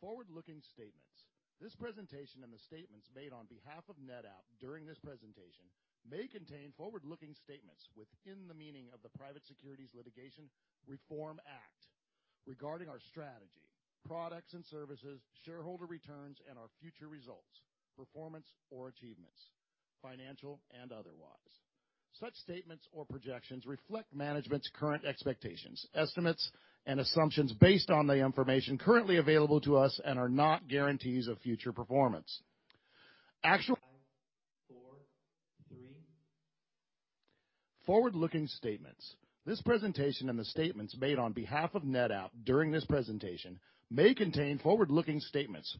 Forward-looking statements. This presentation and the statements made on behalf of NetApp during this presentation may contain forward-looking statements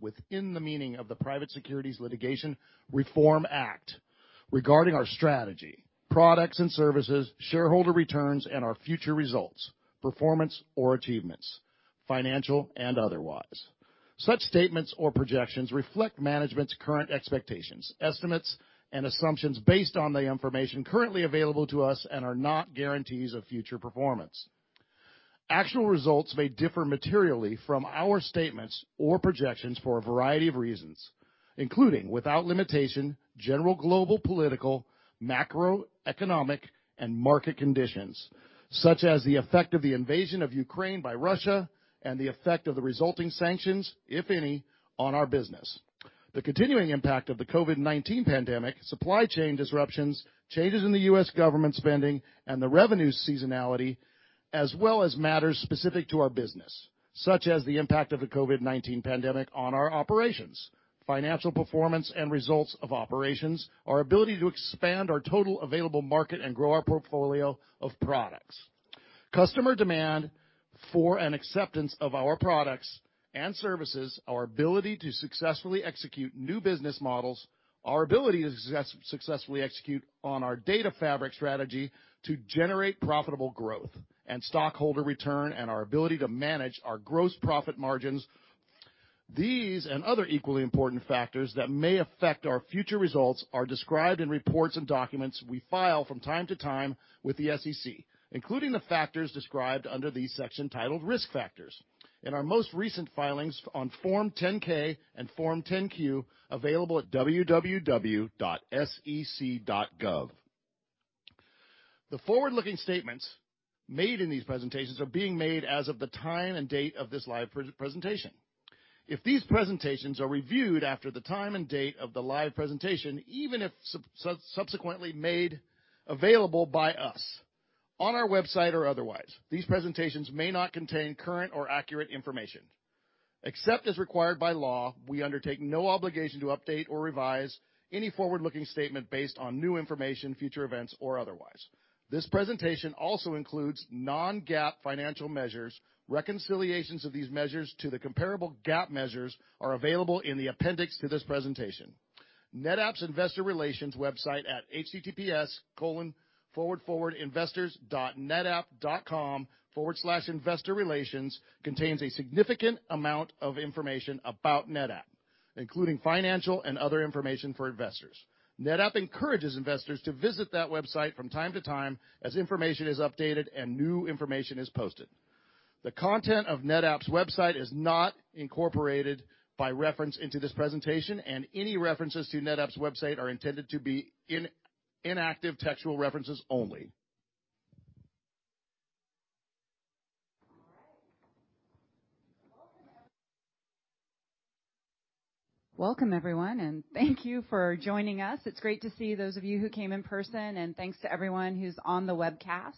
within the meaning of the Private Securities Litigation Reform Act regarding our strategy, products and services, shareholder returns, and our future results, performance, or achievements, financial and otherwise. Such statements or projections reflect management's current expectations, estimates, and assumptions based on the information currently available to us and are not guarantees of future performance. Actual results may differ materially from our statements or projections for a variety of reasons, including without limitation, general global political, macroeconomic, and market conditions, such as the effect of the invasion of Ukraine by Russia and the effect of the resulting sanctions, if any, on our business. The continuing impact of the COVID-19 pandemic, supply chain disruptions, changes in the U.S. government spending and the revenue seasonality, as well as matters specific to our business, such as the impact of the COVID-19 pandemic on our operations, financial performance and results of operations, our ability to expand our total available market and grow our portfolio of products, customer demand for and acceptance of our products and services, our ability to successfully execute new business models, our ability to successfully execute on our Data Fabric strategy to generate profitable growth and stockholder return, and our ability to manage our gross profit margins. These and other equally important factors that may affect our future results are described in reports and documents we file from time to time with the SEC, including the factors described under the section titled Risk Factors in our most recent filings on Form 10-K and Form 10-Q, available at www.sec.gov. The forward-looking statements made in these presentations are being made as of the time and date of this live presentation. If these presentations are reviewed after the time and date of the live presentation, even if subsequently made available by us on our website or otherwise, these presentations may not contain current or accurate information. Except as required by law, we undertake no obligation to update or revise any forward-looking statement based on new information, future events or otherwise. This presentation also includes non-GAAP financial measures. Reconciliations of these measures to the comparable GAAP measures are available in the appendix to this presentation. NetApp's investor relations website at https://investors.netapp.com/investor-relations contains a significant amount of information about NetApp, including financial and other information for investors. NetApp encourages investors to visit that website from time to time as information is updated and new information is posted. The content of NetApp's website is not incorporated by reference into this presentation, and any references to NetApp's website are intended to be inactive textual references only. All right. Welcome, everyone, and thank you for joining us. It's great to see those of you who came in person, and thanks to everyone who's on the webcast.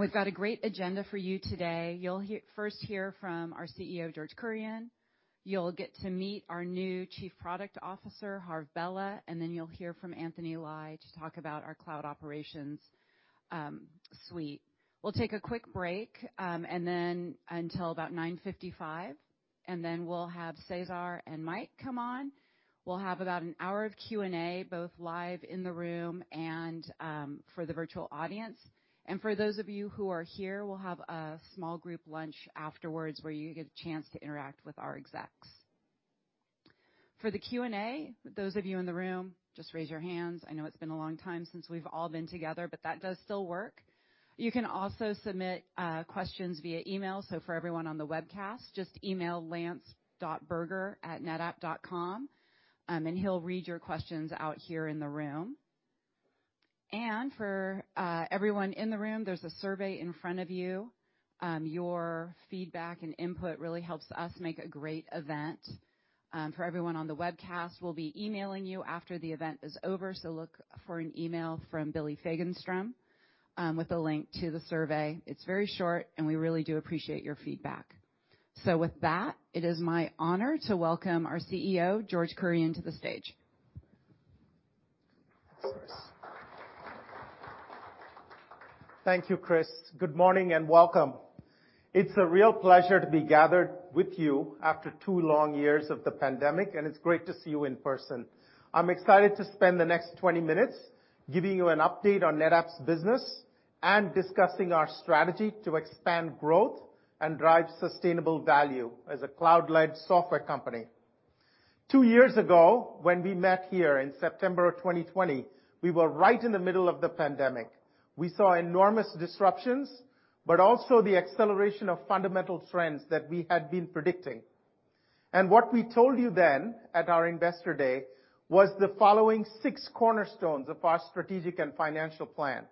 We've got a great agenda for you today. You'll hear first from our CEO, George Kurian. You'll get to meet our new Chief Product Officer, Harvinder Bhela, and then you'll hear from Anthony Lye to talk about our cloud operations suite. We'll take a quick break, and then until about 9:55, and then we'll have Cesar and Mike come on. We'll have about an hour of Q&A, both live in the room and for the virtual audience. For those of you who are here, we'll have a small group lunch afterwards where you get a chance to interact with our execs. For the Q&A, those of you in the room, just raise your hands. I know it's been a long time since we've all been together, but that does still work. You can also submit questions via email. For everyone on the webcast, just email lance.burger@netapp.com, and he'll read your questions out here in the room. For everyone in the room, there's a survey in front of you. Your feedback and input really helps us make a great event. For everyone on the webcast, we'll be emailing you after the event is over, so look for an email from Billie Fagenstrom with a link to the survey. It's very short, and we really do appreciate your feedback. With that, it is my honor to welcome our CEO, George Kurian, to the stage. Thanks. Thank you, Kris. Good morning and welcome. It's a real pleasure to be gathered with you after two long years of the pandemic, and it's great to see you in person. I'm excited to spend the next 20 minutes giving you an update on NetApp's business and discussing our strategy to expand growth and drive sustainable value as a cloud-led software company. Two years ago, when we met here in September of 2020, we were right in the middle of the pandemic. We saw enormous disruptions, but also the acceleration of fundamental trends that we had been predicting. What we told you then at our investor day was the following six cornerstones of our strategic and financial plan.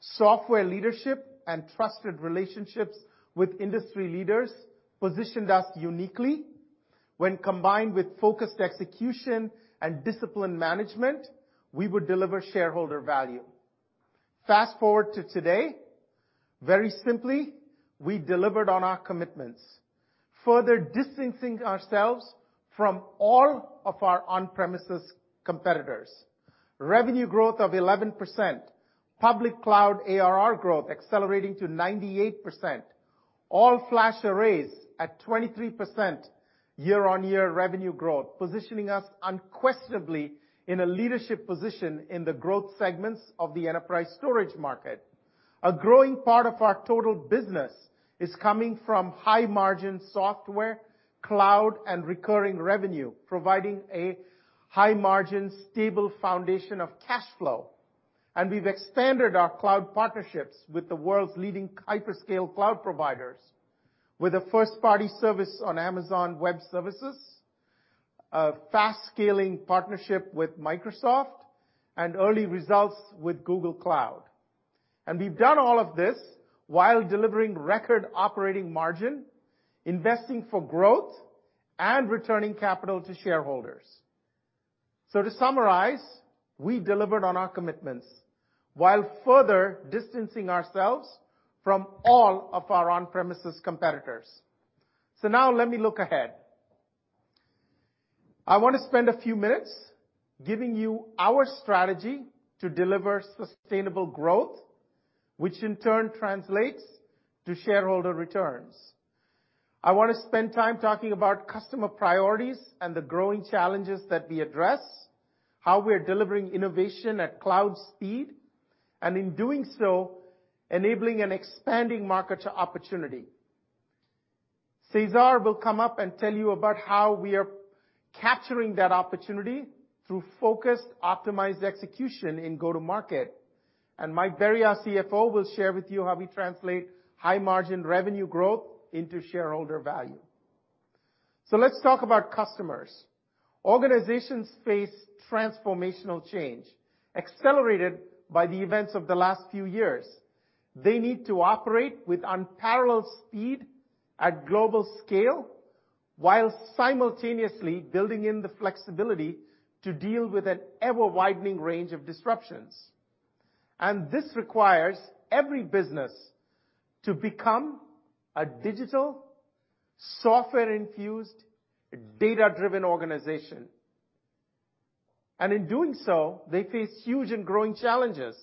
Software leadership and trusted relationships with industry leaders positioned us uniquely. When combined with focused execution and disciplined management, we would deliver shareholder value. Fast-forward to today, very simply, we delivered on our commitments, further distancing ourselves from all of our on-premises competitors. Revenue growth of 11%. Public cloud ARR growth accelerating to 98%. All-flash arrays at 23% year-on-year revenue growth, positioning us unquestionably in a leadership position in the growth segments of the enterprise storage market. A growing part of our total business is coming from high-margin software, cloud, and recurring revenue, providing a high margin, stable foundation of cash flow. We've expanded our cloud partnerships with the world's leading hyperscale cloud providers with a first-party service on Amazon Web Services, a fast-scaling partnership with Microsoft, and early results with Google Cloud. We've done all of this while delivering record operating margin, investing for growth, and returning capital to shareholders. To summarize, we delivered on our commitments while further distancing ourselves from all of our on-premises competitors. Now let me look ahead. I want to spend a few minutes giving you our strategy to deliver sustainable growth, which in turn translates to shareholder returns. I want to spend time talking about customer priorities and the growing challenges that we address, how we're delivering innovation at cloud speed, and in doing so, enabling an expanding market opportunity. Cesar Cernuda will come up and tell you about how we are capturing that opportunity through focused, optimized execution in go-to-market. Mike Berry, our CFO, will share with you how we translate high-margin revenue growth into shareholder value. Let's talk about customers. Organizations face transformational change, accelerated by the events of the last few years. They need to operate with unparalleled speed at global scale, while simultaneously building in the flexibility to deal with an ever-widening range of disruptions. This requires every business to become a digital, software-infused, data-driven organization. In doing so, they face huge and growing challenges.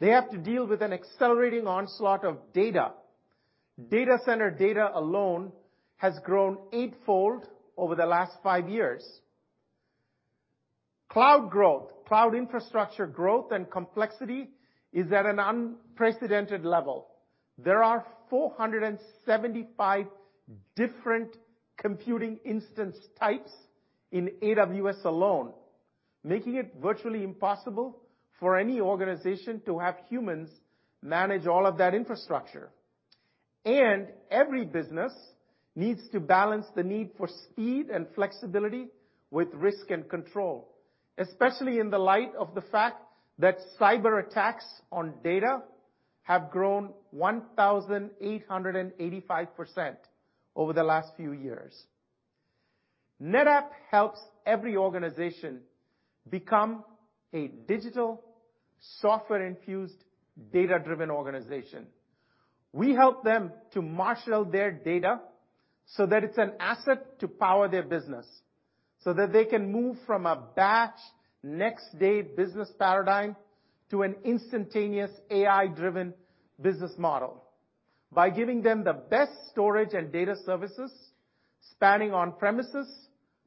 They have to deal with an accelerating onslaught of data. Data center data alone has grown eightfold over the last five years. Cloud growth, cloud infrastructure growth, and complexity is at an unprecedented level. There are 475 different computing instance types in AWS alone, making it virtually impossible for any organization to have humans manage all of that infrastructure. Every business needs to balance the need for speed and flexibility with risk and control, especially in the light of the fact that cyberattacks on data have grown 1,885% over the last few years. NetApp helps every organization become a digital, software-infused, data-driven organization. We help them to marshal their data so that it's an asset to power their business, so that they can move from a batch next-day business paradigm to an instantaneous AI-driven business model by giving them the best storage and data services spanning on-premises,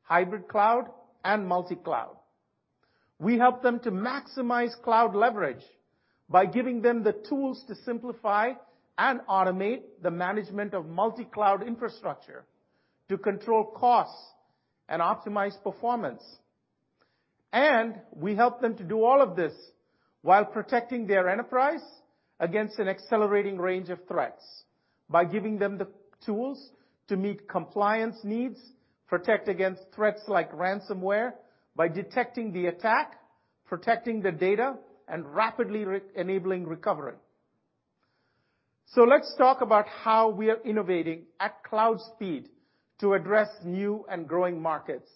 hybrid cloud, and multi-cloud. We help them to maximize cloud leverage by giving them the tools to simplify and automate the management of multi-cloud infrastructure to control costs and optimize performance. We help them to do all of this while protecting their enterprise against an accelerating range of threats by giving them the tools to meet compliance needs, protect against threats like ransomware by detecting the attack, protecting the data, and rapidly re-enabling recovery. Let's talk about how we are innovating at cloud speed to address new and growing markets.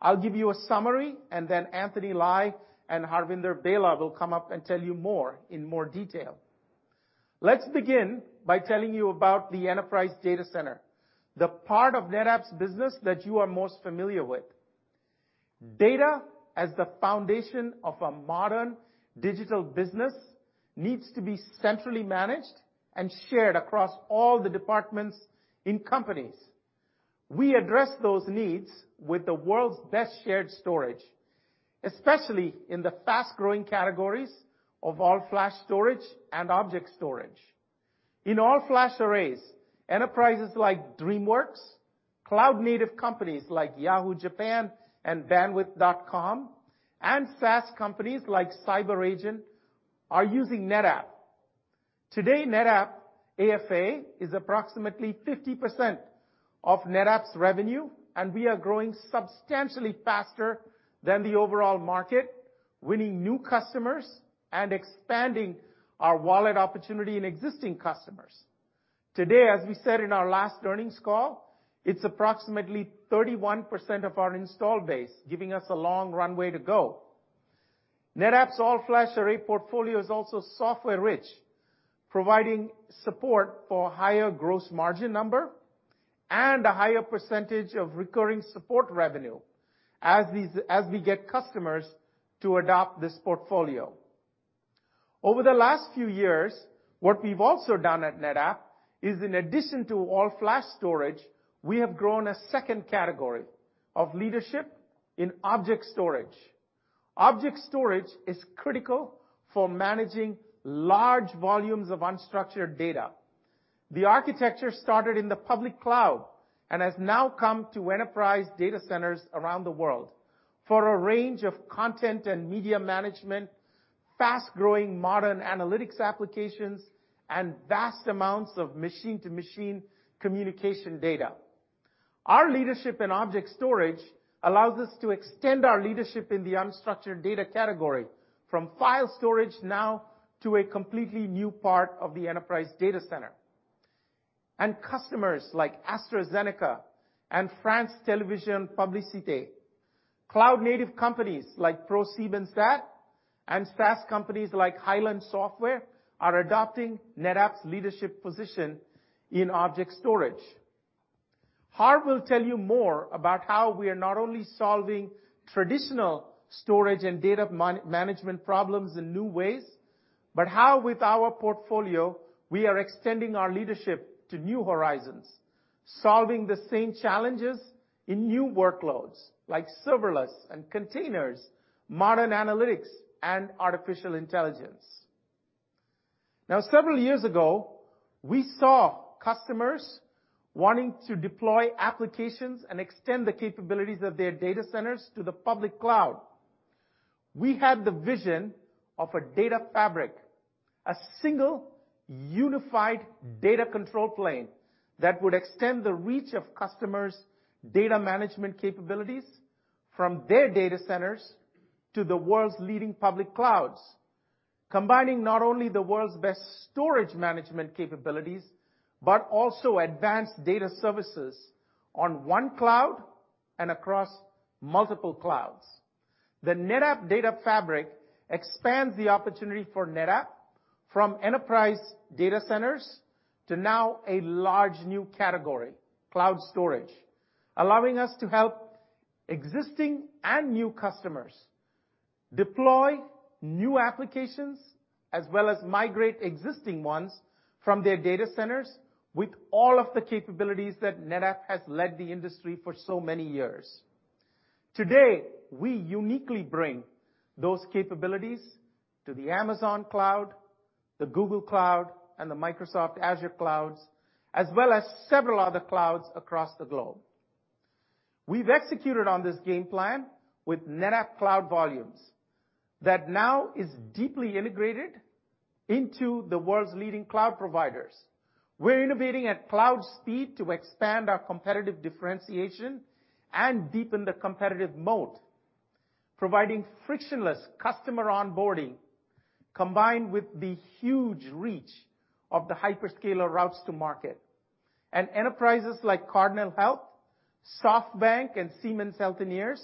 I'll give you a summary, and then Anthony Lye and Harvinder Bhela will come up and tell you more in more detail. Let's begin by telling you about the enterprise data center, the part of NetApp's business that you are most familiar with. Data as the foundation of a modern digital business needs to be centrally managed and shared across all the departments in companies. We address those needs with the world's best shared storage, especially in the fast-growing categories of all-flash storage and object storage. In all-flash arrays, enterprises like DreamWorks, cloud-native companies like Yahoo Japan and bandwidth.com, and SaaS companies like CyberAgent are using NetApp. Today, NetApp AFA is approximately 50% of NetApp's revenue, and we are growing substantially faster than the overall market, winning new customers and expanding our wallet opportunity in existing customers. Today, as we said in our last earnings call, it's approximately 31% of our install base, giving us a long runway to go. NetApp's all-flash array portfolio is also software-rich, providing support for higher gross margin number and a higher percentage of recurring support revenue as we get customers to adopt this portfolio. Over the last few years, what we've also done at NetApp is, in addition to all-flash storage, we have grown a second category of leadership in object storage. Object storage is critical for managing large volumes of unstructured data. The architecture started in the public cloud and has now come to enterprise data centers around the world for a range of content and media management, fast-growing modern analytics applications, and vast amounts of machine-to-machine communication data. Our leadership in object storage allows us to extend our leadership in the unstructured data category from file storage now to a completely new part of the enterprise data center. Customers like AstraZeneca and France Télévision Publicité, cloud-native companies like ProSiebenSat.1, and SaaS companies like Hyland Software are adopting NetApp's leadership position in object storage. Harv will tell you more about how we are not only solving traditional storage and data management problems in new ways, but how, with our portfolio, we are extending our leadership to new horizons, solving the same challenges in new workloads like serverless and containers, modern analytics, and artificial intelligence. Now, several years ago, we saw customers wanting to deploy applications and extend the capabilities of their data centers to the public cloud. We had the vision of a Data Fabric, a single, unified data control plane that would extend the reach of customers' data management capabilities from their data centers to the world's leading public clouds, combining not only the world's best storage management capabilities, but also advanced data services on one cloud and across multiple clouds. The NetApp Data Fabric expands the opportunity for NetApp from enterprise data centers to now a large new category, cloud storage, allowing us to help existing and new customers deploy new applications as well as migrate existing ones from their data centers with all of the capabilities that NetApp has led the industry for so many years. Today, we uniquely bring those capabilities to the Amazon cloud, the Google Cloud, and the Microsoft Azure clouds, as well as several other clouds across the globe. We've executed on this game plan with NetApp Cloud Volumes that now is deeply integrated into the world's leading cloud providers. We're innovating at cloud speed to expand our competitive differentiation and deepen the competitive moat, providing frictionless customer onboarding combined with the huge reach of the hyperscaler routes to market. Enterprises like Cardinal Health, SoftBank, and Siemens Healthineers,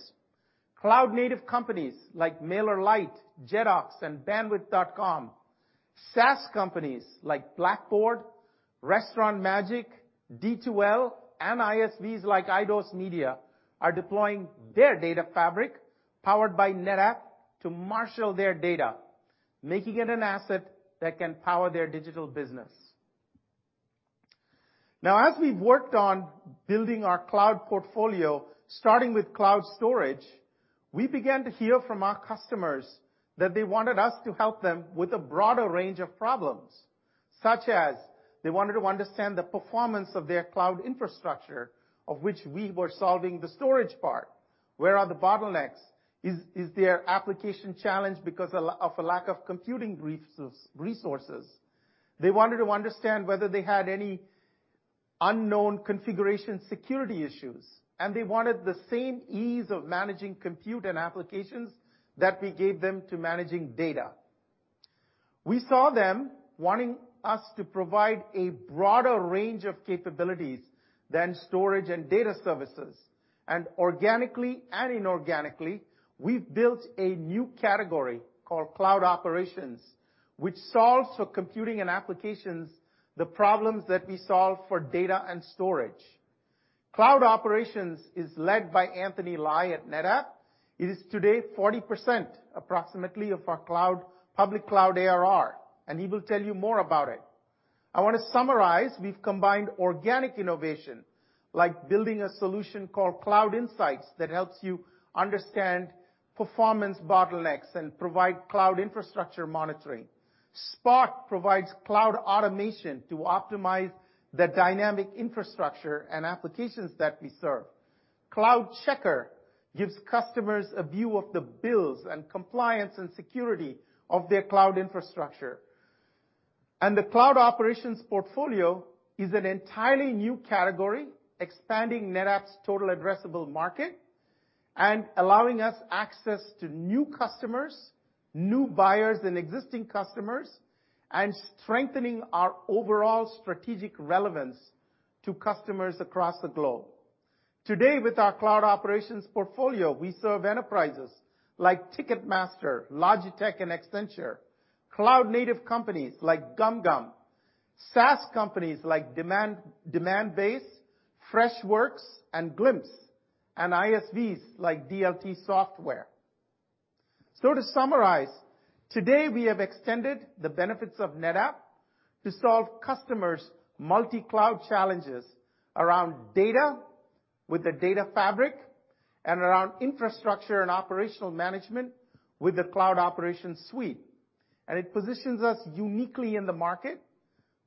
cloud-native companies like MailerLite, Jedox, and bandwidth.com, SaaS companies like Blackboard, Restaurant Magic, D2L, and ISVs like EidosMedia are deploying their data fabric powered by NetApp to marshal their data, making it an asset that can power their digital business. Now, as we've worked on building our cloud portfolio, starting with cloud storage, we began to hear from our customers that they wanted us to help them with a broader range of problems, such as they wanted to understand the performance of their cloud infrastructure, of which we were solving the storage part. Where are the bottlenecks? Is their application challenged because of a lack of computing resources? They wanted to understand whether they had any unknown configuration security issues, and they wanted the same ease of managing compute and applications that we gave them to managing data. We saw them wanting us to provide a broader range of capabilities than storage and data services, and organically and inorganically, we've built a new category called cloud operations, which solves for computing and applications the problems that we solve for data and storage. Cloud operations is led by Anthony Lye at NetApp. It is today approximately 40% of our cloud, public cloud ARR, and he will tell you more about it. I want to summarize. We've combined organic innovation, like building a solution called Cloud Insights that helps you understand performance bottlenecks and provide cloud infrastructure monitoring. Spot provides cloud automation to optimize the dynamic infrastructure and applications that we serve. CloudCheckr gives customers a view of the bills and compliance and security of their cloud infrastructure. The cloud operations portfolio is an entirely new category, expanding NetApp's total addressable market and allowing us access to new customers, new buyers, and existing customers, and strengthening our overall strategic relevance to customers across the globe. Today with our cloud operations portfolio, we serve enterprises like Ticketmaster, Logitech, and Accenture, cloud-native companies like GumGum, SaaS companies like Demandbase, Freshworks, and Glympse, and ISVs like DLT Solutions. To summarize, today, we have extended the benefits of NetApp to solve customers' multi-cloud challenges around data with the data fabric and around infrastructure and operational management with the cloud operations suite. It positions us uniquely in the market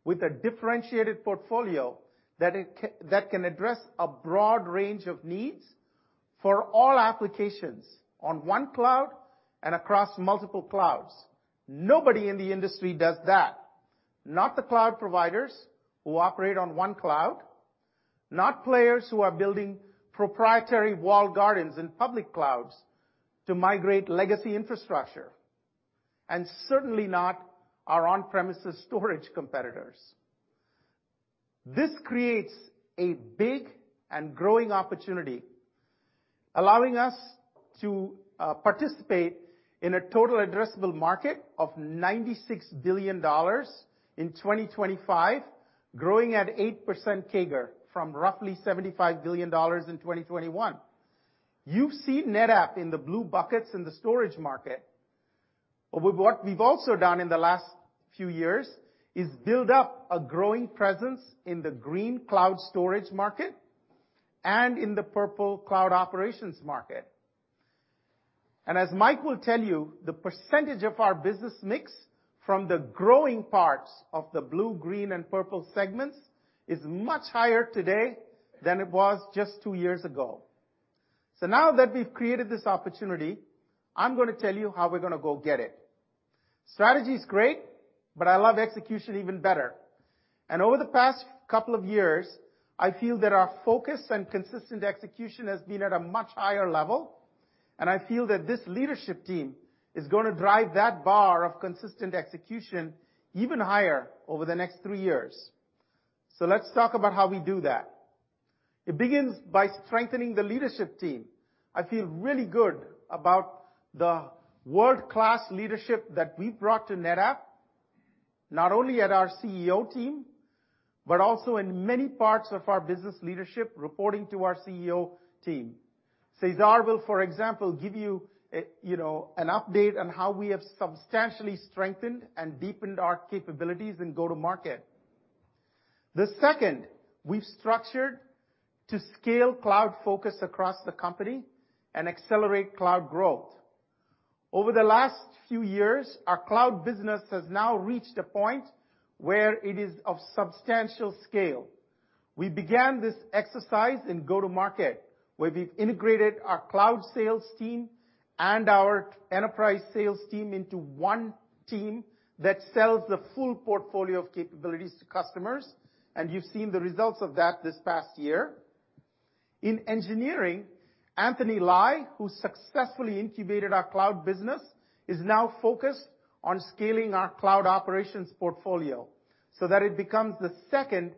with a differentiated portfolio that can address a broad range of needs for all applications on one cloud and across multiple clouds. Nobody in the industry does that, not the cloud providers who operate on one cloud, not players who are building proprietary walled gardens in public clouds to migrate legacy infrastructure, and certainly not our on-premises storage competitors. This creates a big and growing opportunity, allowing us to participate in a total addressable market of $96 billion in 2025, growing at 8% CAGR from roughly $75 billion in 2021. You've seen NetApp in the blue buckets in the storage market. What we've also done in the last few years is build up a growing presence in the green cloud storage market and in the purple cloud operations market. As Mike will tell you, the percentage of our business mix from the growing parts of the blue, green, and purple segments is much higher today than it was just two years ago. Now that we've created this opportunity, I'm gonna tell you how we're gonna go get it. Strategy is great, but I love execution even better. Over the past couple of years, I feel that our focus and consistent execution has been at a much higher level, and I feel that this leadership team is gonna drive that bar of consistent execution even higher over the next three years. Let's talk about how we do that. It begins by strengthening the leadership team. I feel really good about the world-class leadership that we've brought to NetApp, not only at our CEO team, but also in many parts of our business leadership reporting to our CEO team. Cesar will, for example, give you an update on how we have substantially strengthened and deepened our capabilities in go-to-market. The second, we've structured to scale cloud focus across the company and accelerate cloud growth. Over the last few years, our cloud business has now reached a point where it is of substantial scale. We began this exercise in go-to-market, where we've integrated our cloud sales team and our enterprise sales team into one team that sells the full portfolio of capabilities to customers, and you've seen the results of that this past year. In engineering, Anthony Lye, who successfully incubated our cloud business, is now focused on scaling our cloud operations portfolio so that it becomes the second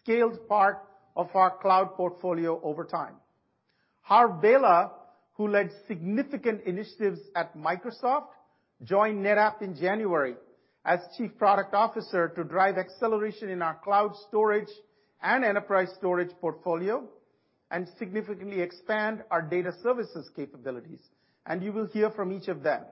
scaled part of our cloud portfolio over time. Harvinder Bhela, who led significant initiatives at Microsoft, joined NetApp in January as Chief Product Officer to drive acceleration in our cloud storage and enterprise storage portfolio and significantly expand our data services capabilities, and you will hear from each of them.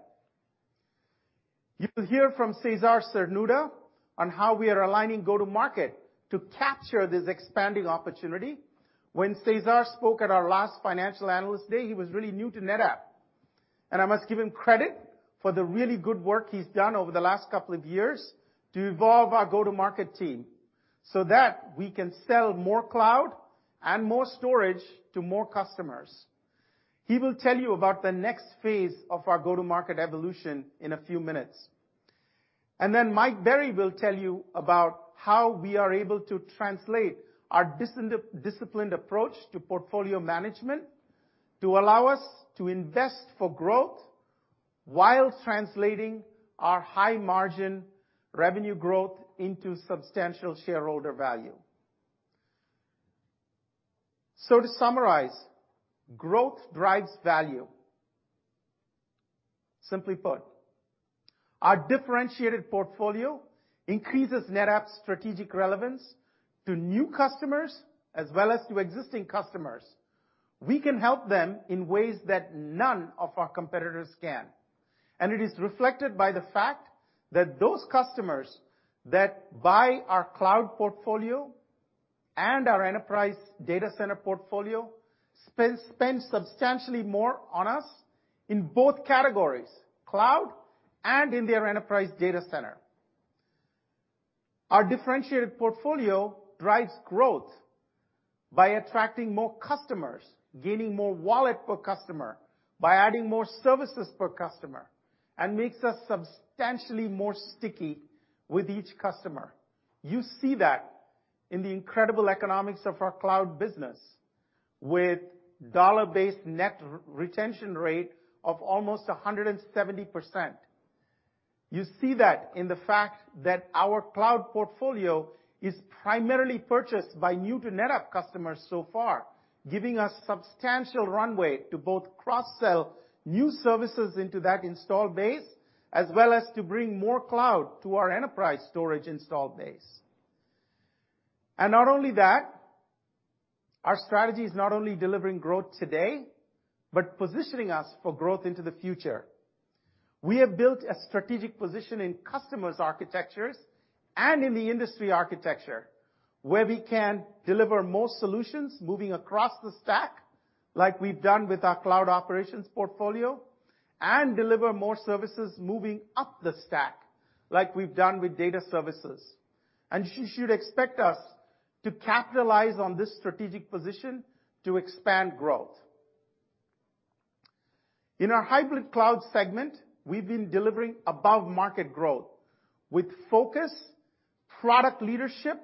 You will hear from Cesar Cernuda on how we are aligning go-to-market to capture this expanding opportunity. When Cesar spoke at our last Financial Analyst Day, he was really new to NetApp, and I must give him credit for the really good work he's done over the last couple of years to evolve our go-to-market team so that we can sell more cloud and more storage to more customers. He will tell you about the next phase of our go-to-market evolution in a few minutes. Mike Berry will tell you about how we are able to translate our disciplined approach to portfolio management to allow us to invest for growth while translating our high margin revenue growth into substantial shareholder value. To summarize, growth drives value. Simply put, our differentiated portfolio increases NetApp's strategic relevance to new customers as well as to existing customers. We can help them in ways that none of our competitors can. It is reflected by the fact that those customers that buy our cloud portfolio and our enterprise data center portfolio spend substantially more on us in both categories, cloud and in their enterprise data center. Our differentiated portfolio drives growth by attracting more customers, gaining more wallet per customer, by adding more services per customer, and makes us substantially more sticky with each customer. You see that in the incredible economics of our cloud business with dollar-based net re-retention rate of almost 170%. You see that in the fact that our cloud portfolio is primarily purchased by new-to-NetApp customers so far, giving us substantial runway to both cross-sell new services into that installed base, as well as to bring more cloud to our enterprise storage installed base. Not only that, our strategy is not only delivering growth today, but positioning us for growth into the future. We have built a strategic position in customers' architectures and in the industry architecture, where we can deliver more solutions moving across the stack, like we've done with our cloud operations portfolio, and deliver more services moving up the stack, like we've done with data services. You should expect us to capitalize on this strategic position to expand growth. In our Hybrid Cloud segment, we've been delivering above market growth with focused product leadership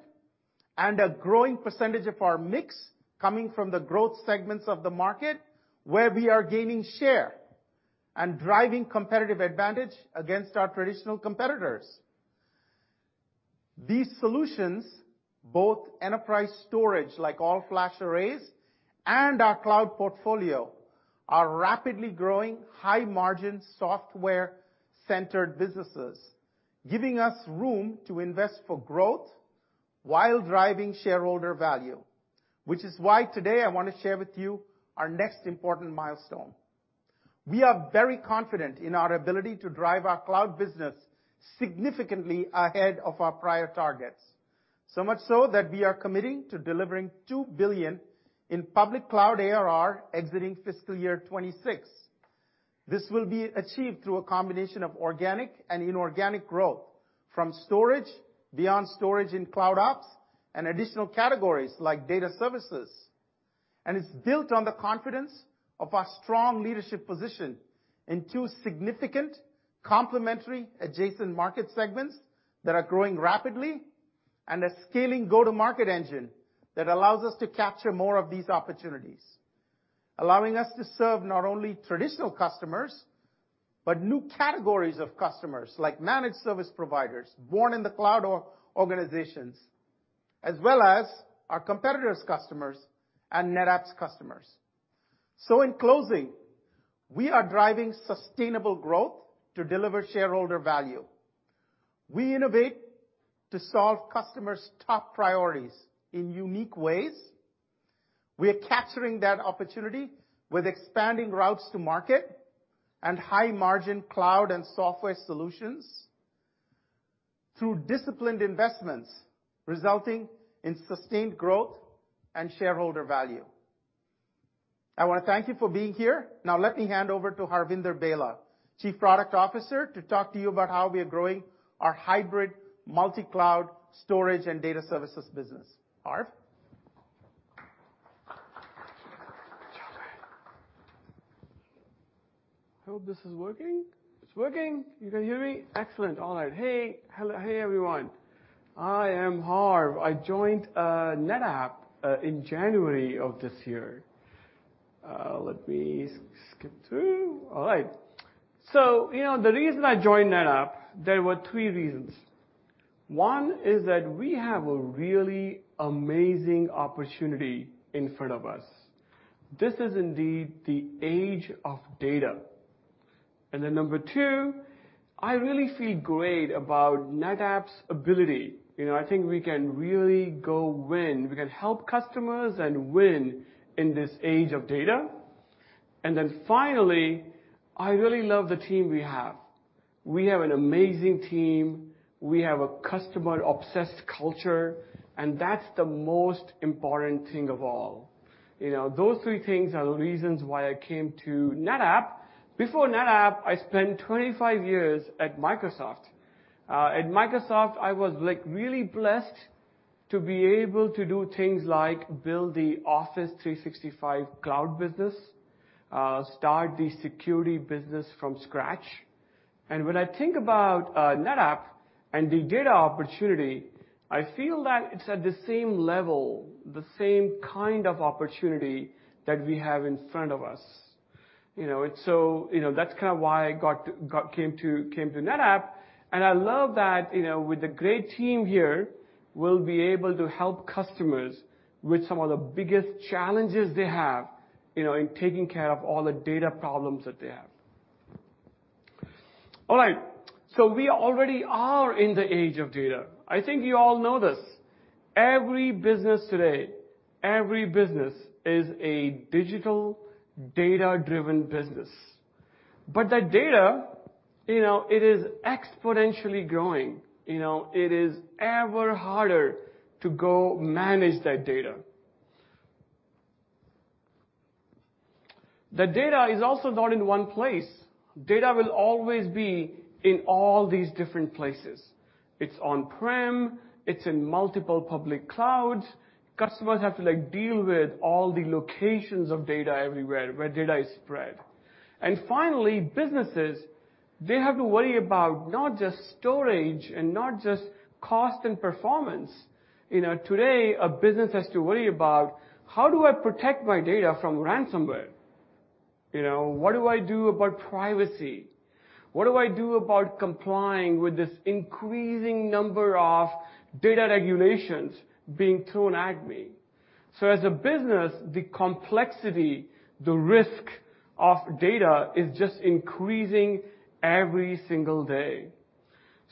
and a growing percentage of our mix coming from the growth segments of the market where we are gaining share and driving competitive advantage against our traditional competitors. These solutions, both enterprise storage like all-flash arrays and our cloud portfolio, are rapidly growing high-margin software-centered businesses, giving us room to invest for growth while driving shareholder value, which is why today I want to share with you our next important milestone. We are very confident in our ability to drive our cloud business significantly ahead of our prior targets. So much so that we are committing to delivering $2 billion in public cloud ARR exiting fiscal year 2026. This will be achieved through a combination of organic and inorganic growth from storage, beyond storage in cloud ops, and additional categories like data services. It's built on the confidence of our strong leadership position in two significant complementary adjacent market segments that are growing rapidly, and a scaling go-to-market engine that allows us to capture more of these opportunities, allowing us to serve not only traditional customers, but new categories of customers like managed service providers, born in the cloud organizations, as well as our competitors' customers and NetApp's customers. In closing, we are driving sustainable growth to deliver shareholder value. We innovate to solve customers' top priorities in unique ways. We are capturing that opportunity with expanding routes to market and high-margin cloud and software solutions through disciplined investments resulting in sustained growth and shareholder value. I wanna thank you for being here. Now let me hand over to Harvinder Bhela, Chief Product Officer, to talk to you about how we are growing our hybrid multi-cloud storage and data services business. Harv? Hope this is working. It's working. You can hear me? Excellent. All right. Hey. Hello. Hey, everyone. I am Harv. I joined NetApp in January of this year. Let me skip through. All right. You know, the reason I joined NetApp, there were three reasons. One is that we have a really amazing opportunity in front of us. This is indeed the age of data. Number two, I really feel great about NetApp's ability. You know, I think we can really go win. We can help customers and win in this age of data. Finally, I really love the team we have. We have an amazing team. We have a customer-obsessed culture, and that's the most important thing of all. You know, those three things are the reasons why I came to NetApp. Before NetApp, I spent 25 years at Microsoft. At Microsoft, I was, like, really blessed to be able to do things like build the Office 365 cloud business, start the security business from scratch. When I think about NetApp and the data opportunity, I feel that it's at the same level, the same kind of opportunity that we have in front of us, you know. You know, that's kinda why I came to NetApp, and I love that, you know, with the great team here, we'll be able to help customers with some of the biggest challenges they have, you know, in taking care of all the data problems that they have. All right, we already are in the age of data. I think you all know this. Every business today, every business is a digital data-driven business. But that data, you know, it is exponentially growing. You know, it is ever harder to manage that data. The data is also not in one place. Data will always be in all these different places. It's on-prem, it's in multiple public clouds. Customers have to, like, deal with all the locations of data everywhere, where data is spread. Finally, businesses, they have to worry about not just storage and not just cost and performance. You know, today, a business has to worry about how do I protect my data from ransomware? You know, what do I do about privacy? What do I do about complying with this increasing number of data regulations being thrown at me? As a business, the complexity, the risk of data is just increasing every single day.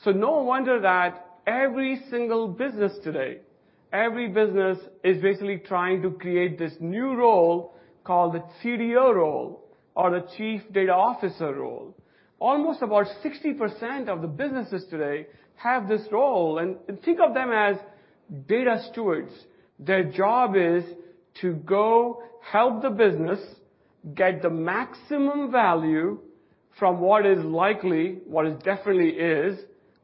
No wonder that every single business today, every business is basically trying to create this new role called the CDO role or the chief data officer role. Almost about 60% of the businesses today have this role. Think of them as data stewards. Their job is to go help the business get the maximum value from what is definitely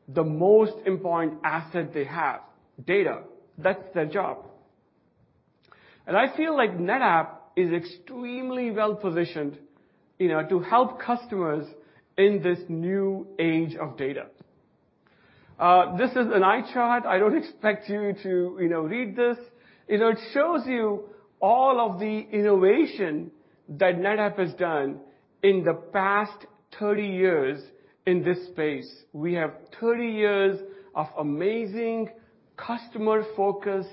the most important asset they have, data. That's their job. I feel like NetApp is extremely well-positioned, you know, to help customers in this new age of data. This is an eye chart. I don't expect you to, you know, read this. You know, it shows you all of the innovation that NetApp has done in the past 30 years in this space. We have 30 years of amazing customer-focused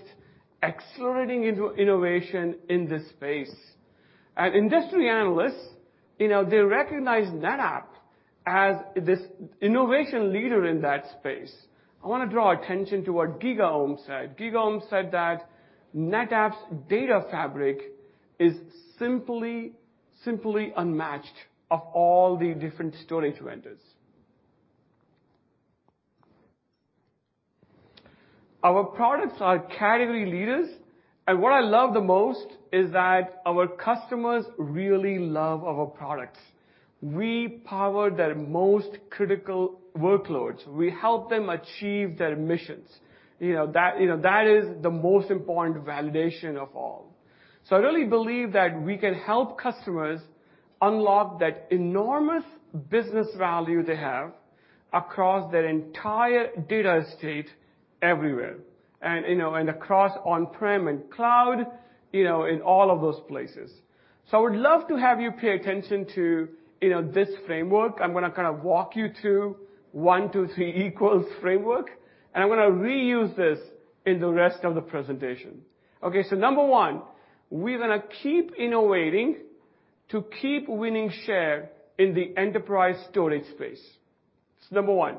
accelerating innovation in this space. Industry analysts, you know, they recognize NetApp as this innovation leader in that space. I wanna draw attention to what GigaOm said. GigaOm said that NetApp's data fabric is simply unmatched of all the different storage vendors. Our products are category leaders, and what I love the most is that our customers really love our products. We power their most critical workloads. We help them achieve their missions. You know, that is the most important validation of all. I really believe that we can help customers unlock that enormous business value they have across their entire data estate everywhere and, you know, and across on-prem and cloud, you know, in all of those places. I would love to have you pay attention to, you know, this framework. I'm gonna kinda walk you through one, two, three equals framework, and I'm gonna reuse this in the rest of the presentation. Okay, so number one, we're gonna keep innovating to keep winning share in the enterprise storage space. That's number one.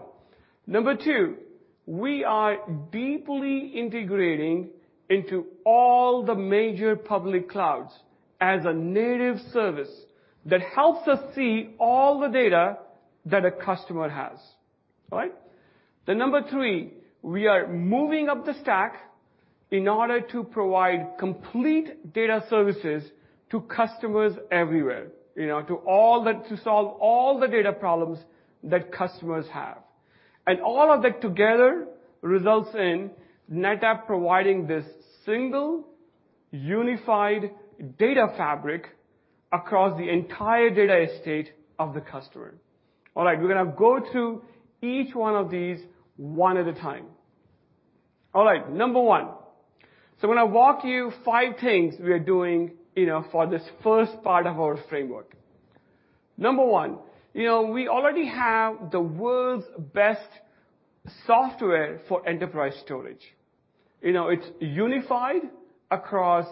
Number two, we are deeply integrating into all the major public clouds as a native service that helps us see all the data that a customer has. All right. Number three, we are moving up the stack in order to provide complete data services to customers everywhere. You know, to solve all the data problems that customers have. All of that together results in NetApp providing this single unified Data Fabric across the entire data estate of the customer. All right, we're gonna go through each one of these one at a time. All right, number one. I'm gonna walk you through five things we are doing, you know, for this first part of our framework. Number one, you know, we already have the world's best software for enterprise storage. You know, it's unified across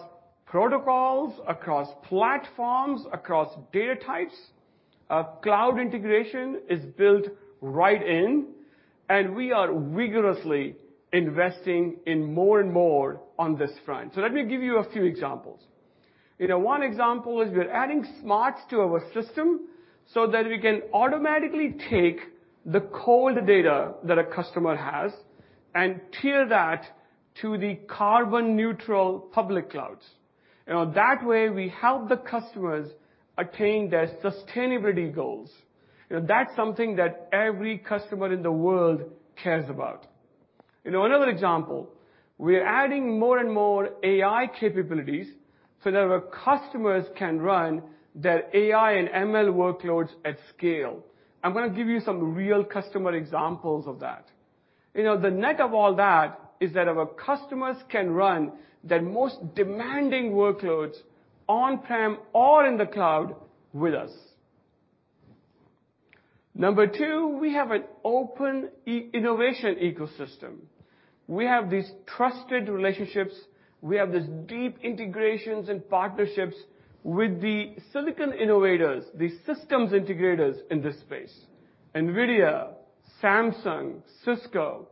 protocols, across platforms, across data types. Cloud integration is built right in, and we are vigorously investing in more and more on this front. Let me give you a few examples. You know, one example is we're adding smarts to our system so that we can automatically take the cold data that a customer has and tier that to the carbon neutral public clouds. You know, that way we help the customers attain their sustainability goals. You know, that's something that every customer in the world cares about. You know, another example, we're adding more and more AI capabilities so that our customers can run their AI and ML workloads at scale. I'm gonna give you some real customer examples of that. You know, the net of all that is that our customers can run their most demanding workloads on-prem or in the cloud with us. Number two, we have an open i-innovation ecosystem. We have these trusted relationships. We have these deep integrations and partnerships with the silicon innovators, the systems integrators in this space, NVIDIA, Samsung, Cisco,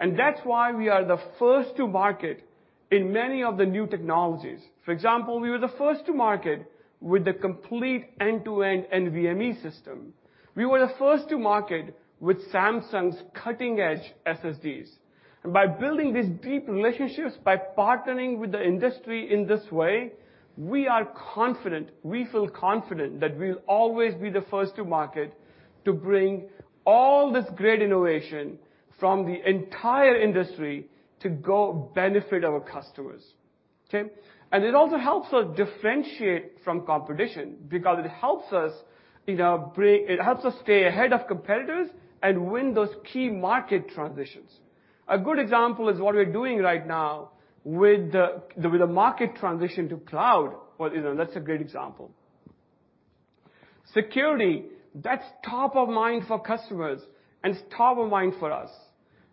and that's why we are the first to market in many of the new technologies. For example, we were the first to market with the complete end-to-end NVMe system. We were the first to market with Samsung's cutting-edge SSDs. By building these deep relationships, by partnering with the industry in this way, we are confident, we feel confident that we'll always be the first to market to bring all this great innovation from the entire industry to go benefit our customers. Okay? It also helps us differentiate from competition because it helps us, you know, bring. It helps us stay ahead of competitors and win those key market transitions. A good example is what we're doing right now with the market transition to cloud. Well, you know, that's a great example. Security, that's top of mind for customers and it's top of mind for us.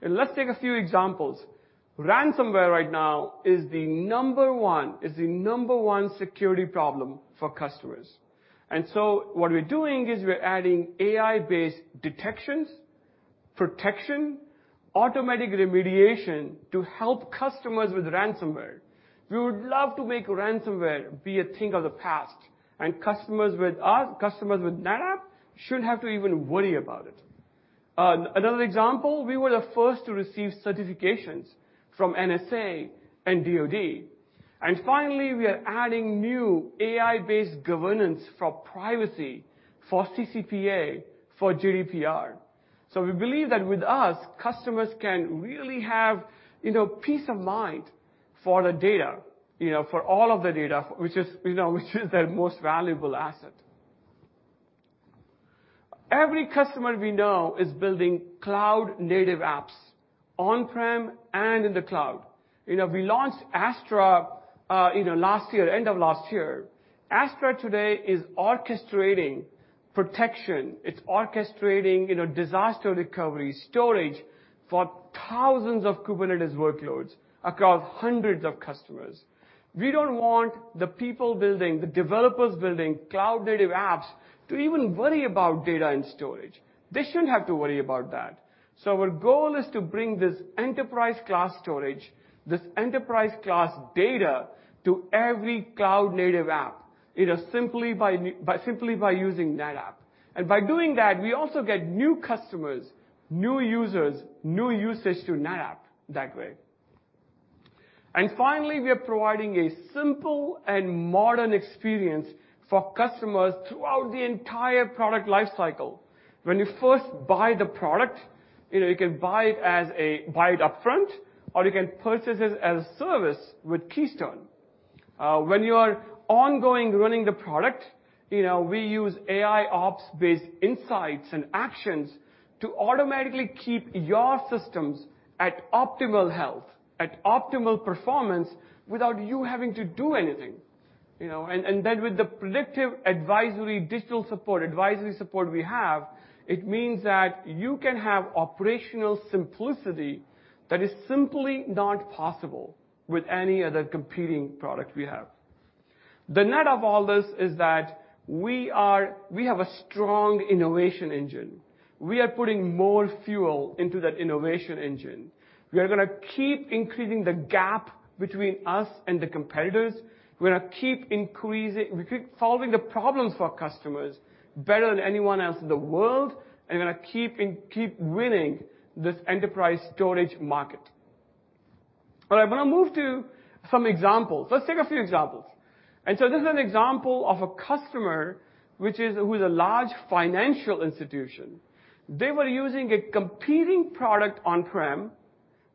Let's take a few examples. Ransomware right now is the number one security problem for customers. So what we're doing is we're adding AI-based detections, protection, automatic remediation to help customers with ransomware. We would love to make ransomware be a thing of the past, and customers with NetApp shouldn't have to even worry about it. Another example, we were the first to receive certifications from NSA and DoD. Finally, we are adding new AI-based governance for privacy, for CCPA, for GDPR. We believe that with us, customers can really have, you know, peace of mind for the data, you know, for all of the data, which is, you know, which is their most valuable asset. Every customer we know is building cloud-native apps on-prem and in the cloud. You know, we launched Astra, you know, last year, end of last year. Astra today is orchestrating protection. It's orchestrating, you know, disaster recovery, storage for thousands of Kubernetes workloads across hundreds of customers. We don't want the people building, the developers building cloud-native apps to even worry about data and storage. They shouldn't have to worry about that. Our goal is to bring this enterprise-class storage, this enterprise-class data to every cloud-native app, you know, simply by using NetApp. By doing that, we also get new customers, new users, new usage to NetApp that way. Finally, we are providing a simple and modern experience for customers throughout the entire product lifecycle. When you first buy the product, you know, you can buy it upfront, or you can purchase it as a service with Keystone. When you are ongoing running the product, you know, we use AIOps-based insights and actions to automatically keep your systems at optimal health, at optimal performance without you having to do anything, you know. Then with the predictive advisory, digital support, advisory support we have, it means that you can have operational simplicity that is simply not possible with any other competing product we have. The net of all this is that we are. We have a strong innovation engine. We are putting more fuel into that innovation engine. We are gonna keep increasing the gap between us and the competitors. We're gonna keep increasing. We keep solving the problems for our customers better than anyone else in the world, and we're gonna keep winning this enterprise storage market. All right. I'm gonna move to some examples. Let's take a few examples. This is an example of a customer who is a large financial institution. They were using a competing product on-prem,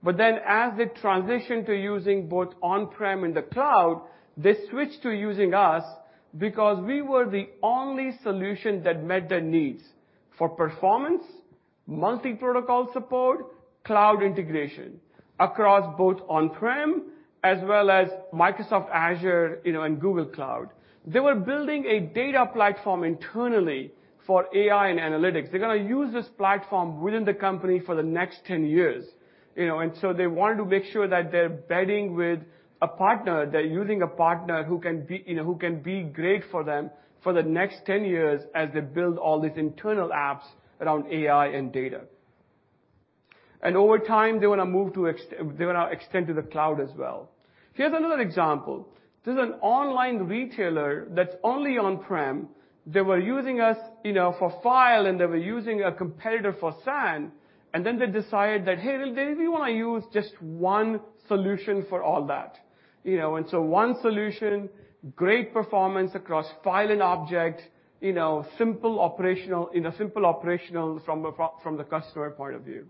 but then as they transitioned to using both on-prem and the cloud, they switched to using us because we were the only solution that met their needs for performance, multi-protocol support, cloud integration across both on-prem as well as Microsoft Azure, you know, and Google Cloud. They were building a data platform internally for AI and analytics. They're gonna use this platform within the company for the next 10 years, you know. They wanted to make sure that they're betting with a partner, they're using a partner who can be, you know, who can be great for them for the next 10 years as they build all these internal apps around AI and data. Over time, they wanna extend to the cloud as well. Here's another example. This is an online retailer that's only on-prem. They were using us, you know, for file, and they were using a competitor for SAN, and then they decided that, "Hey, we wanna use just one solution for all that." You know, one solution, great performance across file and object, you know, simple operational, you know, from the customer point of view.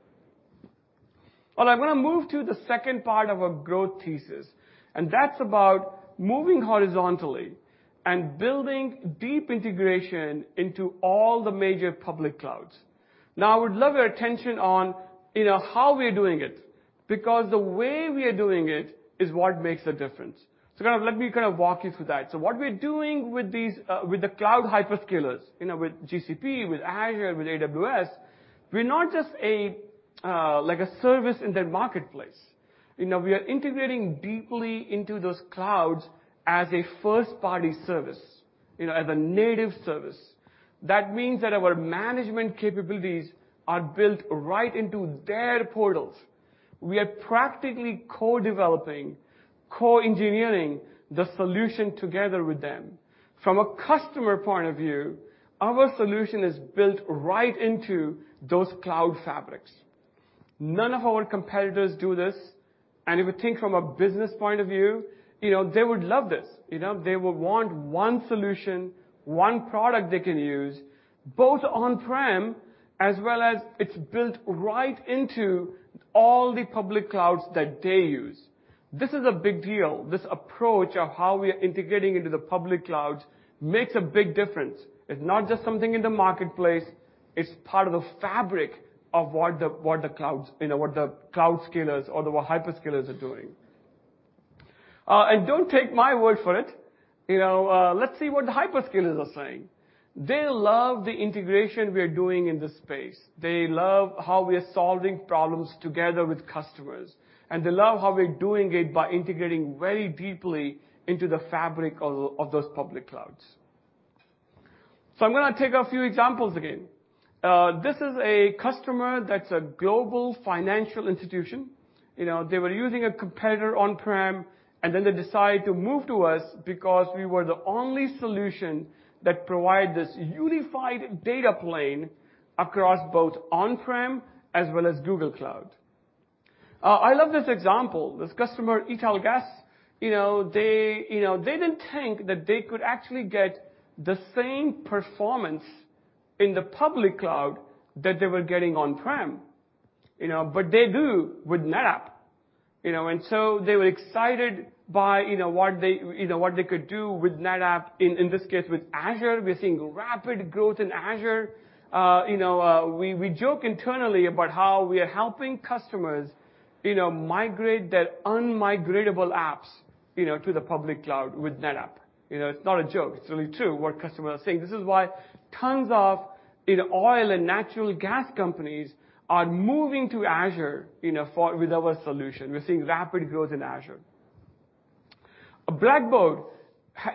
All right. I'm gonna move to the second part of our growth thesis, and that's about moving horizontally and building deep integration into all the major public clouds. Now, I would love your attention on, you know, how we're doing it, because the way we are doing it is what makes a difference. Kind of let me kind of walk you through that. What we're doing with these, with the cloud hyperscalers, you know, with GCP, with Azure, with AWS, we're not just a, like, a service in their marketplace. You know, we are integrating deeply into those clouds as a first-party service, you know, as a native service. That means that our management capabilities are built right into their portals. We are practically co-developing, co-engineering the solution together with them. From a customer point of view, our solution is built right into those cloud fabrics. None of our competitors do this, and if you think from a business point of view, you know, they would love this. You know, they would want one solution, one product they can use, both on-prem as well as it's built right into all the public clouds that they use. This is a big deal. This approach of how we are integrating into the public clouds makes a big difference. It's not just something in the marketplace, it's part of the fabric of what the clouds, you know, what the cloud scalers or the hyperscalers are doing. And don't take my word for it. You know, let's see what the hyperscalers are saying. They love the integration we are doing in this space. They love how we are solving problems together with customers, and they love how we're doing it by integrating very deeply into the fabric of those public clouds. I'm gonna take a few examples again. This is a customer that's a global financial institution. You know, they were using a competitor on-prem, and then they decided to move to us because we were the only solution that provide this unified data plane across both on-prem as well as Google Cloud. I love this example. This customer, Italgas, you know, they, you know, they didn't think that they could actually get the same performance in the public cloud that they were getting on-prem, you know. But they do with NetApp, you know. And so they were excited by, you know, what they, you know, what they could do with NetApp. In this case, with Azure, we're seeing rapid growth in Azure. You know, we joke internally about how we are helping customers, you know, migrate their un-migratable apps, you know, to the public cloud with NetApp. You know, it's not a joke, it's really true what customers are saying. This is why tons of, you know, oil and natural gas companies are moving to Azure, you know, with our solution. We're seeing rapid growth in Azure. Blackbaud,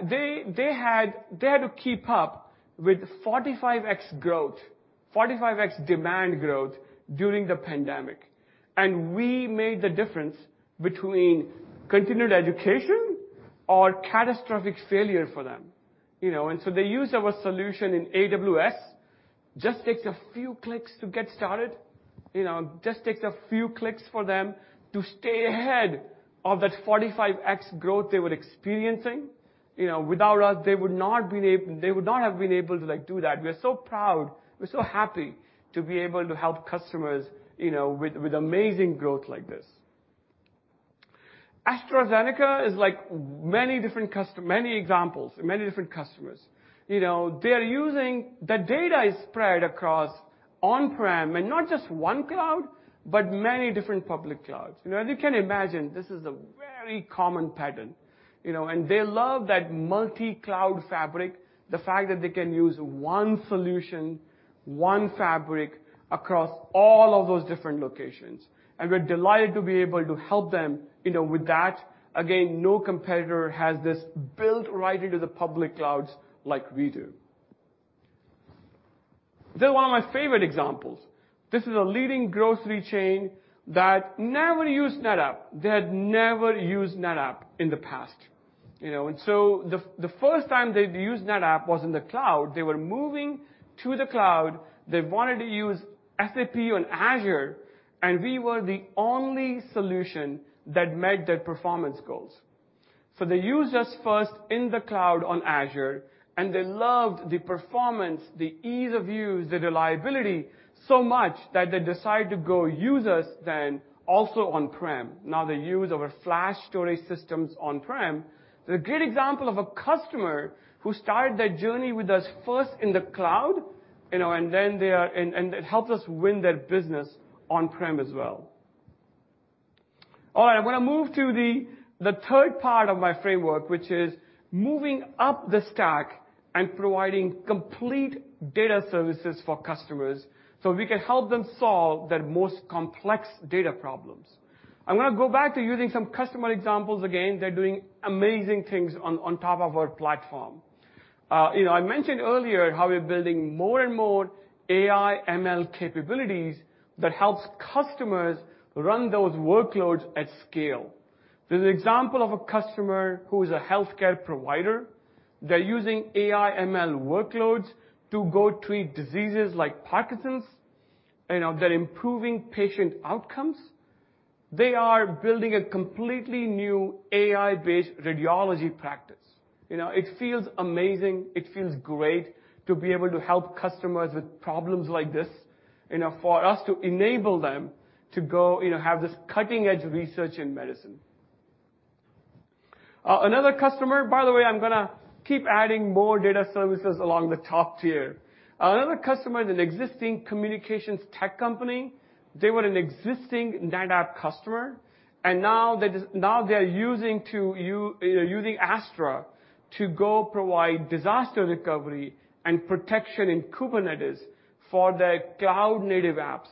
they had to keep up with 45x growth, 45x demand growth during the pandemic, and we made the difference between continued education or catastrophic failure for them, you know. They use our solution in AWS. It just takes a few clicks to get started, you know, just takes a few clicks for them to stay ahead of that 45x growth they were experiencing. You know, without us, they would not been able, they would not have been able to, like, do that. We're so proud, we're so happy to be able to help customers, you know, with amazing growth like this. AstraZeneca is like many examples, many different customers. You know, they are using their data is spread across on-prem, and not just one cloud, but many different public clouds. You know, you can imagine this is a very common pattern, you know. They love that multi-cloud fabric, the fact that they can use one solution, one fabric across all of those different locations, and we're delighted to be able to help them, you know, with that. Again, no competitor has this built right into the public clouds like we do. One of my favorite examples, this is a leading grocery chain that never used NetApp. They had never used NetApp in the past, you know. The first time they'd used NetApp was in the cloud. They were moving to the cloud. They wanted to use SAP on Azure, and we were the only solution that met their performance goals. They used us first in the cloud on Azure, and they loved the performance, the ease of use, the reliability so much that they decided to go use us then also on-prem. Now they use our flash storage systems on-prem. A great example of a customer who started their journey with us first in the cloud, you know, and then it helped us win their business on-prem as well. All right. I'm gonna move to the third part of my framework, which is moving up the stack and providing complete data services for customers, so we can help them solve their most complex data problems. I'm gonna go back to using some customer examples again. They're doing amazing things on top of our platform. You know, I mentioned earlier how we're building more and more AI ML capabilities that helps customers run those workloads at scale. There's an example of a customer who is a healthcare provider. They're using AI ML workloads to go treat diseases like Parkinson's. You know, they're improving patient outcomes. They are building a completely new AI-based radiology practice. You know, it feels amazing. It feels great to be able to help customers with problems like this, you know, for us to enable them to go, you know, have this cutting-edge research in medicine. Another customer, by the way, I'm gonna keep adding more data services along the top tier. Another customer is an existing communications tech company. They were an existing NetApp customer, and now they're using Astra to provide disaster recovery and protection in Kubernetes for their cloud-native apps.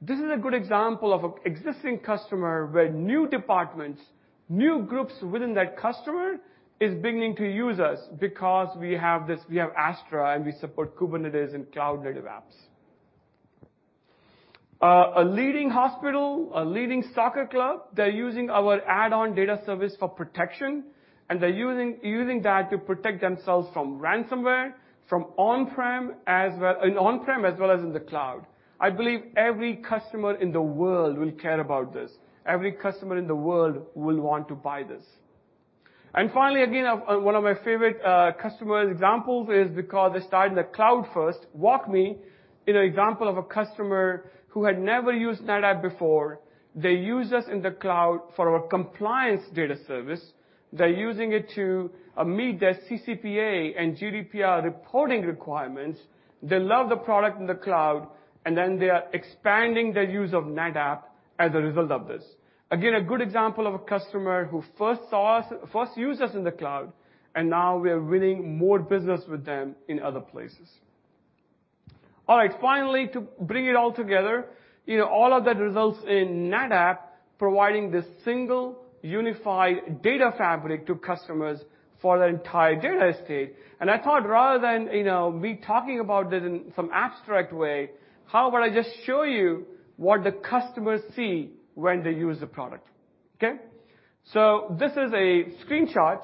This is a good example of an existing customer where new departments, new groups within that customer is beginning to use us because we have this, we have Astra and we support Kubernetes and cloud-native apps. A leading hospital, a leading soccer club, they're using our add-on data service for protection, and they're using that to protect themselves from ransomware, from on-prem as well as in the cloud. I believe every customer in the world will care about this. Every customer in the world will want to buy this. Finally, again, one of my favorite customer examples is because they started in the cloud first. WalkMe, in an example of a customer who had never used NetApp before, they use us in the cloud for our compliance data service. They're using it to meet their CCPA and GDPR reporting requirements. They love the product in the cloud, and then they are expanding their use of NetApp as a result of this. Again, a good example of a customer who first used us in the cloud, and now we are winning more business with them in other places. All right. Finally, to bring it all together, you know, all of that results in NetApp providing this single unified Data Fabric to customers for their entire data estate. I thought rather than, you know, me talking about this in some abstract way, how about I just show you what the customers see when they use the product, okay? This is a screenshot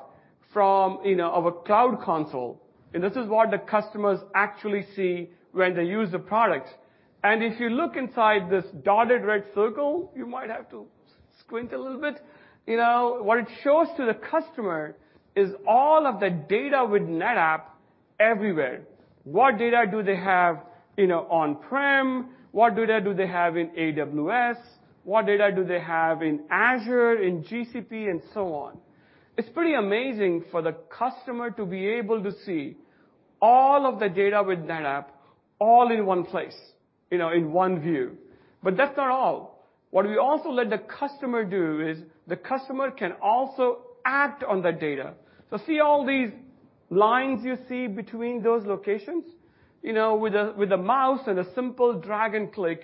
from, you know, our cloud console, and this is what the customers actually see when they use the product. If you look inside this dotted red circle, you might have to squint a little bit. You know, what it shows to the customer is all of the data with NetApp everywhere. What data do they have, you know, on-prem? What data do they have in AWS? What data do they have in Azure, in GCP, and so on? It's pretty amazing for the customer to be able to see all of the data with NetApp all in one place, you know, in one view. That's not all. What we also let the customer do is the customer can also act on that data. See all these lines you see between those locations? You know, with a mouse and a simple drag and click,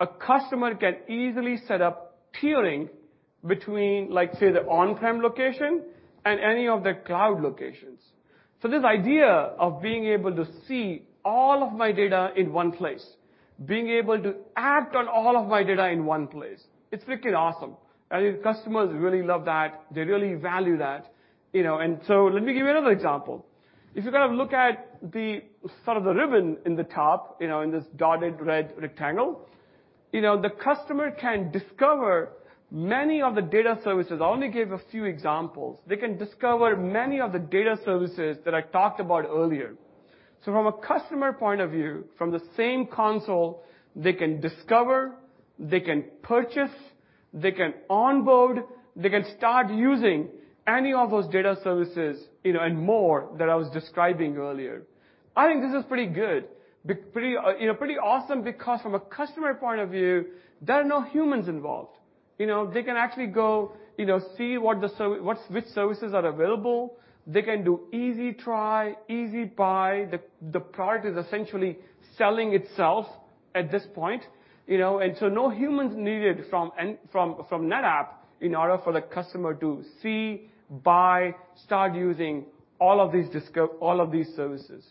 a customer can easily set up tiering between, like, say, the on-prem location and any of the cloud locations. This idea of being able to see all of my data in one place, being able to act on all of my data in one place, it's freaking awesome. The customers really love that. They really value that, you know. Let me give you another example. If you kind of look at sort of the ribbon in the top, you know, in this dotted red rectangle, you know, the customer can discover many of the data services. I'll only give a few examples. They can discover many of the data services that I talked about earlier. From a customer point of view, from the same console, they can discover, they can purchase, they can onboard, they can start using any of those data services, you know, and more that I was describing earlier. I think this is pretty good, you know, pretty awesome because from a customer point of view, there are no humans involved. You know, they can actually go, you know, see which services are available. They can do easy try, easy buy. The product is essentially selling itself at this point, you know. No humans needed from NetApp in order for the customer to see, buy, start using all of these services.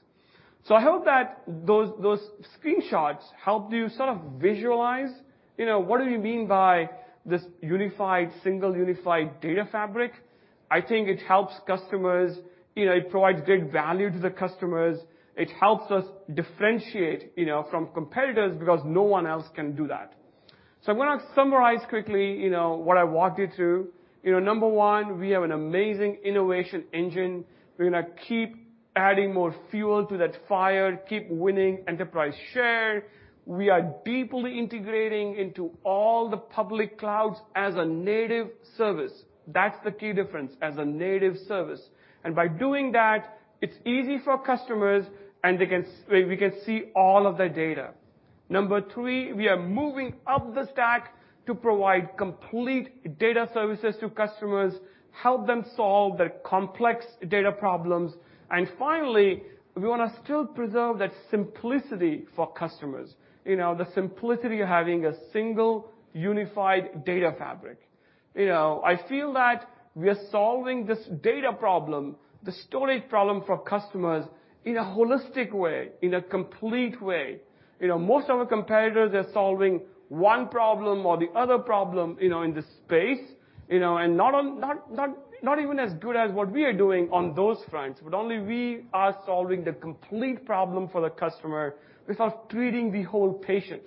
I hope that those screenshots helped you sort of visualize, you know, what do we mean by this unified, single unified Data Fabric. I think it helps customers. You know, it provides great value to the customers. It helps us differentiate, you know, from competitors because no one else can do that. I'm gonna summarize quickly, you know, what I walked you through. You know, number one, we have an amazing innovation engine. We're gonna keep adding more fuel to that fire, keep winning enterprise share. We are deeply integrating into all the public clouds as a native service. That's the key difference, as a native service. By doing that, it's easy for customers, and we can see all of their data. Number three, we are moving up the stack to provide complete data services to customers, help them solve their complex data problems. Finally, we wanna still preserve that simplicity for customers. You know, the simplicity of having a single unified Data Fabric. You know, I feel that we are solving this data problem, the storage problem for customers in a holistic way, in a complete way. You know, most of our competitors are solving one problem or the other problem, you know, in this space, you know, and not even as good as what we are doing on those fronts. Only we are solving the complete problem for the customer. We are treating the whole patient,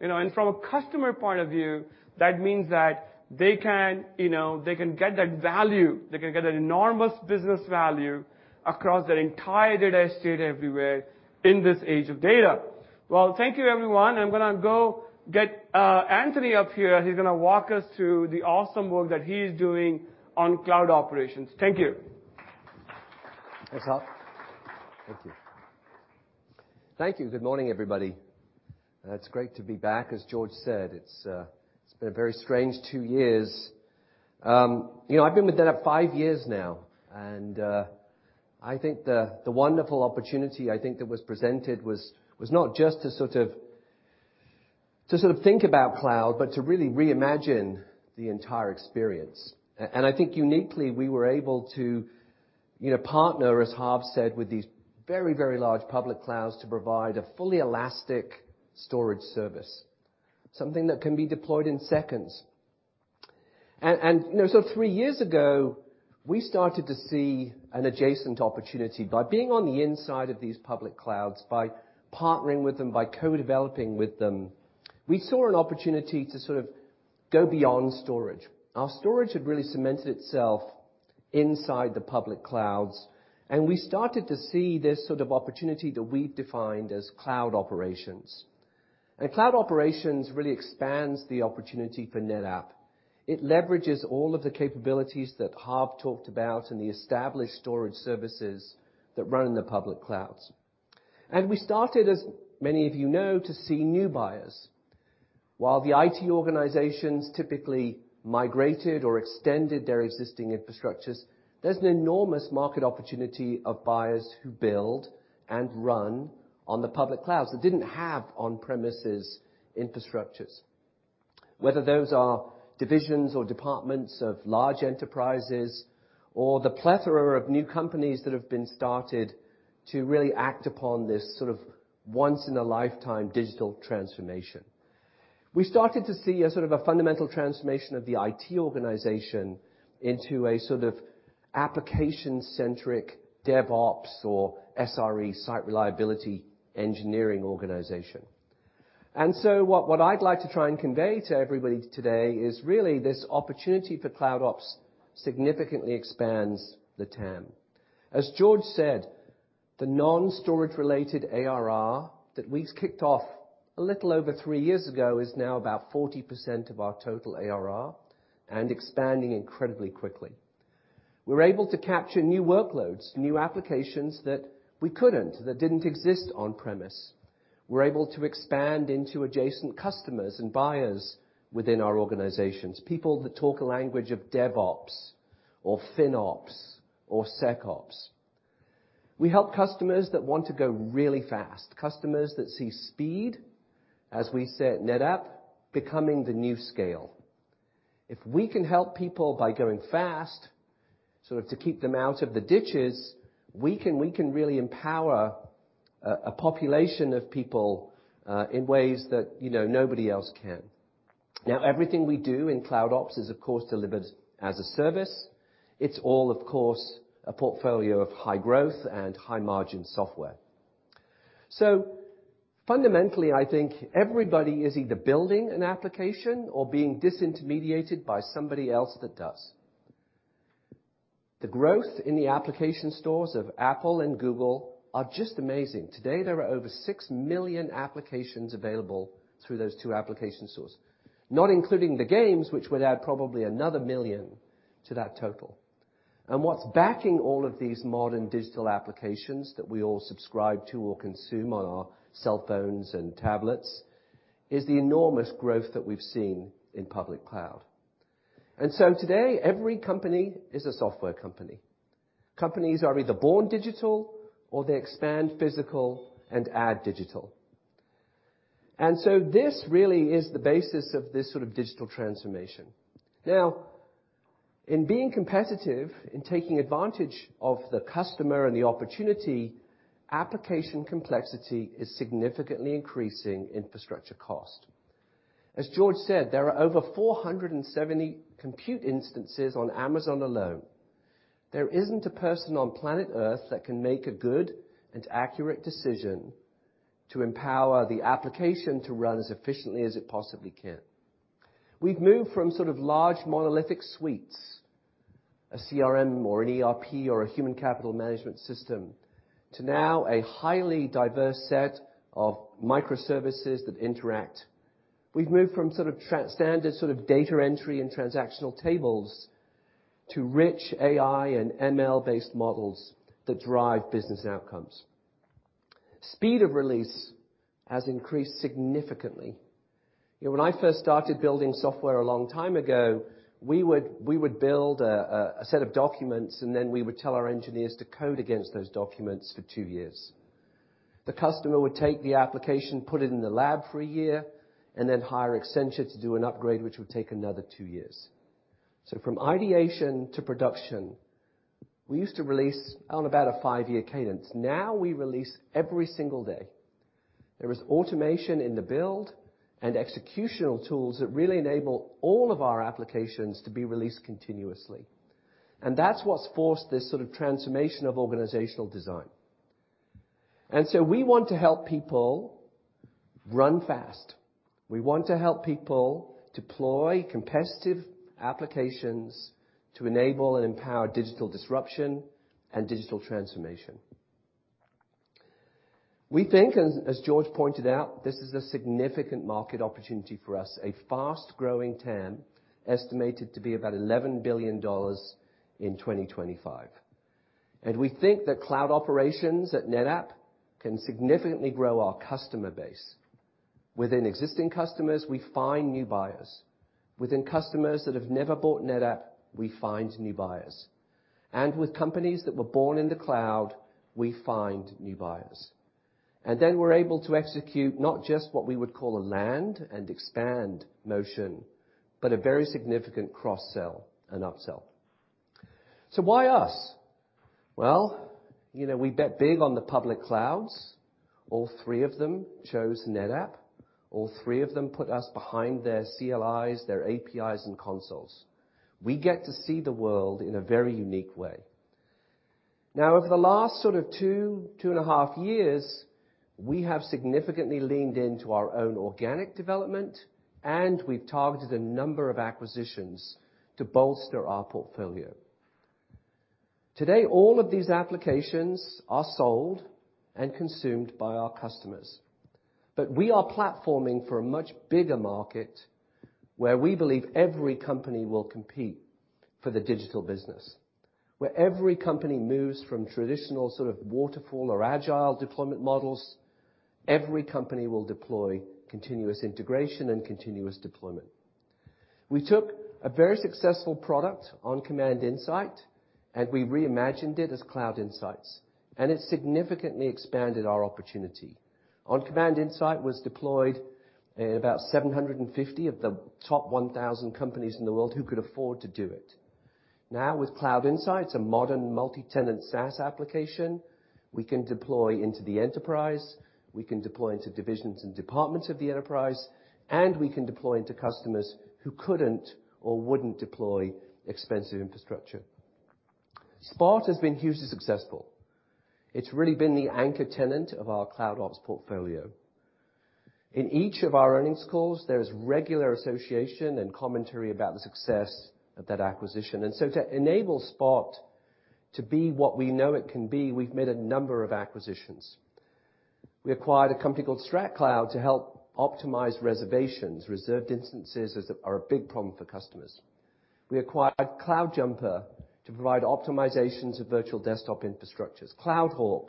you know. From a customer point of view, that means that they can, you know, they can get that value. They can get an enormous business value across their entire data estate everywhere in this age of data. Well, thank you everyone. I'm gonna go get Anthony up here. He's gonna walk us through the awesome work that he's doing on cloud operations. Thank you. Thanks, Harv. Thank you. Good morning, everybody. It's great to be back. As George said, it's been a very strange two years. You know, I've been with NetApp five years now, and I think the wonderful opportunity I think that was presented was not just to sort of think about cloud, but to really reimagine the entire experience. I think uniquely we were able to, you know, partner, as Harv said, with these very large public clouds to provide a fully elastic storage service, something that can be deployed in seconds. You know, three years ago, we started to see an adjacent opportunity by being on the inside of these public clouds, by partnering with them, by co-developing with them, we saw an opportunity to sort of go beyond storage. Our storage had really cemented itself inside the public clouds, and we started to see this sort of opportunity that we've defined as cloud operations. Cloud operations really expands the opportunity for NetApp. It leverages all of the capabilities that Harv talked about and the established storage services that run in the public clouds. We started, as many of you know, to see new buyers. While the IT organizations typically migrated or extended their existing infrastructures, there's an enormous market opportunity of buyers who build and run on the public clouds that didn't have on-premises infrastructures, whether those are divisions or departments of large enterprises or the plethora of new companies that have been started to really act upon this sort of once in a lifetime digital transformation. We started to see a sort of a fundamental transformation of the IT organization into a sort of application-centric DevOps or SRE, site reliability engineering organization. What I'd like to try and convey to everybody today is really this opportunity for Cloud Ops significantly expands the TAM. As George said, the non-storage related ARR that we've kicked off a little over three years ago is now about 40% of our total ARR and expanding incredibly quickly. We're able to capture new workloads, new applications that didn't exist on premise. We're able to expand into adjacent customers and buyers within our organizations, people that talk a language of DevOps or FinOps or SecOps. We help customers that want to go really fast, customers that see speed, as we say at NetApp, becoming the new scale. If we can help people by going fast, sort of to keep them out of the ditches, we can really empower a population of people in ways that, you know, nobody else can. Now, everything we do in Cloud Ops is, of course, delivered as a service. It's all, of course, a portfolio of high growth and high margin software. Fundamentally, I think everybody is either building an application or being disintermediated by somebody else that does. The growth in the application stores of Apple and Google are just amazing. Today, there are over 6 million applications available through those two application stores, not including the games, which would add probably another one million to that total. What's backing all of these modern digital applications that we all subscribe to or consume on our cell phones and tablets is the enormous growth that we've seen in public cloud. Today, every company is a software company. Companies are either born digital or they expand physical and add digital. This really is the basis of this sort of digital transformation. Now, in being competitive, in taking advantage of the customer and the opportunity, application complexity is significantly increasing infrastructure cost. As George said, there are over 470 compute instances on Amazon alone. There isn't a person on planet Earth that can make a good and accurate decision to empower the application to run as efficiently as it possibly can. We've moved from sort of large monolithic suites, a CRM or an ERP or a human capital management system, to now a highly diverse set of microservices that interact. We've moved from sort of standard sort of data entry and transactional tables to rich AI and ML-based models that drive business outcomes. Speed of release has increased significantly. You know, when I first started building software a long time ago, we would build a set of documents, and then we would tell our engineers to code against those documents for two years. The customer would take the application, put it in the lab for a year, and then hire Accenture to do an upgrade, which would take another two years. From ideation to production, we used to release on about a five-year cadence. Now we release every single day. There is automation in the build and executional tools that really enable all of our applications to be released continuously. That's what's forced this sort of transformation of organizational design. We want to help people run fast. We want to help people deploy competitive applications to enable and empower digital disruption and digital transformation. We think, as George pointed out, this is a significant market opportunity for us, a fast-growing TAM estimated to be about $11 billion in 2025. We think that cloud operations at NetApp can significantly grow our customer base. Within existing customers, we find new buyers. Within customers that have never bought NetApp, we find new buyers. With companies that were born in the cloud, we find new buyers. We're able to execute not just what we would call a land and expand motion, but a very significant cross-sell and upsell. Why us? Well, you know, we bet big on the public clouds. All three of them chose NetApp. All three of them put us behind their CLIs, their APIs, and consoles. We get to see the world in a very unique way. Now over the last sort two, two and a half years, we have significantly leaned into our own organic development, and we've targeted a number of acquisitions to bolster our portfolio. Today, all of these applications are sold and consumed by our customers. We are platforming for a much bigger market where we believe every company will compete for the digital business, where every company moves from traditional sort of waterfall or agile deployment models, every company will deploy continuous integration and continuous deployment. We took a very successful product, OnCommand Insight, and we reimagined it as Cloud Insights, and it significantly expanded our opportunity. OnCommand Insight was deployed in about 750 of the top 1,000 companies in the world who could afford to do it. Now with Cloud Insights, a modern multi-tenant SaaS application, we can deploy into the enterprise, we can deploy into divisions and departments of the enterprise, and we can deploy into customers who couldn't or wouldn't deploy expensive infrastructure. Spot has been hugely successful. It's really been the anchor tenant of our Cloud Ops portfolio. In each of our earnings calls, there's regular association and commentary about the success of that acquisition. To enable Spot to be what we know it can be, we've made a number of acquisitions. We acquired a company called StratCloud to help optimize reservations. Reserved instances are a big problem for customers. We acquired CloudJumper to provide optimizations of virtual desktop infrastructures. CloudHawk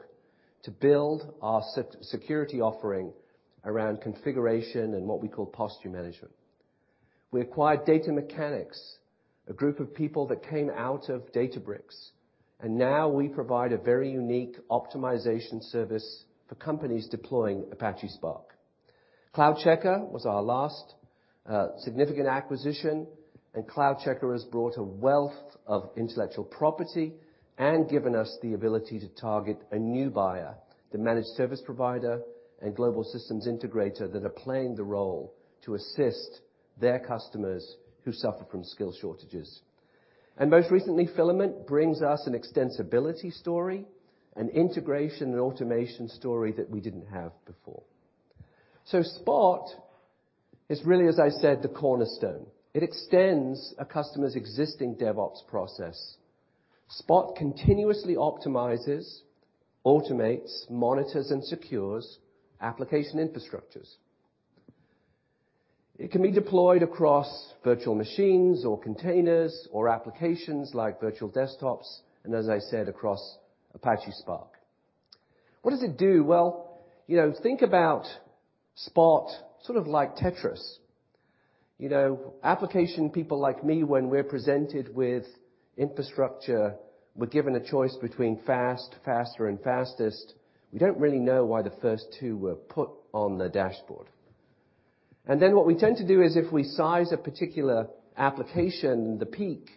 to build our security offering around configuration and what we call posture management. We acquired Data Mechanics, a group of people that came out of Databricks, and now we provide a very unique optimization service for companies deploying Apache Spark. CloudCheckr was our last significant acquisition, and CloudCheckr has brought a wealth of intellectual property and given us the ability to target a new buyer, the managed service provider and global systems integrator that are playing the role to assist their customers who suffer from skill shortages. Most recently, Fylamynt brings us an extensibility story, an integration and automation story that we didn't have before. Spot is really, as I said, the cornerstone. It extends a customer's existing DevOps process. Spot continuously optimizes, automates, monitors, and secures application infrastructures. It can be deployed across virtual machines or containers or applications like virtual desktops and as I said, across Apache Spark. What does it do? Well, you know, think about Spot sort of like Tetris. You know, application people like me, when we're presented with infrastructure, we're given a choice between fast, faster, and fastest. We don't really know why the first two were put on the dashboard. Then what we tend to do is if we size a particular application, the peak,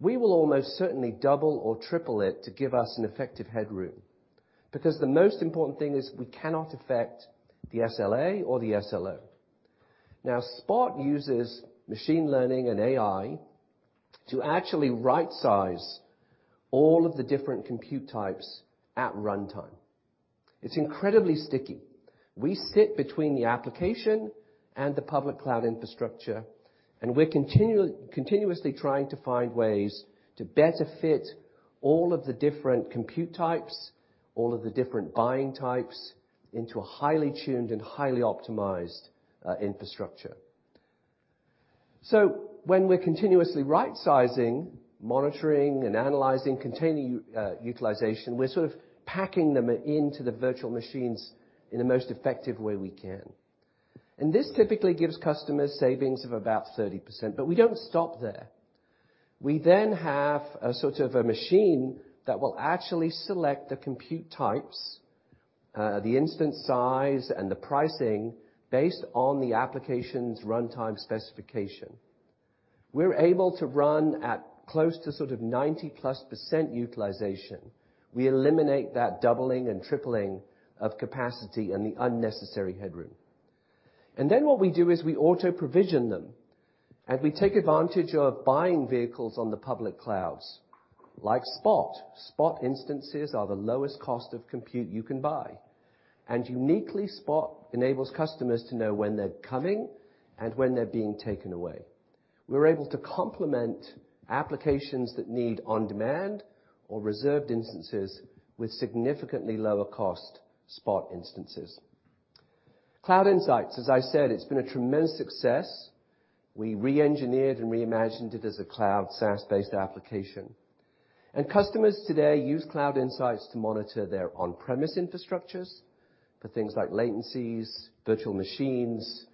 we will almost certainly double or triple it to give us an effective headroom. Because the most important thing is we cannot affect the SLA or the SLO. Now, Spot uses machine learning and AI to actually right-size all of the different compute types at runtime. It's incredibly sticky. We sit between the application and the public cloud infrastructure, and we're continuously trying to find ways to better fit all of the different compute types, all of the different buying types into a highly tuned and highly optimized infrastructure. When we're continuously right-sizing, monitoring, and analyzing container utilization, we're sort of packing them into the virtual machines in the most effective way we can. This typically gives customers savings of about 30%, but we don't stop there. We then have a sort of a machine that will actually select the compute types, the instance size, and the pricing based on the application's runtime specification. We're able to run at close to sort of 90+% utilization. We eliminate that doubling and tripling of capacity and the unnecessary headroom. What we do is we auto-provision them, and we take advantage of buying vehicles on the public clouds. Like Spot Instances are the lowest cost of compute you can buy. Uniquely, Spot enables customers to know when they're coming and when they're being taken away. We're able to complement applications that need on-demand or reserved instances with significantly lower cost Spot instances. Cloud Insights, as I said, it's been a tremendous success. We re-engineered and reimagined it as a cloud SaaS-based application. Customers today use Cloud Insights to monitor their on-premise infrastructures for things like latencies, virtual machines,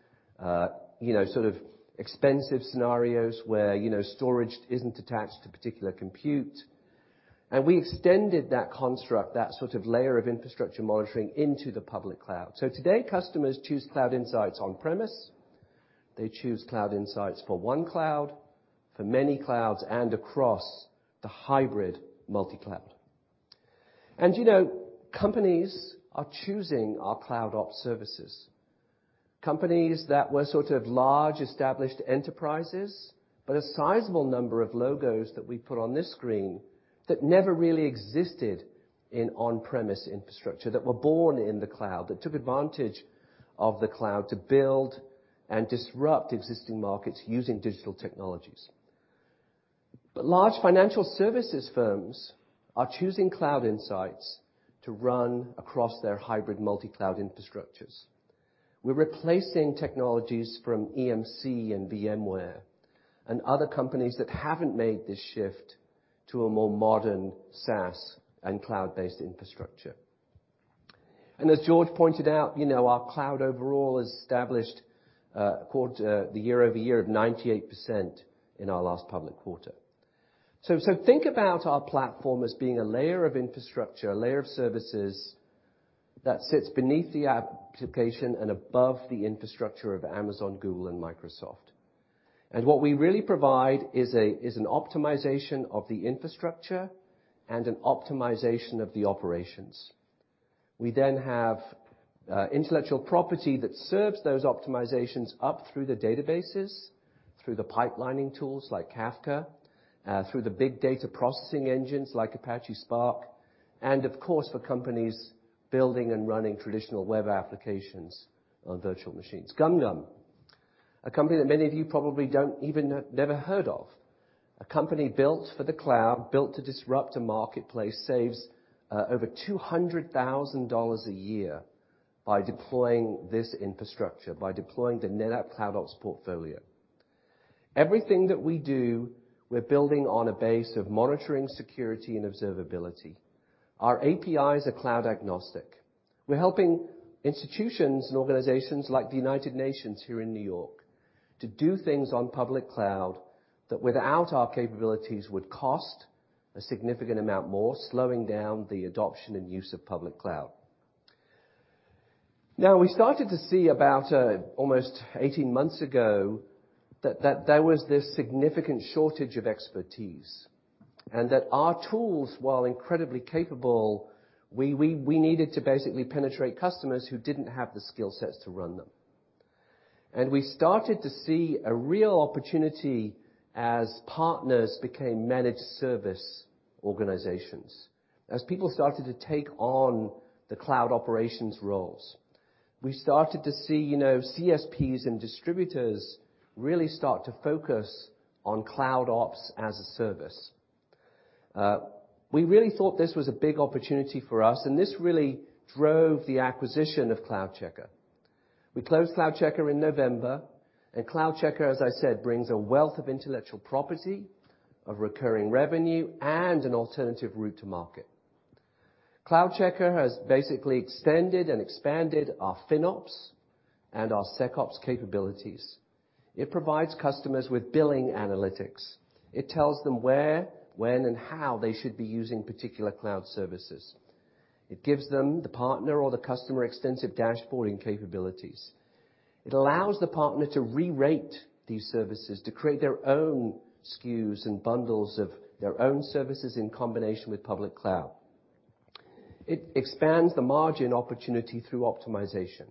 you know, sort of expensive scenarios where, you know, storage isn't attached to particular compute. We extended that construct, that sort of layer of infrastructure monitoring into the public cloud. Today, customers choose Cloud Insights on-premise, they choose Cloud Insights for one cloud, for many clouds, and across the hybrid multi-cloud. You know, companies are choosing our Cloud Ops services. Companies that were sort of large established enterprises, but a sizable number of logos that we put on this screen that never really existed in on-premise infrastructure, that were born in the cloud, that took advantage of the cloud to build and disrupt existing markets using digital technologies. Large financial services firms are choosing Cloud Insights to run across their hybrid multi-cloud infrastructures. We're replacing technologies from EMC and VMware and other companies that haven't made this shift to a more modern SaaS and cloud-based infrastructure. As George pointed out, you know, our cloud overall has established the year-over-year of 98% in our last public quarter. Think about our platform as being a layer of infrastructure, a layer of services that sits beneath the application and above the infrastructure of Amazon, Google, and Microsoft. What we really provide is an optimization of the infrastructure and an optimization of the operations. We have intellectual property that serves those optimizations up through the databases, through the pipelining tools like Kafka, through the big data processing engines like Apache Spark, and of course, for companies building and running traditional web applications on virtual machines. GumGum, a company that many of you probably don't even know, never heard of. A company built for the cloud, built to disrupt a marketplace, saves over $200,000 a year by deploying this infrastructure, by deploying the NetApp Cloud Ops portfolio. Everything that we do, we're building on a base of monitoring, security, and observability. Our APIs are cloud agnostic. We're helping institutions and organizations like the United Nations here in New York to do things on public cloud that without our capabilities would cost a significant amount more, slowing down the adoption and use of public cloud. Now, we started to see about almost 18 months ago that there was this significant shortage of expertise, and that our tools, while incredibly capable, we needed to basically penetrate customers who didn't have the skill sets to run them. We started to see a real opportunity as partners became managed service organizations. As people started to take on the cloud operations roles, we started to see, you know, CSPs and distributors really start to focus on Cloud Ops as a service. We really thought this was a big opportunity for us, and this really drove the acquisition of CloudCheckr. We closed CloudCheckr in November, and CloudCheckr, as I said, brings a wealth of intellectual property, of recurring revenue, and an alternative route to market. CloudCheckr has basically extended and expanded our FinOps and our SecOps capabilities. It provides customers with billing analytics. It tells them where, when, and how they should be using particular cloud services. It gives them, the partner or the customer, extensive dashboarding capabilities. It allows the partner to rerate these services to create their own SKUs and bundles of their own services in combination with public cloud. It expands the margin opportunity through optimization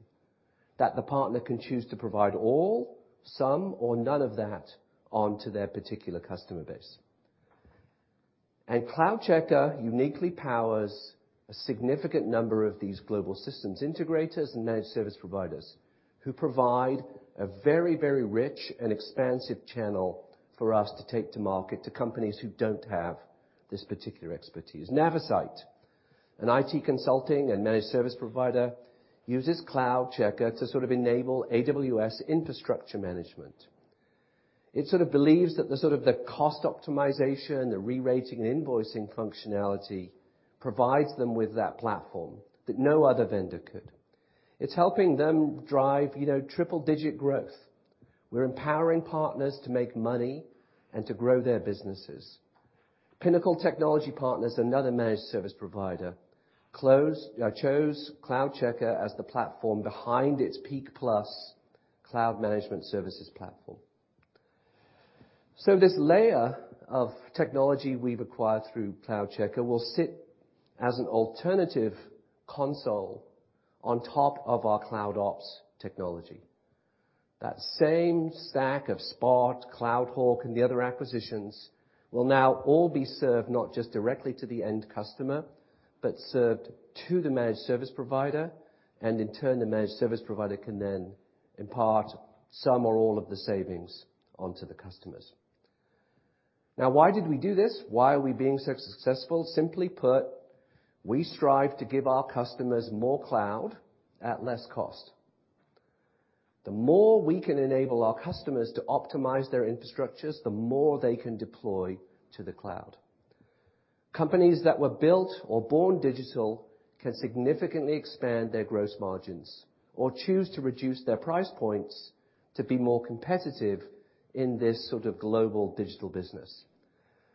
that the partner can choose to provide all, some, or none of that onto their particular customer base. CloudCheckr uniquely powers a significant number of these global systems integrators and managed service providers who provide a very, very rich and expansive channel for us to take to market to companies who don't have this particular expertise. Navisite, an IT consulting and managed service provider, uses CloudCheckr to sort of enable AWS infrastructure management. It believes that the cost optimization, the rerating and invoicing functionality provides them with that platform that no other vendor could. It's helping them drive, you know, triple-digit growth. We're empowering partners to make money and to grow their businesses. Pinnacle Technology Partners, another managed service provider, chose CloudCheckr as the platform behind its Peak+ cloud management services platform. This layer of technology we've acquired through CloudCheckr will sit as an alternative console on top of our Cloud Ops technology. That same stack of Spot, CloudHawk, and the other acquisitions will now all be served not just directly to the end customer, but served to the managed service provider, and in turn, the managed service provider can then impart some or all of the savings onto the customers. Now why did we do this? Why are we being so successful? Simply put, we strive to give our customers more cloud at less cost. The more we can enable our customers to optimize their infrastructures, the more they can deploy to the cloud. Companies that were built or born digital can significantly expand their gross margins or choose to reduce their price points to be more competitive in this sort of global digital business.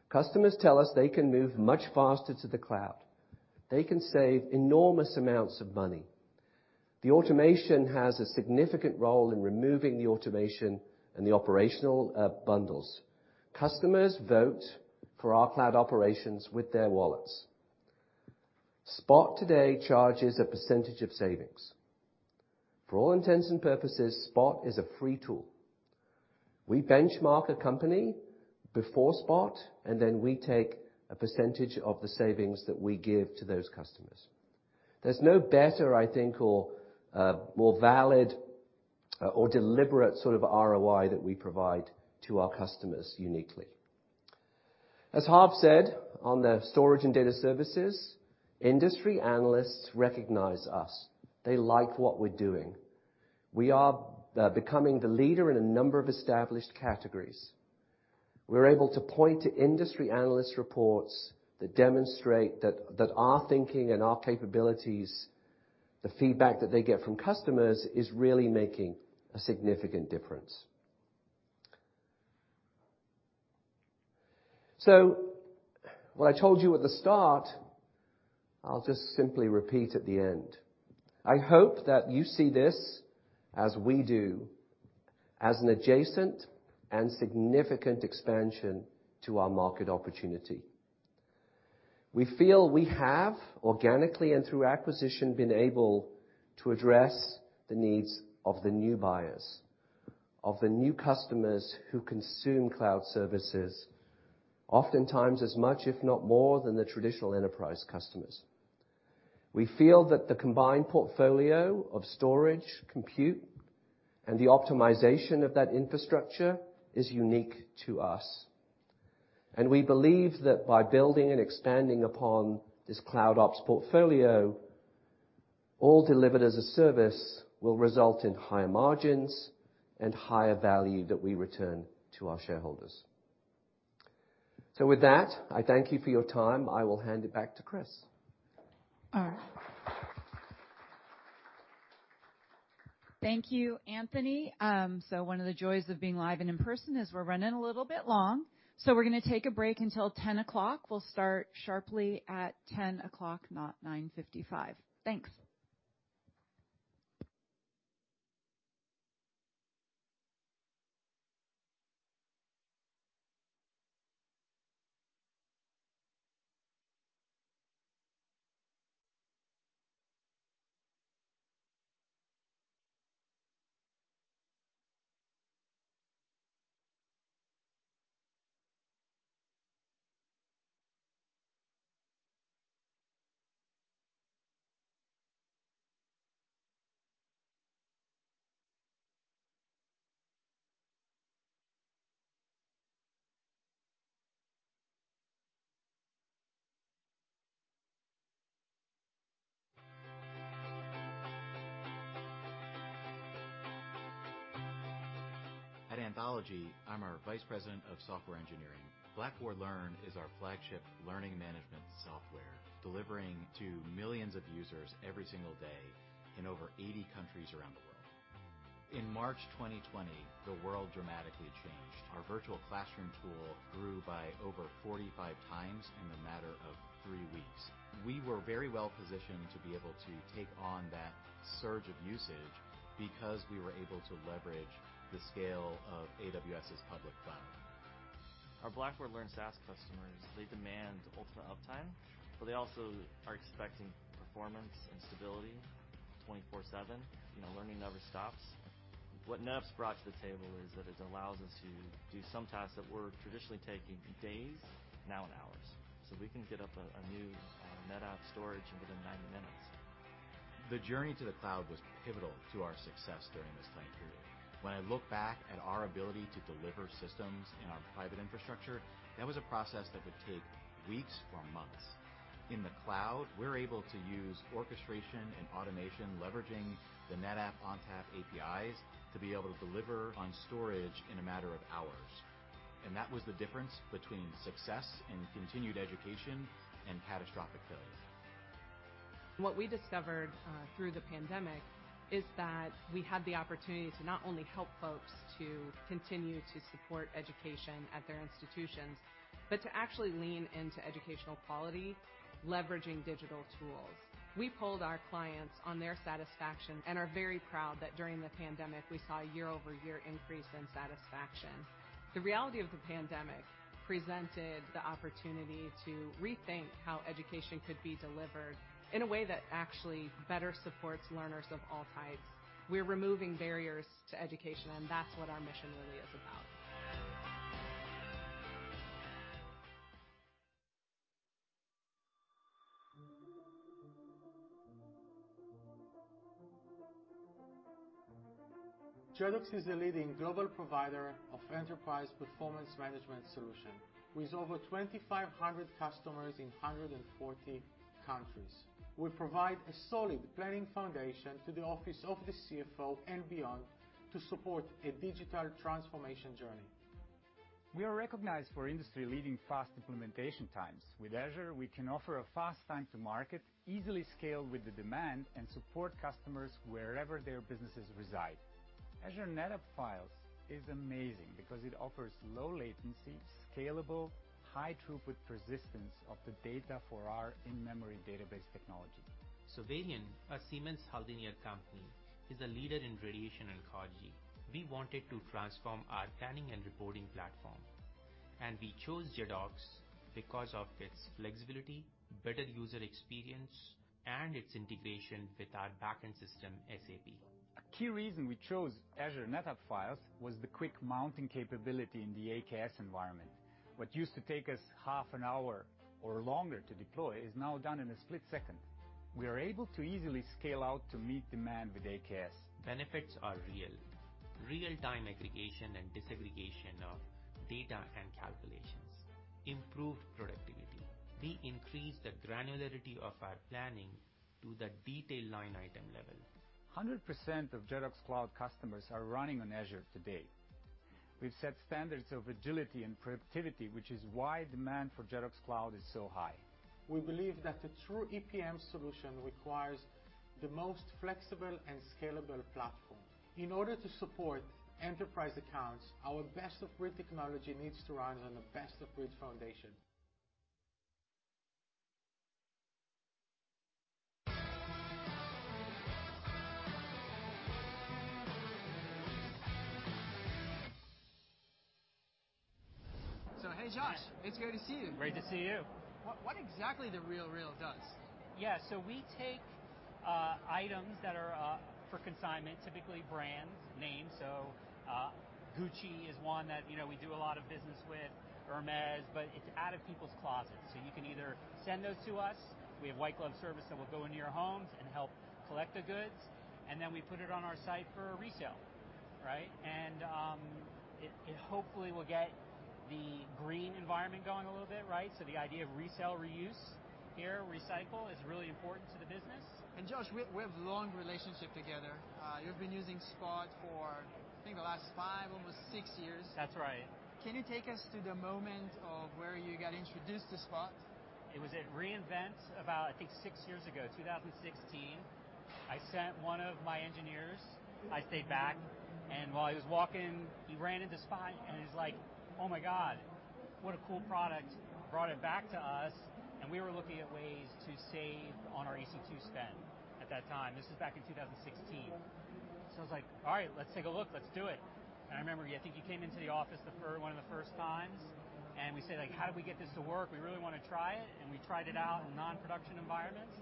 Customers tell us they can move much faster to the cloud. They can save enormous amounts of money. The automation has a significant role in removing the automation and the operational bundles. Customers vote for our cloud operations with their wallets. Spot today charges a percentage of savings. For all intents and purposes, Spot is a free tool. We benchmark a company before Spot, and then we take a percentage of the savings that we give to those customers. There's no better, I think, or more valid or deliberate sort of ROI that we provide to our customers uniquely. As Harv said on the storage and data services, industry analysts recognize us. They like what we're doing. We are becoming the leader in a number of established categories. We're able to point to industry analyst reports that demonstrate that our thinking and our capabilities, the feedback that they get from customers is really making a significant difference. What I told you at the start, I'll just simply repeat at the end. I hope that you see this, as we do, as an adjacent and significant expansion to our market opportunity. We feel we have, organically and through acquisition, been able to address the needs of the new buyers, of the new customers who consume cloud services, oftentimes as much if not more than the traditional enterprise customers. We feel that the combined portfolio of storage, compute, and the optimization of that infrastructure is unique to us. We believe that by building and expanding upon this Cloud Ops portfolio, all delivered as a service will result in higher margins and higher value that we return to our shareholders. With that, I thank you for your time. I will hand it back to Kris. All right. Thank you, Anthony. One of the joys of being live and in person is we're running a little bit long. We're gonna take a break until 10:00. We'll start sharply at 10:00, not 9:55. Thanks. At Anthology, I'm our vice president of software engineering. Blackboard Learn is our flagship learning management software, delivering to millions of users every single day in over 80 countries around the world. In March 2020, the world dramatically changed. Our virtual classroom tool grew by over 45 times in the matter of three weeks. We were very well-positioned to be able to take on that surge of usage because we were able to leverage the scale of AWS's public cloud. Our Blackboard Learn SaaS customers, they demand ultimate uptime, but they also are expecting performance and stability 24/7. You know, learning never stops. What NetApp's brought to the table is that it allows us to do some tasks that were traditionally taking days, now in hours. We can set up a new NetApp storage within 90 minutes. The journey to the cloud was pivotal to our success during this time period. When I look back at our ability to deliver systems in our private infrastructure, that was a process that would take weeks or months. In the cloud, we're able to use orchestration and automation, leveraging the NetApp ONTAP APIs to be able to deliver on storage in a matter of hours. That was the difference between success and continued education and catastrophic failure. What we discovered through the pandemic is that we had the opportunity to not only help folks to continue to support education at their institutions, but to actually lean into educational quality, leveraging digital tools. We polled our clients on their satisfaction and are very proud that during the pandemic, we saw a year-over-year increase in satisfaction. The reality of the pandemic presented the opportunity to rethink how education could be delivered in a way that actually better supports learners of all types. We're removing barriers to education, and that's what our mission really is about. Jedox is a leading global provider of enterprise performance management solution. With over 2,500 customers in 140 countries. We provide a solid planning foundation to the office of the CFO and beyond to support a digital transformation journey. We are recognized for industry-leading fast implementation times. With Azure, we can offer a fast time to market, easily scale with the demand, and support customers wherever their businesses reside. Azure NetApp Files is amazing because it offers low latency, scalable, high throughput persistence of the data for our in-memory database technology. Varian, a Siemens Healthineers company, is a leader in radiation oncology. We wanted to transform our planning and reporting platform, and we chose Jedox because of its flexibility, better user experience, and its integration with our back-end system, SAP. A key reason we chose Azure NetApp Files was the quick mounting capability in the AKS environment. What used to take us half an hour or longer to deploy is now done in a split second. We are able to easily scale out to meet demand with AKS. Benefits are real. Real-time aggregation and disaggregation of data and calculations, improved productivity. We increase the granularity of our planning to the detailed line item level. 100% of Jedox cloud customers are running on Azure today. We've set standards of agility and productivity, which is why demand for Jedox Cloud is so high. We believe that the true EPM solution requires the most flexible and scalable platform. In order to support enterprise accounts, our best-of-breed technology needs to run on a best-of-breed foundation. Hey, Josh. Hi. It's great to see you. Great to see you. What exactly The RealReal does? Yeah. We take items that are for consignment, typically brands, names. Gucci is one that, you know, we do a lot of business with, Hermès, but it's out of people's closets. You can either send those to us. We have white glove service that will go into your homes and help collect the goods, and then we put it on our site for resale, right? It hopefully will get the green environment going a little bit, right? The idea of resale, reuse here, recycle is really important to the business. Josh, we have long relationship together. You've been using Spot for, I think the last five, almost six years. That's right. Can you take us to the moment of where you got introduced to Spot? It was at re:Invent about, I think, six years ago, 2016. I sent one of my engineers. I stayed back, and while he was walking, he ran into Spot, and he was like, "Oh my god, what a cool product." Brought it back to us, and we were looking at ways to save on our EC2 spend at that time. This is back in 2016. I was like, "All right. Let's take a look. Let's do it." I remember, I think he came into the office one of the first times, and we said like, "How do we get this to work? We really wanna try it." We tried it out in non-production environments,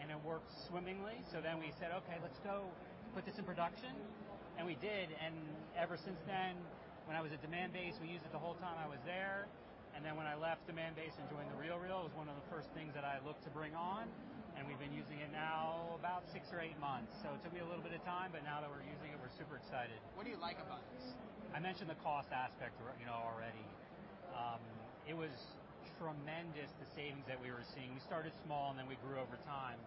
and it worked swimmingly. We said, "Okay, let's go put this in production." We did. Ever since then, when I was at Demandbase, we used it the whole time I was there. When I left Demandbase and joined The RealReal, it was one of the first things that I looked to bring on, and we've been using it now about six or eight months. It took me a little bit of time, but now that we're using it, we're super excited. What do you like about it? I mentioned the cost aspect, you know, already. It was tremendous, the savings that we were seeing. We started small, and then we grew over time.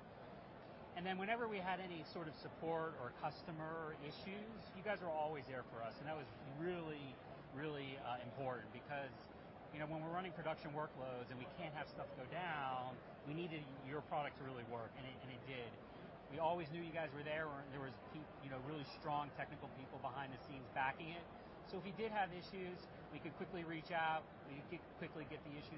Whenever we had any sort of support or customer issues, you guys were always there for us, and that was really important. Because, you know, when we're running production workloads and we can't have stuff go down, we needed your product to really work, and it did. We always knew you guys were there. There were really strong technical people behind the scenes backing it. If we did have issues, we could quickly reach out. We could quickly get the issues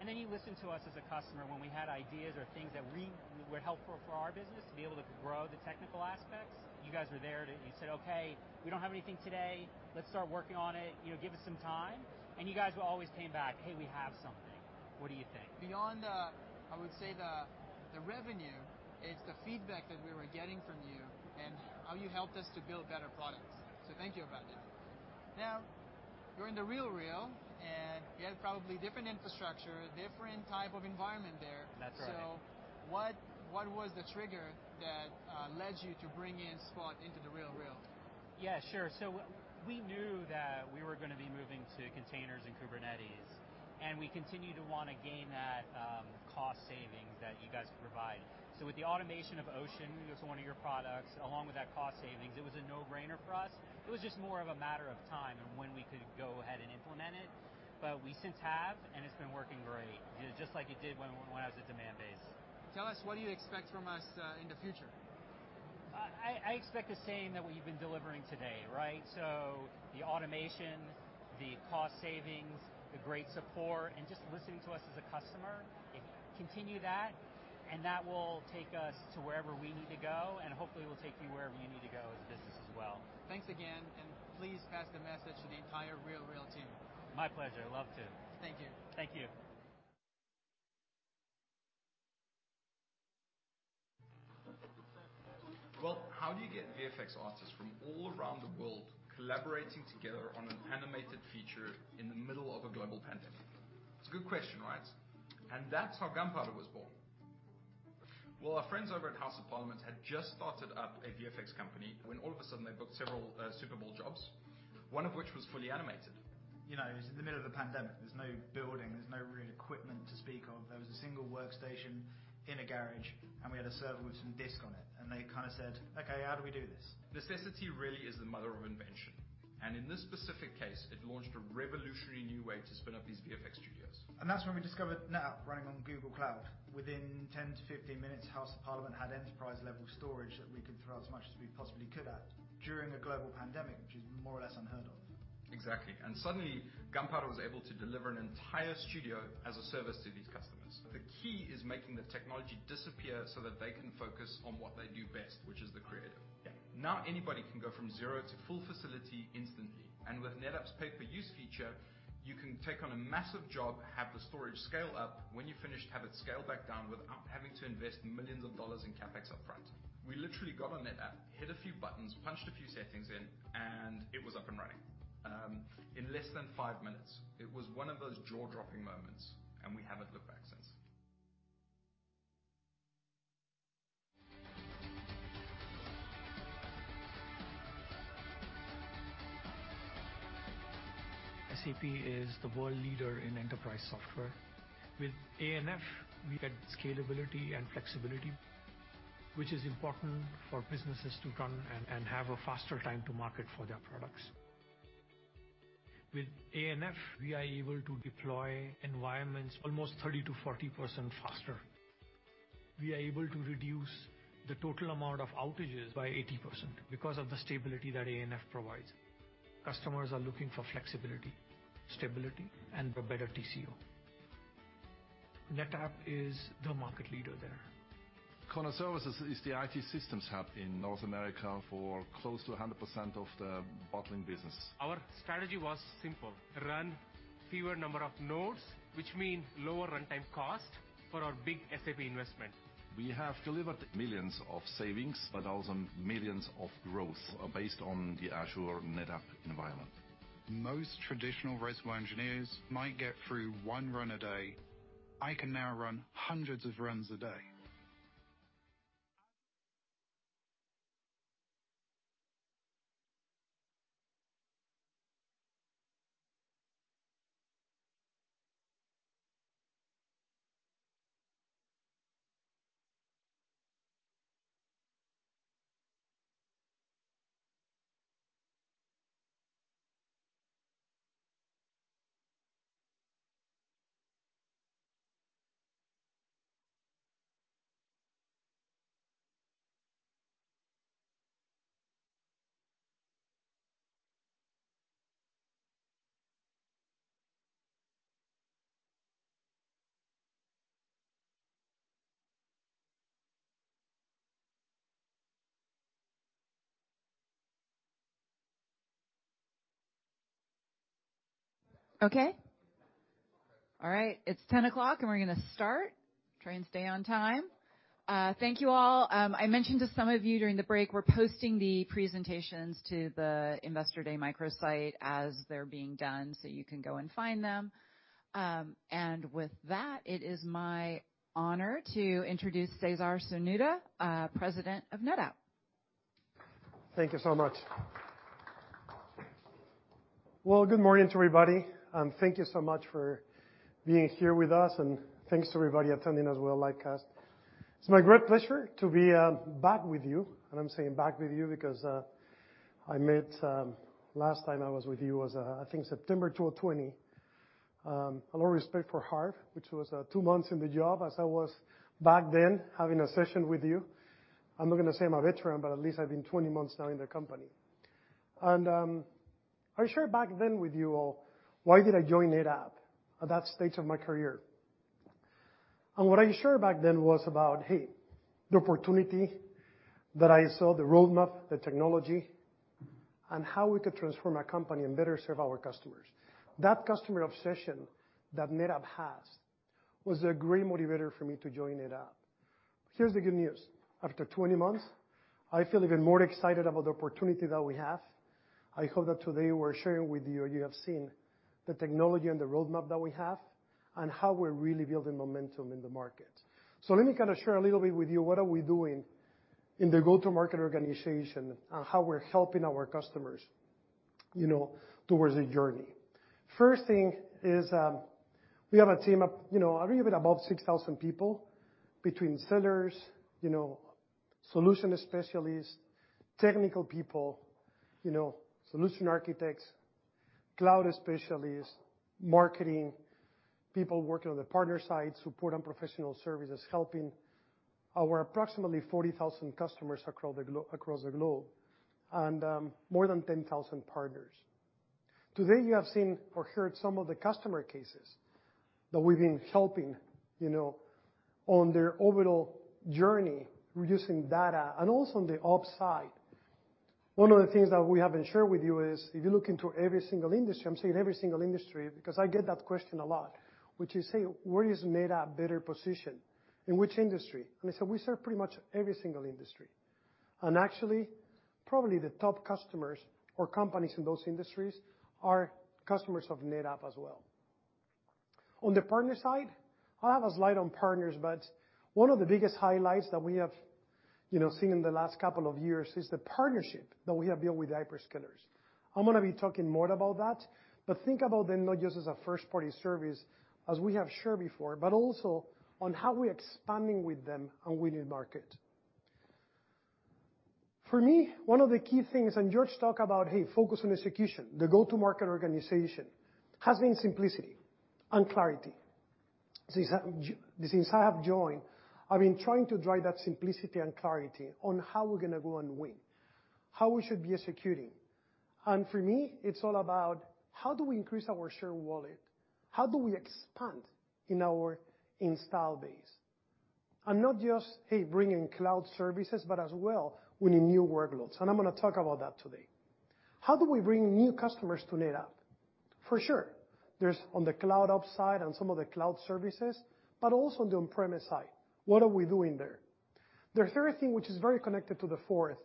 resolved. You listened to us as a customer when we had ideas or things that we were helpful for our business to be able to grow the technical aspects. You guys were there. You said, "Okay, we don't have anything today. Let's start working on it. You know, give us some time." You guys would always came back, "Hey, we have something. What do you think? Beyond the, I would say, the revenue, it's the feedback that we were getting from you and how you helped us to build better products. Thank you about that. Now, you're in The RealReal, and you had probably different infrastructure, different type of environment there. That's right. What was the trigger that led you to bring in Spot into The RealReal? Yeah, sure. We knew that we were gonna be moving to containers and Kubernetes, and we continued to wanna gain that cost savings that you guys provide. With the automation of Ocean, it was one of your products, along with that cost savings, it was a no-brainer for us. It was just more of a matter of time and when we could go ahead and implement it. We since have, and it's been working great just like it did when I was at Demandbase. Tell us what do you expect from us in the future? I expect the same that what you've been delivering today, right? The automation, the cost savings, the great support, and just listening to us as a customer. If you continue that, and that will take us to wherever we need to go and hopefully will take you wherever you need to go as a business as well. Thanks again, and please pass the message to the entire The RealReal team. My pleasure. Love to. Thank you. Thank you. Well, how do you get VFX artists from all around the world collaborating together on an animated feature in the middle of a global pandemic? It's a good question, right? That's how Gunpowder was born. Well, our friends over at House of Parliament had just started up a VFX company when all of a sudden they booked several Super Bowl jobs, one of which was fully animated. You know, it was the middle of the pandemic. There's no building, there's no real equipment to speak of. There was a single workstation in a garage, and we had a server with some disk on it, and they kinda said, "Okay, how do we do this? Necessity really is the mother of invention, and in this specific case, it launched a revolutionary new way to spin up these VFX studios. That's when we discovered NetApp running on Google Cloud. Within 10-15 minutes, House of Parliament had enterprise-level storage that we could throw as much as we possibly could at during a global pandemic, which is more or less unheard of. Exactly. Suddenly, Gunpowder was able to deliver an entire studio as a service to these customers. The key is making the technology disappear so that they can focus on what they do best, which is the creative. Yeah. Now anybody can go from zero to full facility instantly. With NetApp's pay-per-use feature, you can take on a massive job, have the storage scale up, when you're finished, have it scale back down without having to invest millions of dollars in CapEx up front. We literally got on NetApp, hit a few buttons, punched a few settings in, and it was up and running in less than five minutes. It was one of those jaw-dropping moments, and we haven't looked back since. SAP is the world leader in enterprise software. With ANF, we get scalability and flexibility, which is important for businesses to run and have a faster time to market for their products. With ANF, we are able to deploy environments almost 30%-40% faster. We are able to reduce the total amount of outages by 80% because of the stability that ANF provides. Customers are looking for flexibility, stability, and a better TCO. NetApp is the market leader there. CONA Services is the IT systems hub in North America for close to 100% of the bottling business. Our strategy was simple, run fewer number of nodes, which mean lower runtime cost for our big SAP investment. We have delivered millions of savings, but also millions of growth based on the Azure NetApp environment. Most traditional reservoir engineers might get through one run a day. I can now run hundreds of runs a day. Okay. All right. It's 10:00 A.M., and we're gonna start. Try and stay on time. Thank you all. I mentioned to some of you during the break, we're posting the presentations to the Investor Day microsite as they're being done, so you can go and find them. With that, it is my honor to introduce Cesar Cernuda, President of NetApp. Thank you so much. Well, good morning to everybody, and thank you so much for being here with us, and thanks to everybody attending as well live cast. It's my great pleasure to be back with you. I'm saying back with you because last time I was with you was, I think, September 2020. I have a lot of respect for Harv, which was two months in the job as I was back then having a session with you. I'm not gonna say I'm a veteran, but at least I've been 20 months now in the company. I shared back then with you all, why did I join NetApp at that stage of my career? What I shared back then was about, hey, the opportunity that I saw, the roadmap, the technology, and how we could transform our company and better serve our customers. That customer obsession that NetApp has was a great motivator for me to join NetApp. Here's the good news. After 20 months, I feel even more excited about the opportunity that we have. I hope that today we're sharing with you, or you have seen the technology and the roadmap that we have and how we're really building momentum in the market. Let me kinda share a little bit with you what are we doing in the go-to-market organization and how we're helping our customers, you know, towards the journey. First thing is, we have a team of, you know, a little bit above 6,000 people between sellers, you know, solution specialists, technical people, you know, solution architects, cloud specialists, marketing, people working on the partner side, support and professional services, helping our approximately 40,000 customers across the globe, and more than 10,000 partners. Today, you have seen or heard some of the customer cases that we've been helping, you know, on their overall journey, reducing data and also on the upside. One of the things that we haven't shared with you is if you look into every single industry, I'm saying every single industry, because I get that question a lot, which is say, "Where is NetApp better positioned? In which industry?" And I say, "We serve pretty much every single industry." And actually, probably the top customers or companies in those industries are customers of NetApp as well. On the partner side, I have a slide on partners, but one of the biggest highlights that we have, you know, seen in the last couple of years is the partnership that we have built with hyperscalers. I'm gonna be talking more about that, but think about them not just as a first-party service, as we have shared before, but also on how we're expanding with them and winning market. For me, one of the key things, and George talk about, hey, focus on execution, the go-to-market organization, has been simplicity and clarity. Since I have joined, I've been trying to drive that simplicity and clarity on how we're gonna go and win, how we should be executing. For me, it's all about how do we increase our share of wallet? How do we expand in our install base? Not just, hey, bringing cloud services, but as well winning new workloads, and I'm gonna talk about that today. How do we bring new customers to NetApp? For sure, there's on the cloud ops side and some of the cloud services, but also on the on-premise side. What are we doing there? The third thing, which is very connected to the fourth,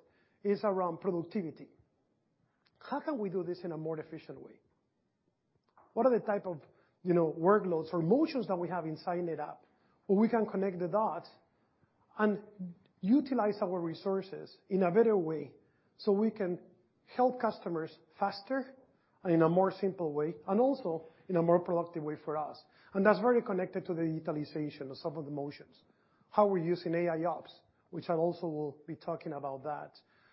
is around productivity. How can we do this in a more efficient way? What are the type of, you know, workloads or motions that we have inside NetApp where we can connect the dots and utilize our resources in a better way, so we can help customers faster and in a more simple way, and also in a more productive way for us? That's very connected to the utilization of some of the motions. How we're using AIOps, which I also will be talking about that.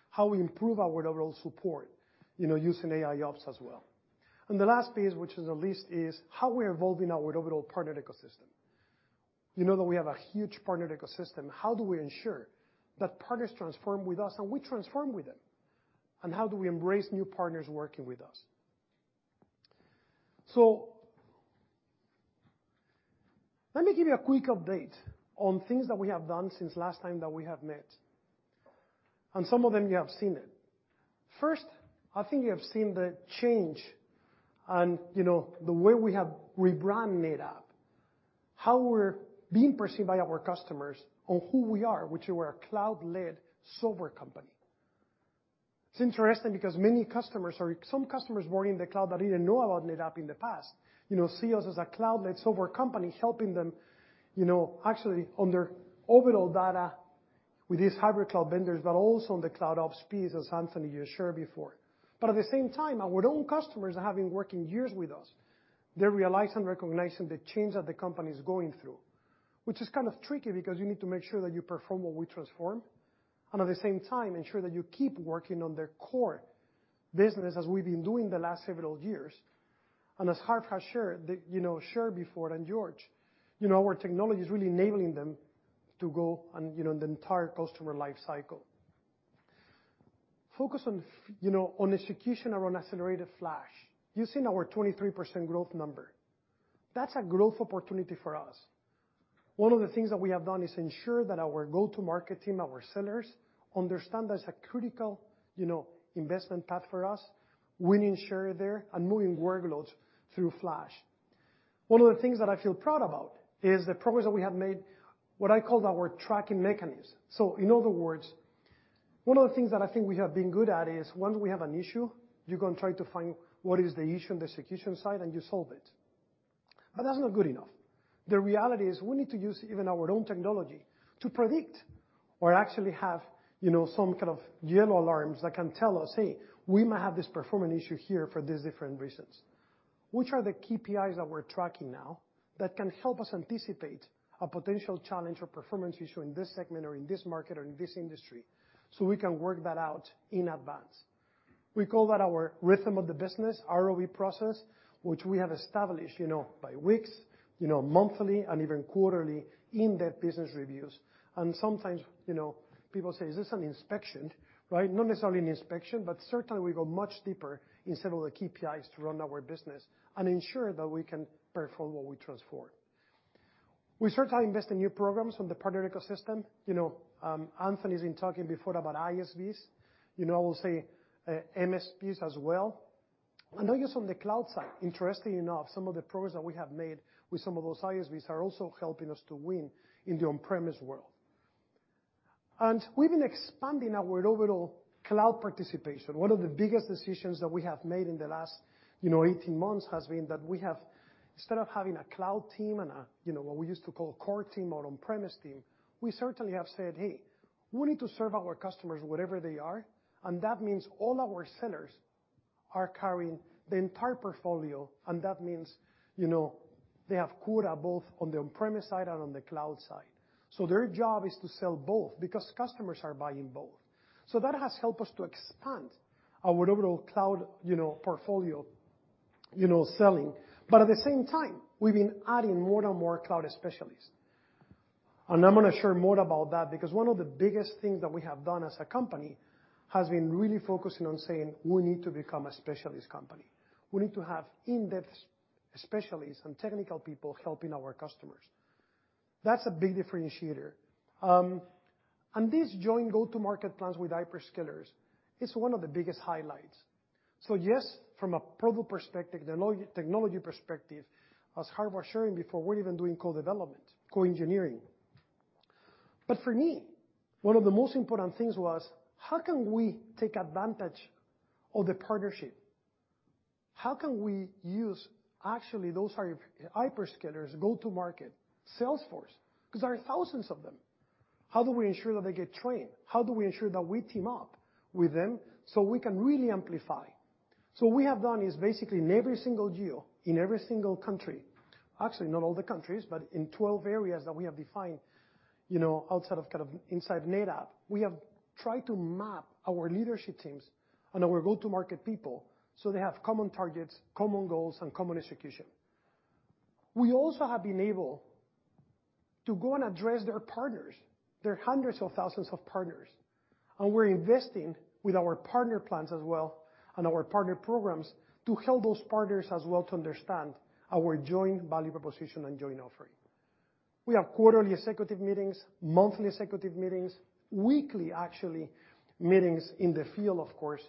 How we improve our overall support, you know, using AIOps as well. The last piece, which is the least, is how we're evolving our overall partner ecosystem. You know that we have a huge partner ecosystem. How do we ensure that partners transform with us and we transform with them? How do we embrace new partners working with us? Let me give you a quick update on things that we have done since last time that we have met, and some of them you have seen it. First, I think you have seen the change and, you know, the way we have rebrand NetApp, how we're being perceived by our customers on who we are, which we're a cloud-led software company. It's interesting because many customers or some customers weren't in the cloud that even know about NetApp in the past, you know, see us as a cloud-led software company helping them, you know, actually on their overall data with these hybrid cloud vendors, but also on the cloud ops piece, as Anthony has shared before. At the same time, our own customers have been working years with us. They're recognizing the change that the company's going through, which is kind of tricky because you need to make sure that you perform what we transform and at the same time ensure that you keep working on their core business as we've been doing the last several years. As Harv has shared before, and George, you know, our technology is really enabling them to go on, you know, the entire customer life cycle. Focus on you know, on execution around accelerated Flash. You've seen our 23% growth number. That's a growth opportunity for us. One of the things that we have done is ensure that our go-to-market team, our sellers, understand there's a critical, you know, investment path for us, winning share there and moving workloads through Flash. One of the things that I feel proud about is the progress that we have made, what I call our tracking mechanism. In other words, one of the things that I think we have been good at is once we have an issue, you're gonna try to find what is the issue on the execution side, and you solve it. That's not good enough. The reality is we need to use even our own technology to predict or actually have, you know, some kind of yellow alarms that can tell us, "Hey, we might have this performance issue here for these different reasons." Which are the KPIs that we're tracking now that can help us anticipate a potential challenge or performance issue in this segment or in this market or in this industry, so we can work that out in advance? We call that our rhythm of the business, RoB process, which we have established, you know, by weeks, you know, monthly and even quarterly in-depth business reviews. Sometimes, you know, people say, "Is this an inspection?" Right? Not necessarily an inspection, but certainly we go much deeper in several of the KPIs to run our business and ensure that we can perform what we transform. We start to invest in new programs from the partner ecosystem. You know, Anthony's been talking before about ISVs. You know, I will say, MSPs as well. Not just on the cloud side, interestingly enough, some of the progress that we have made with some of those ISVs are also helping us to win in the on-premise world. We've been expanding our overall cloud participation. One of the biggest decisions that we have made in the last, you know, 18 months has been that we have, instead of having a cloud team and a, you know, what we used to call a core team or on-premise team, we certainly have said, "Hey, we need to serve our customers wherever they are," and that means all our sellers are carrying the entire portfolio, and that means, you know, they have quota both on the on-premise side and on the cloud side. Their job is to sell both because customers are buying both. That has helped us to expand our overall cloud, you know, portfolio, you know, selling. At the same time, we've been adding more and more cloud specialists. I'm gonna share more about that because one of the biggest things that we have done as a company has been really focusing on saying, "We need to become a specialist company. We need to have in-depth specialists and technical people helping our customers." That's a big differentiator. This joint go-to-market plans with hyperscalers is one of the biggest highlights. Yes, from a product perspective, technology perspective, as Harv was sharing before, we're even doing co-development, co-engineering. For me, one of the most important things was how can we take advantage of the partnership? How can we use actually those hyperscalers go-to-market sales force, 'cause there are thousands of them. How do we ensure that they get trained? How do we ensure that we team up with them so we can really amplify? What we have done is basically in every single geo, in every single country, actually not all the countries, but in 12 areas that we have defined, you know, inside NetApp, we have tried to map our leadership teams and our go-to-market people so they have common targets, common goals, and common execution. We also have been able to go and address their partners, their hundreds of thousands of partners, and we're investing with our partner plans as well and our partner programs to help those partners as well to understand our joint value proposition and joint offering. We have quarterly executive meetings, monthly executive meetings, weekly, actually, meetings in the field, of course,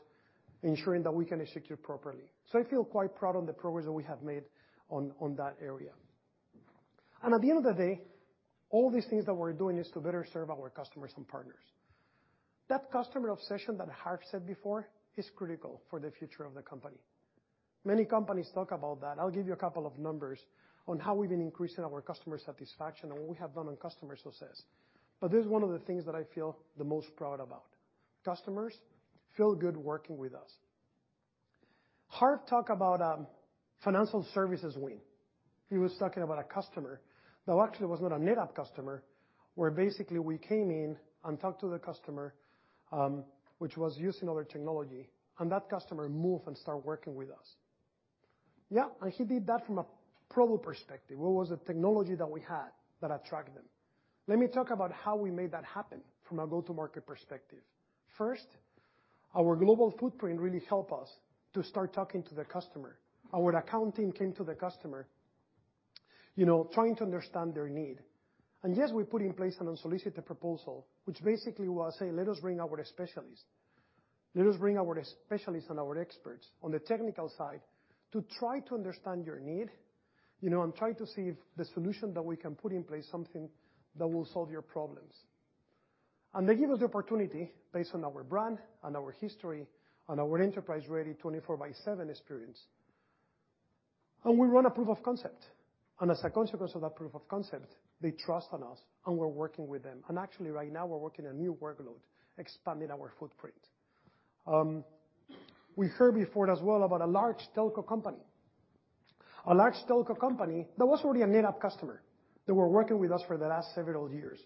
ensuring that we can execute properly. I feel quite proud on the progress that we have made on that area. At the end of the day, all these things that we're doing is to better serve our customers and partners. That customer obsession that Harv said before is critical for the future of the company. Many companies talk about that. I'll give you a couple of numbers on how we've been increasing our customer satisfaction and what we have done on customer success. This is one of the things that I feel the most proud about. Customers feel good working with us. Harv talked about financial services win. He was talking about a customer that actually was not a NetApp customer, where basically we came in and talked to the customer, which was using other technology, and that customer moved and started working with us. Yeah, he did that from a product perspective. What was the technology that we had that attracted them? Let me talk about how we made that happen from a go-to-market perspective. First, our global footprint really helped us to start talking to the customer. Our account team came to the customer, you know, trying to understand their need. Yes, we put in place an unsolicited proposal, which basically was saying, "Let us bring our specialists and our experts on the technical side to try to understand your need, you know, and try to see if the solution that we can put in place, something that will solve your problems." They gave us the opportunity based on our brand and our history and our enterprise-ready 24 by 7 experience. We run a proof of concept. As a consequence of that proof of concept, they trust on us, and we're working with them. Actually, right now we're working a new workload, expanding our footprint. We heard before as well about a large telco company that was already a NetApp customer. They were working with us for the last several years.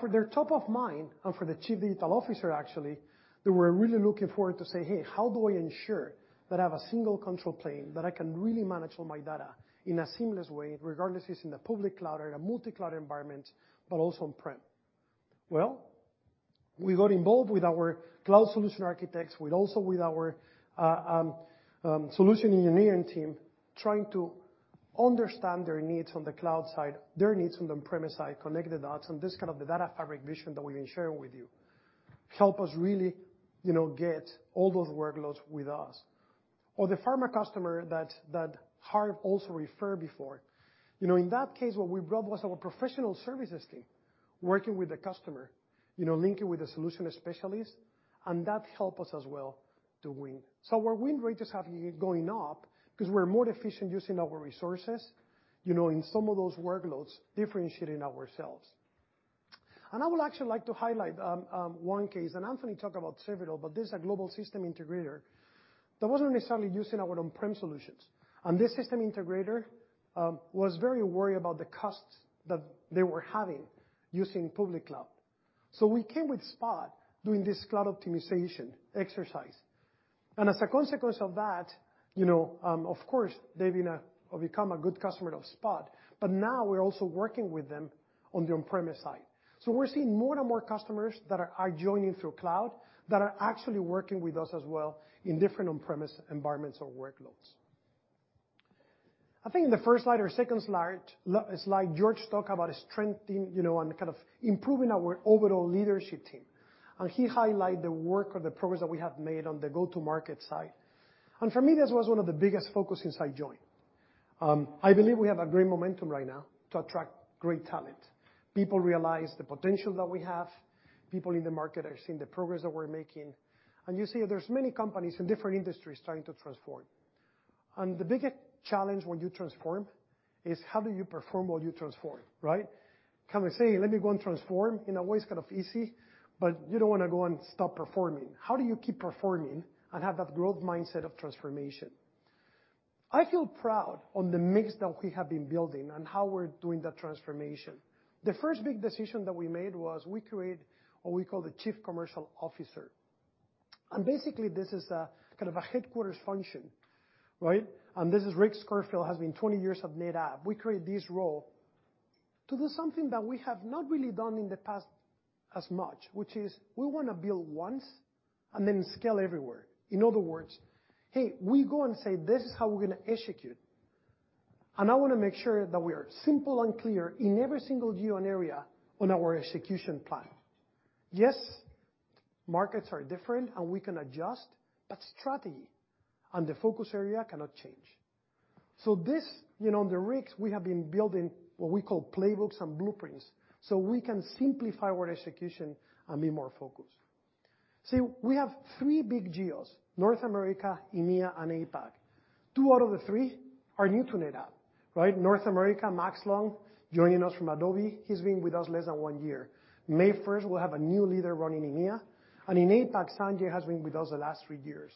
For their top of mind, and for the chief digital officer, actually, they were really looking forward to say, "Hey, how do I ensure that I have a single control plane, that I can really manage all my data in a seamless way, regardless it's in the public cloud or in a multi-cloud environment, but also on-prem?" We got involved with our cloud solution architects, with also our solution engineering team, trying to understand their needs on the cloud side, their needs on the premise side, connect the dots on this kind of the Data Fabric vision that we've been sharing with you. Help us really, you know, get all those workloads with us. Or the pharma customer that Harv also referred before. You know, in that case, what we brought was our professional services team working with the customer, you know, linking with a solution specialist, and that help us as well to win. Our win rates have been going up because we're more efficient using our resources, you know, in some of those workloads differentiating ourselves. I would actually like to highlight one case, and Anthony talked about several, but this is a global system integrator that wasn't necessarily using our on-prem solutions. This system integrator was very worried about the costs that they were having using public cloud. We came with Spot doing this cloud optimization exercise. As a consequence of that, you know, of course, they've become a good customer of Spot, but now we're also working with them on the on-premise side. We're seeing more and more customers that are joining through cloud that are actually working with us as well in different on-premise environments or workloads. I think in the first slide or second slide, George talked about strengthening, you know, and kind of improving our overall leadership team. He highlight the work or the progress that we have made on the go-to-market side. For me, this was one of the biggest focuses I joined. I believe we have a great momentum right now to attract great talent. People realize the potential that we have. People in the market are seeing the progress that we're making. You see there's many companies in different industries trying to transform. The biggest challenge when you transform is how do you perform while you transform, right? Can we say, "Let me go and transform," in a way is kind of easy, but you don't wanna go and stop performing. How do you keep performing and have that growth mindset of transformation? I feel proud on the mix that we have been building and how we're doing the transformation. The first big decision that we made was we create what we call the Chief Commercial Officer. Basically, this is a, kind of a headquarters function, right? This is Rick Scurfield, has been 20 years of NetApp. We create this role to do something that we have not really done in the past as much, which is we wanna build once and then scale everywhere. In other words, hey, we go and say, "This is how we're gonna execute." I wanna make sure that we are simple and clear in every single geo and area on our execution plan. Yes, markets are different and we can adjust, but strategy and the focus area cannot change. This, you know, the rigs we have been building, what we call playbooks and blueprints, so we can simplify our execution and be more focused. See, we have three big geos, North America, EMEA, and APAC. Two out of the three are new to NetApp, right? North America, Max Long, joining us from Adobe. He's been with us less than one year. May first, we'll have a new leader running EMEA. In APAC, Sanjay has been with us the last three years.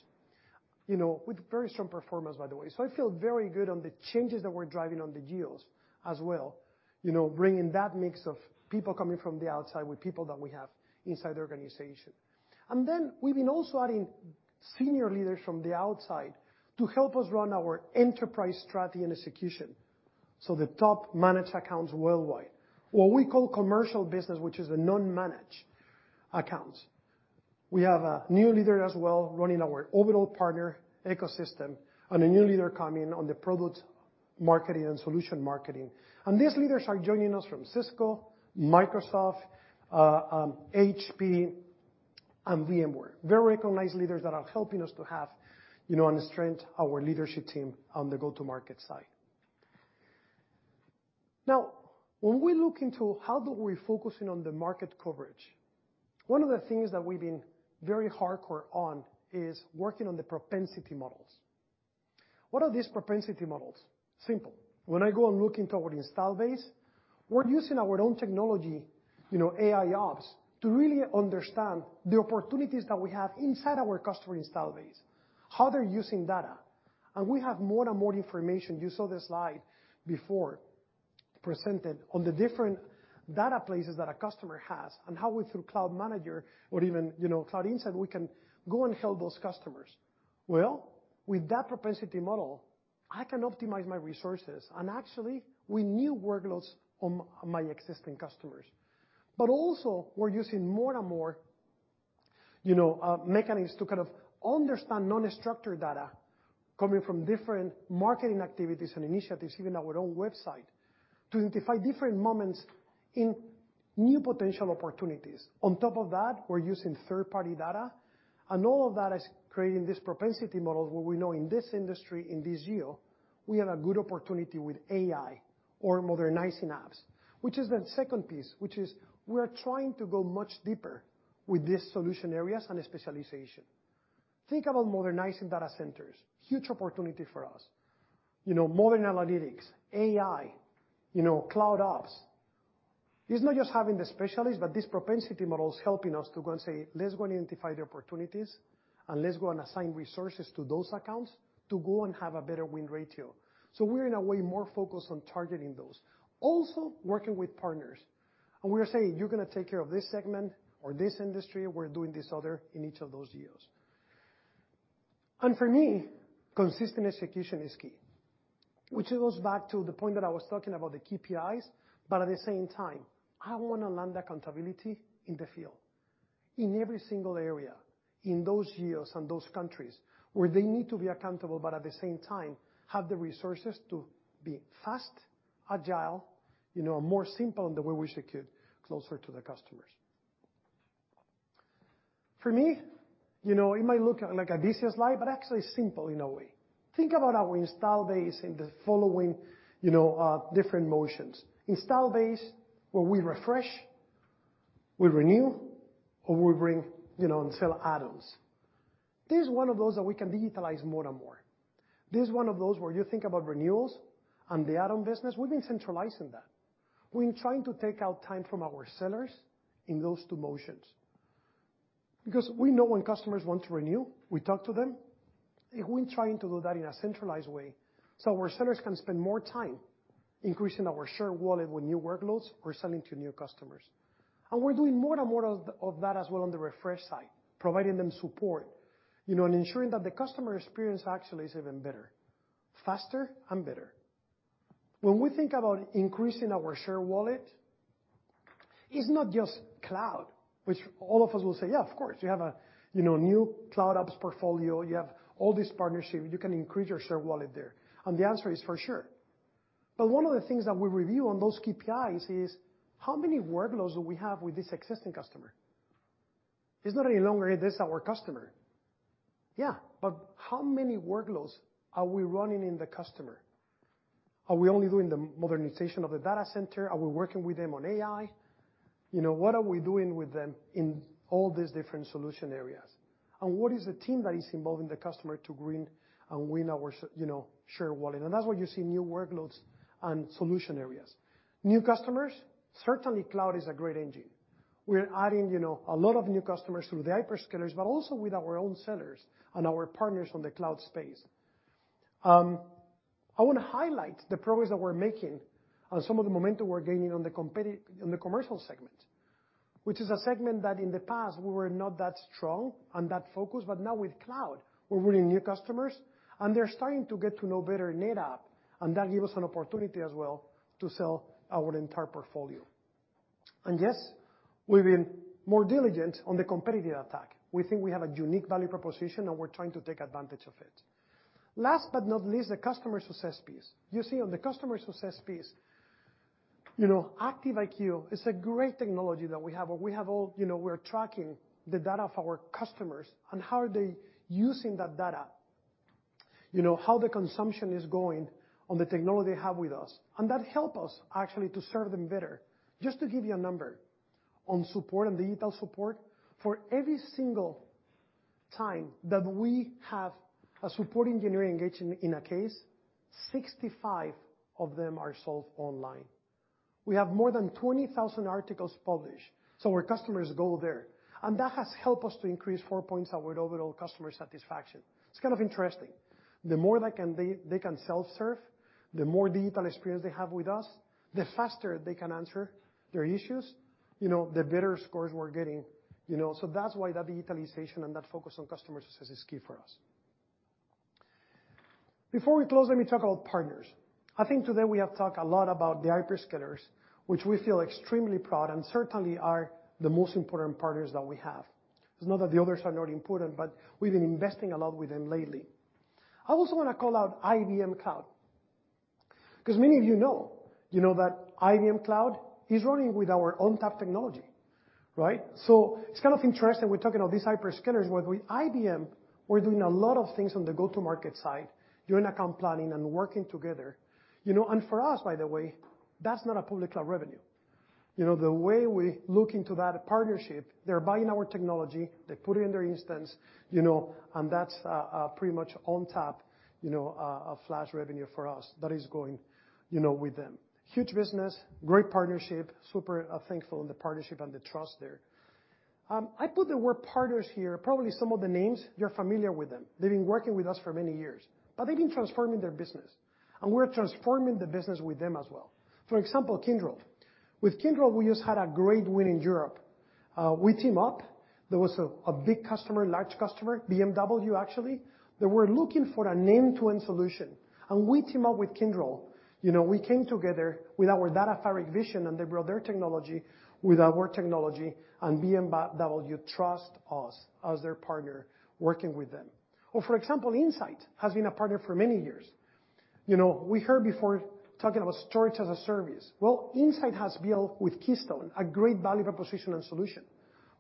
You know, with very strong performance, by the way. I feel very good on the changes that we're driving on the geos as well, you know, bringing that mix of people coming from the outside with people that we have inside the organization. We've been also adding senior leaders from the outside to help us run our enterprise strategy and execution, so the top managed accounts worldwide, or we call commercial business, which is a non-managed accounts. We have a new leader as well running our overall partner ecosystem and a new leader coming in on the product marketing and solution marketing. These leaders are joining us from Cisco, Microsoft, HP and VMware. Very recognized leaders that are helping us to have, you know, and strengthen our leadership team on the go-to-market side. Now, when we look into how we're focusing on the market coverage, one of the things that we've been very hardcore on is working on the propensity models. What are these propensity models? Simple. When I go and look into our installed base, we're using our own technology, you know, AIOps, to really understand the opportunities that we have inside our customer installed base, how they're using data. We have more and more information, you saw the slide presented before, on the different data places that a customer has and how we, through Cloud Manager or even, you know, Cloud Insights, we can go and help those customers. Well, with that propensity model, I can optimize my resources and actually with new workloads on my existing customers. We're using more and more, you know, mechanisms to kind of understand unstructured data coming from different marketing activities and initiatives, even our own website, to identify different moments in new potential opportunities. On top of that, we're using third-party data, and all of that is creating this propensity model where we know in this industry, in this geo, we have a good opportunity with AI or modernizing apps, which is the second piece, which is we're trying to go much deeper with these solution areas and specialization. Think about modernizing data centers, huge opportunity for us. You know, modern analytics, AI, you know, Cloud Ops. It's not just having the specialists, but these propensity models helping us to go and say, "Let's go and identify the opportunities, and let's go and assign resources to those accounts to go and have a better win ratio." We're in a way more focused on targeting those. Also working with partners, and we're saying, "You're gonna take care of this segment or this industry. We're doing this other in each of those geos." For me, consistent execution is key, which goes back to the point that I was talking about the KPIs. At the same time, I wanna land accountability in the field, in every single area, in those geos and those countries where they need to be accountable, but at the same time, have the resources to be fast, agile, you know, more simple in the way we execute closer to the customers. For me, you know, it might look like a decent slide, but actually it's simple in a way. Think about our install base in the following, you know, different motions. Install base, where we refresh, we renew, or we bring, you know, and sell add-ons. This is one of those that we can digitalize more and more. This is one of those where you think about renewals and the add-on business, we've been centralizing that. We've been trying to take out time from our sellers in those two motions. Because we know when customers want to renew, we talk to them. We're trying to do that in a centralized way, so our sellers can spend more time increasing our share of wallet with new workloads or selling to new customers. We're doing more and more of that as well on the refresh side, providing them support, you know, and ensuring that the customer experience actually is even better, faster and better. When we think about increasing our share of wallet, it's not just cloud, which all of us will say, "Yeah, of course, you have a, you know, new cloud ops portfolio. You have all this partnership, you can increase your share of wallet there." The answer is for sure. One of the things that we review on those KPIs is how many workloads do we have with this existing customer? It's not any longer this our customer. Yeah, but how many workloads are we running in the customer? Are we only doing the modernization of the data center? Are we working with them on AI? You know, what are we doing with them in all these different solution areas? What is the team that is involving the customer to grow and win our you know, share of wallet? That's where you see new workloads and solution areas. New customers, certainly cloud is a great engine. We're adding, you know, a lot of new customers through the hyperscalers, but also with our own sellers and our partners on the cloud space. I wanna highlight the progress that we're making and some of the momentum we're gaining on the competition in the commercial segment, which is a segment that in the past we were not that strong and that focused, but now with cloud, we're bringing new customers, and they're starting to get to know better NetApp, and that give us an opportunity as well to sell our entire portfolio. Yes, we've been more diligent on the competitive attack. We think we have a unique value proposition, and we're trying to take advantage of it. Last but not least, the customer success piece. You see, on the customer success piece, you know, Active IQ is a great technology that we have. We have all, you know, we're tracking the data of our customers and how are they using that data. You know, how the consumption is going on the technology they have with us, and that help us actually to serve them better. Just to give you a number on support and digital support. For every single time that we have a support engineer engaged in a case, 65 of them are solved online. We have more than 20,000 articles published, so our customers go there. That has helped us to increase 4 points our overall customer satisfaction. It's kind of interesting. The more they can self-serve, the more digital experience they have with us, the faster they can answer their issues, you know, the better scores we're getting, you know. That's why that digitalization and that focus on customer success is key for us. Before we close, let me talk about partners. I think today we have talked a lot about the hyperscalers, which we feel extremely proud and certainly are the most important partners that we have. It's not that the others are not important, but we've been investing a lot with them lately. I also wanna call out IBM Cloud, 'cause many of you know, you know that IBM Cloud is running with our ONTAP technology, right? It's kind of interesting we're talking about these hyperscalers. With IBM, we're doing a lot of things on the go-to-market side, doing account planning and working together. You know, and for us, by the way, that's not a public cloud revenue. You know, the way we look into that partnership, they're buying our technology, they put it in their instance, you know, and that's pretty much ONTAP, you know, a flash revenue for us that is going, you know, with them. Huge business, great partnership. Super thankful in the partnership and the trust there. I put the word partners here, probably some of the names you're familiar with them. They've been working with us for many years, but they've been transforming their business, and we're transforming the business with them as well. For example, Kyndryl. With Kyndryl, we just had a great win in Europe. We team up. There was a big customer, large customer, BMW, actually. They were looking for an end-to-end solution, and we team up with Kyndryl. You know, we came together with our data fabric vision, and they brought their technology with our technology, and BMW trust us as their partner working with them. For example, Insight has been a partner for many years. You know, we heard before talking about storage-as-a-service. Well, Insight has built with Keystone a great value proposition and solution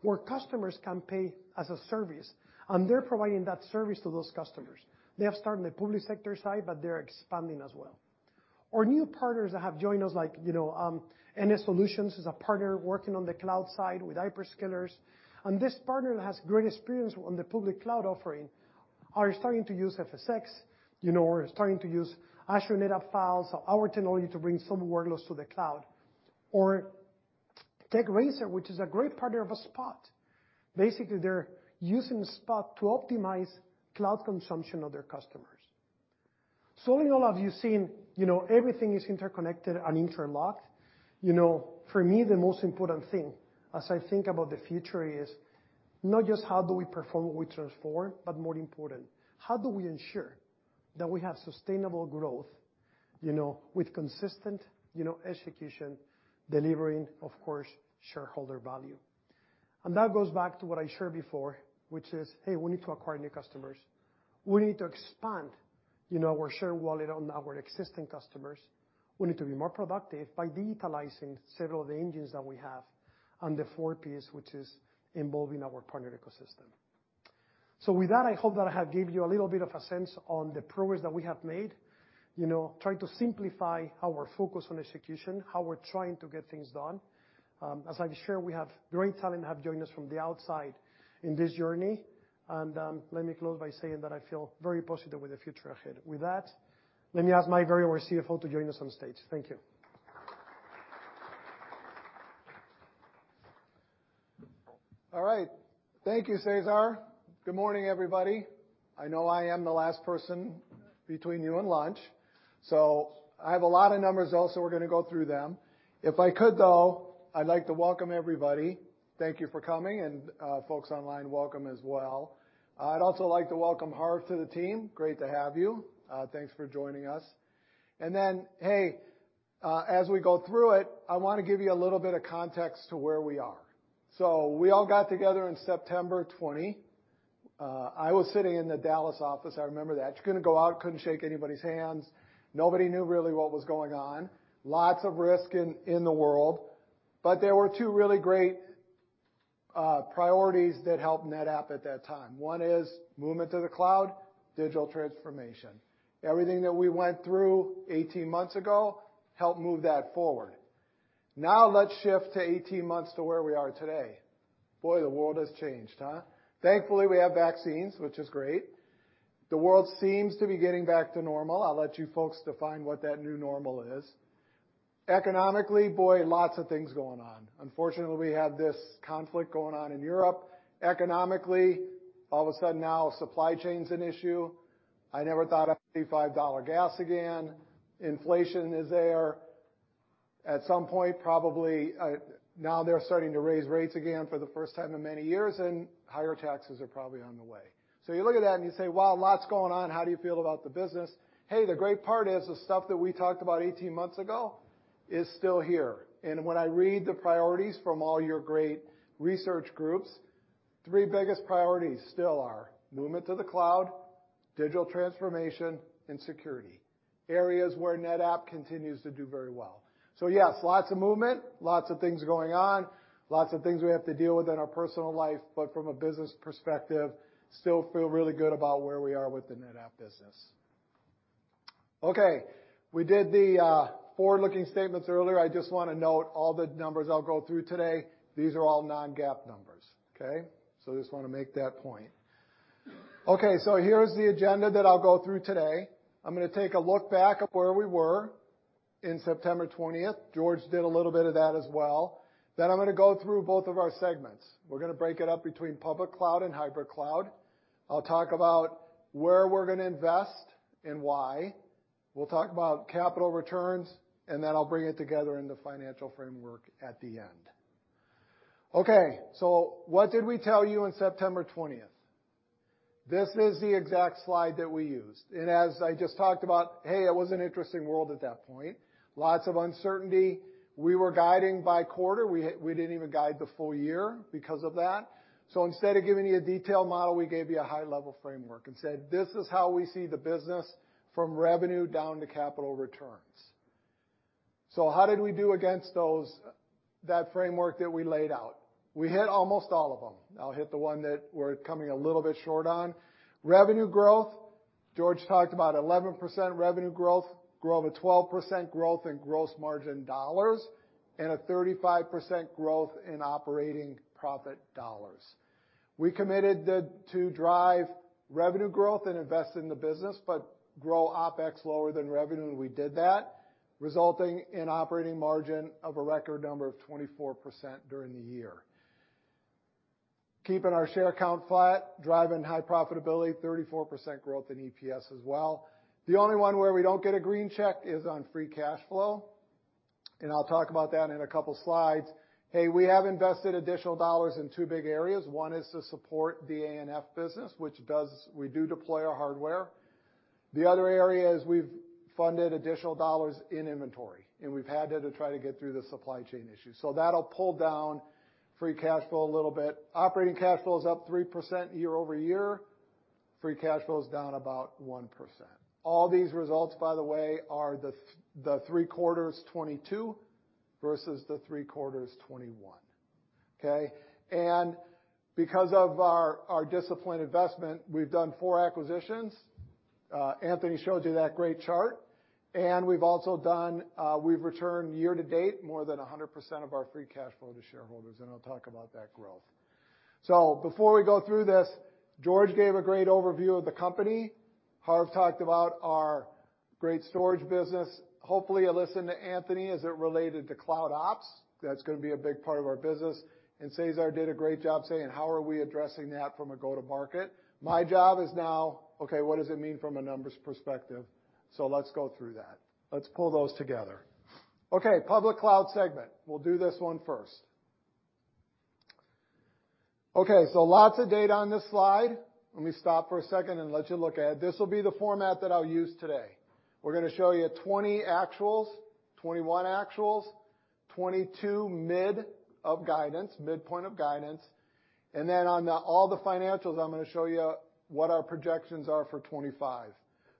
where customers can pay as a service, and they're providing that service to those customers. They have started in the public sector side, but they're expanding as well. Our new partners that have joined us like, you know, NS Solutions is a partner working on the cloud side with hyperscalers, and this partner has great experience on the public cloud offering, are starting to use FSx. You know, we're starting to use Azure NetApp Files, our technology to bring some workloads to the cloud. Razor Technology, which is a great partner of Spot. Basically, they're using Spot to optimize cloud consumption of their customers. In all that you've seen, you know, everything is interconnected and interlocked. You know, for me, the most important thing as I think about the future is not just how do we perform, we transform, but more important, how do we ensure that we have sustainable growth, you know, with consistent, you know, execution, delivering, of course, shareholder value. That goes back to what I shared before, which is, hey, we need to acquire new customers. We need to expand, you know, our share of wallet on our existing customers. We need to be more productive by digitalizing several of the engines that we have, and the fourth piece, which is involving our partner ecosystem. With that, I hope that I have gave you a little bit of a sense on the progress that we have made. You know, trying to simplify how we're focused on execution, how we're trying to get things done. As I've shared, we have great talent have joined us from the outside in this journey, and, let me close by saying that I feel very positive with the future ahead. With that, let me ask my very wise CFO to join us on stage. Thank you. All right. Thank you, Cesar. Good morning, everybody. I know I am the last person between you and lunch, so I have a lot of numbers also, we're gonna go through them. If I could, though, I'd like to welcome everybody. Thank you for coming, and folks online, welcome as well. I'd also like to welcome Harv to the team. Great to have you. Thanks for joining us. And then, hey, as we go through it, I wanna give you a little bit of context to where we are. We all got together in September 2020. I was sitting in the Dallas office, I remember that. You couldn't go out, couldn't shake anybody's hands. Nobody knew really what was going on. Lots of risk in the world, but there were two really great priorities that helped NetApp at that time. One is movement to the cloud, digital transformation. Everything that we went through 18 months ago helped move that forward. Now, let's shift to 18 months to where we are today. Boy, the world has changed, huh? Thankfully, we have vaccines, which is great. The world seems to be getting back to normal. I'll let you folks define what that new normal is. Economically, boy, lots of things going on. Unfortunately, we have this conflict going on in Europe. Economically, all of a sudden now supply chain is an issue. I never thought I'd see $5 gas again. Inflation is there. At some point, probably, now they're starting to raise rates again for the first time in many years, and higher taxes are probably on the way. You look at that and you say, "Wow, lots going on. How do you feel about the business?" Hey, the great part is the stuff that we talked about 18 months ago is still here. When I read the priorities from all your great research groups, three biggest priorities still are movement to the cloud, digital transformation and security, areas where NetApp continues to do very well. Yes, lots of movement, lots of things going on, lots of things we have to deal with in our personal life, but from a business perspective, still feel really good about where we are with the NetApp business. Okay, we did the forward-looking statements earlier. I just wanna note all the numbers I'll go through today, these are all non-GAAP numbers, okay? I just wanna make that point. Okay, here's the agenda that I'll go through today. I'm gonna take a look back at where we were in September twentieth. George did a little bit of that as well. I'm gonna go through both of our segments. We're gonna break it up between public cloud and hybrid cloud. I'll talk about where we're gonna invest and why. We'll talk about capital returns, and then I'll bring it together in the financial framework at the end. Okay, what did we tell you on September twentieth? This is the exact slide that we used. As I just talked about, hey, it was an interesting world at that point. Lots of uncertainty. We were guiding by quarter. We didn't even guide the full year because of that. Instead of giving you a detailed model, we gave you a high-level framework and said, "This is how we see the business from revenue down to capital returns." How did we do against that framework that we laid out? We hit almost all of them. I'll hit the one that we're coming a little bit short on. Revenue growth, George talked about 11% revenue growth of 12% growth in gross margin dollars, and a 35% growth in operating profit dollars. We committed to drive revenue growth and invest in the business, but grow OpEx lower than revenue, and we did that, resulting in operating margin of a record 24% during the year. Keeping our share count flat, driving high profitability, 34% growth in EPS as well. The only one where we don't get a green check is on free cash flow, and I'll talk about that in a couple slides. Hey, we have invested additional dollars in two big areas. One is to support the ANF business, which we do deploy our hardware. The other area is we've funded additional dollars in inventory, and we've had to try to get through the supply chain issue. That'll pull down free cash flow a little bit. Operating cash flow is up 3% year-over-year. Free cash flow is down about 1%. All these results, by the way, are the three quarters 2022 versus the three quarters 2021, okay? Because of our disciplined investment, we've done four acquisitions. Anthony showed you that great chart. We've returned year to date more than 100% of our free cash flow to shareholders, and I'll talk about that growth. Before we go through this, George gave a great overview of the company. Harv talked about our great storage business. Hopefully, you listened to Anthony as it related to Cloud Ops. That's gonna be a big part of our business. Cesar did a great job saying, "How are we addressing that from a go-to-market?" My job is now, okay, what does it mean from a numbers perspective? Let's go through that. Let's pull those together. Okay, Public Cloud segment. We'll do this one first. Okay, lots of data on this slide. Let me stop for a second and let you look at it. This will be the format that I'll use today. We're gonna show you 2020 actuals, 2021 actuals, 2022 midpoint of guidance, and then on the all the financials, I'm gonna show you what our projections are for 2025.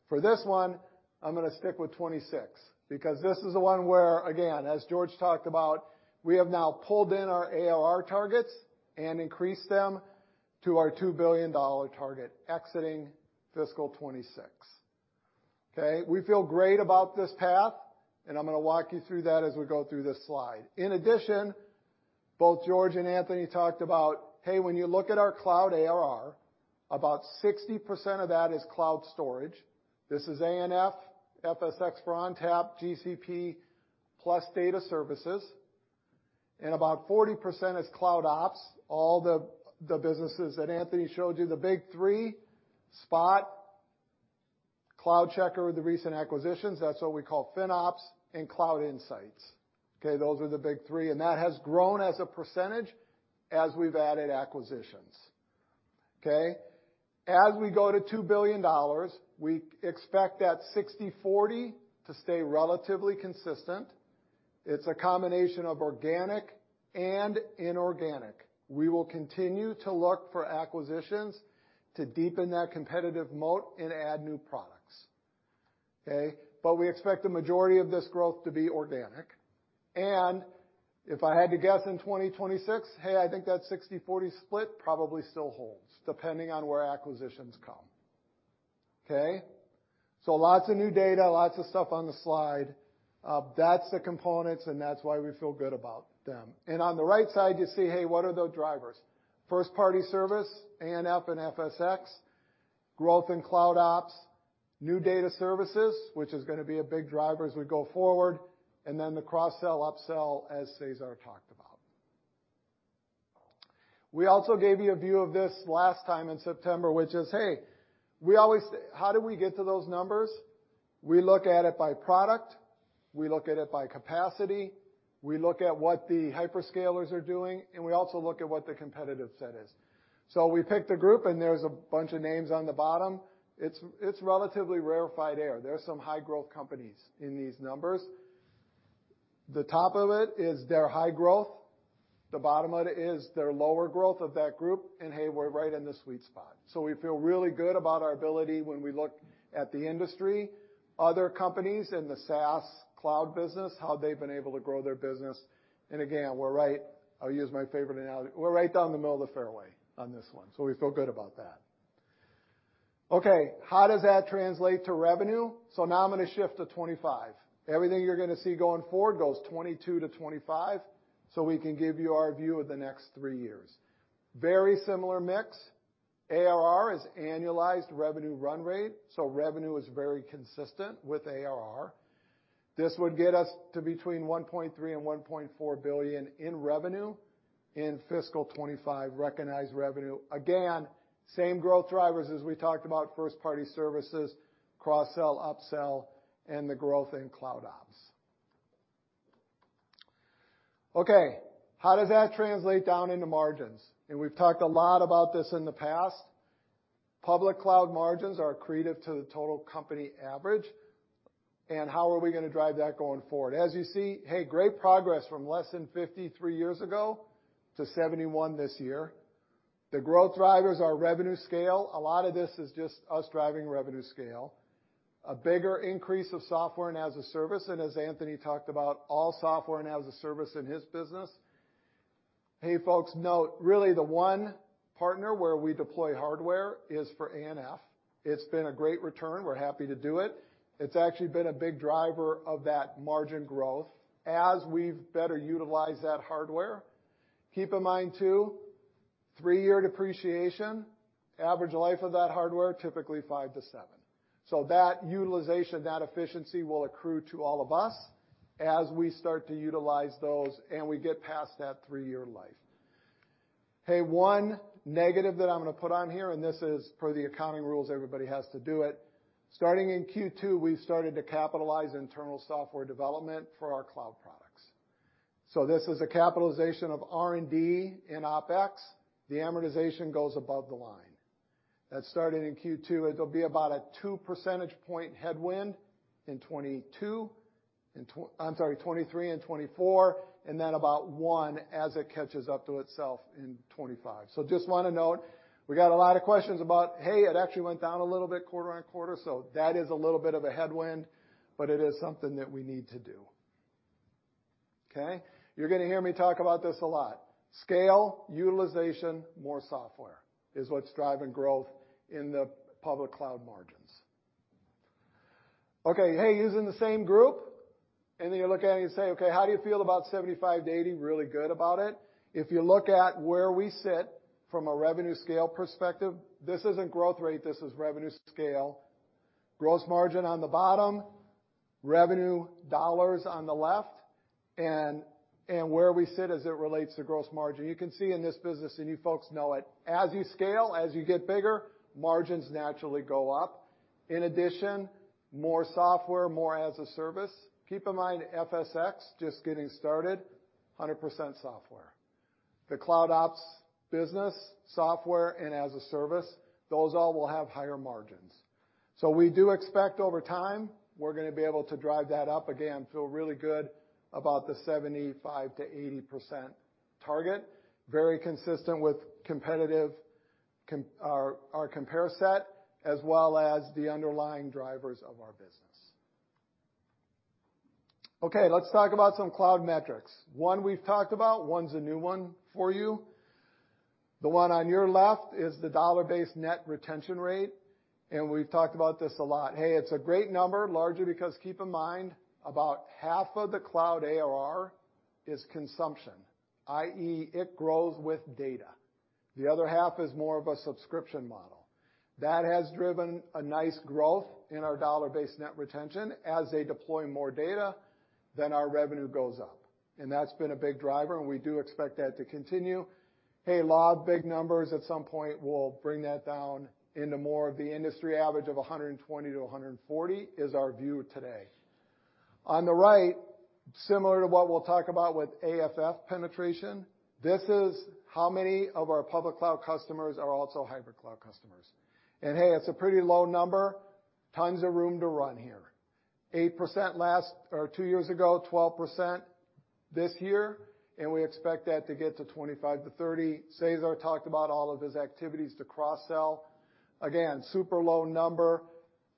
For this one, I'm gonna stick with 2026, because this is the one where, again, as George talked about, we have now pulled in our ARR targets and increased them to our $2 billion target exiting fiscal 2026. Okay? We feel great about this path, and I'm gonna walk you through that as we go through this slide. In addition, both George and Anthony talked about, hey, when you look at our cloud ARR, about 60% of that is cloud storage. This is ANF, FSx for ONTAP, GCP, plus data services, and about 40% is Cloud Ops, all the businesses that Anthony showed you. The big three, Spot, CloudCheckr, the recent acquisitions, that's what we call FinOps, and Cloud Insights. Okay? Those are the big three, and that has grown as a percentage as we've added acquisitions, okay? As we go to $2 billion, we expect that 60/40 to stay relatively consistent. It's a combination of organic and inorganic. We will continue to look for acquisitions to deepen that competitive moat and add new products, okay? We expect the majority of this growth to be organic, and if I had to guess in 2026, I think that 60/40 split probably still holds, depending on where acquisitions come, okay? Lots of new data, lots of stuff on the slide. That's the components, and that's why we feel good about them. On the right side, you see, what are the drivers? First-party service, ANF and FSx, growth in Cloud Ops, new data services, which is gonna be a big driver as we go forward, and then the cross-sell, up-sell, as Cesar talked about. We also gave you a view of this last time in September, which is, hey, we always. How do we get to those numbers? We look at it by product, we look at it by capacity, we look at what the hyperscalers are doing, and we also look at what the competitive set is. We picked a group, and there's a bunch of names on the bottom. It's relatively rarefied air. There are some high-growth companies in these numbers. The top of it is their high growth, the bottom of it is their lower growth of that group, and hey, we're right in the sweet spot. We feel really good about our ability when we look at the industry, other companies in the SaaS cloud business, how they've been able to grow their business. Again, we're right. I'll use my favorite analogy. We're right down the middle of the fairway on this one, so we feel good about that. Okay, how does that translate to revenue? Now I'm gonna shift to 2025. Everything you're gonna see going forward goes 2022 to 2025, so we can give you our view of the next three years. Very similar mix. ARR is annualized revenue run rate, so revenue is very consistent with ARR. This would get us to between $1.3 billion and $1.4 billion in revenue in FY 2025 recognized revenue. Again, same growth drivers as we talked about first party services, cross-sell, up-sell, and the growth in Cloud Ops. Okay, how does that translate down into margins? We've talked a lot about this in the past. Public cloud margins are accretive to the total company average. How are we gonna drive that going forward? As you see, hey, great progress from less than 53 years ago to 71 this year. The growth drivers are revenue scale. A lot of this is just us driving revenue scale. A bigger increase of software and as-a-service, and as Anthony talked about, all software and as-a-service in his business. Hey, folks, note, really the one partner where we deploy hardware is for ANF. It's been a great return. We're happy to do it. It's actually been a big driver of that margin growth as we've better utilized that hardware. Keep in mind too, three-year depreciation, average life of that hardware, typically five to seven. So that utilization, that efficiency will accrue to all of us as we start to utilize those, and we get past that three-year life. Hey, one negative that I'm gonna put on here, and this is per the accounting rules, everybody has to do it. Starting in Q2, we've started to capitalize internal software development for our cloud products. This is a capitalization of R&D in OpEx. The amortization goes above the line. That started in Q2. It'll be about a two percentage point headwind in 2022. In 2023 and 2024, and then about one as it catches up to itself in 2025. Just wanna note, we got a lot of questions about, hey, it actually went down a little bit quarter-over-quarter. That is a little bit of a headwind, but it is something that we need to do. Okay? You're gonna hear me talk about this a lot. Scale, utilization, more software is what's driving growth in the public cloud margins. Okay. Hey, using the same group, and then you look at it and you say, "Okay, how do you feel about 75-80?" Really good about it. If you look at where we sit from a revenue scale perspective, this isn't growth rate, this is revenue scale. Gross margin on the bottom, revenue dollars on the left, and where we sit as it relates to gross margin. You can see in this business, and you folks know it, as you scale, as you get bigger, margins naturally go up. In addition, more software, more as-a-service. Keep in mind, FSx just getting started, 100% software. The Cloud Ops business, software and as-a-service, those all will have higher margins. We do expect over time, we're gonna be able to drive that up again, feel really good about the 75%-80% target. Very consistent with our compare set, as well as the underlying drivers of our business. Okay, let's talk about some cloud metrics. One we've talked about, one's a new one for you. The one on your left is the dollar-based net retention rate, and we've talked about this a lot. Hey, it's a great number, largely because keep in mind, about half of the cloud ARR is consumption, i.e., it grows with data. The other half is more of a subscription model. That has driven a nice growth in our dollar-based net retention. As they deploy more data, then our revenue goes up. That's been a big driver, and we do expect that to continue. Hey, a lot of big numbers. At some point, we'll bring that down into more of the industry average of 120-140, is our view today. On the right, similar to what we'll talk about with AFF penetration, this is how many of our public cloud customers are also hybrid cloud customers. Hey, it's a pretty low number. Tons of room to run here. 8% last two years ago, 12% this year, and we expect that to get to 25%-30%. Cesar talked about all of his activities to cross-sell. Again, super low number,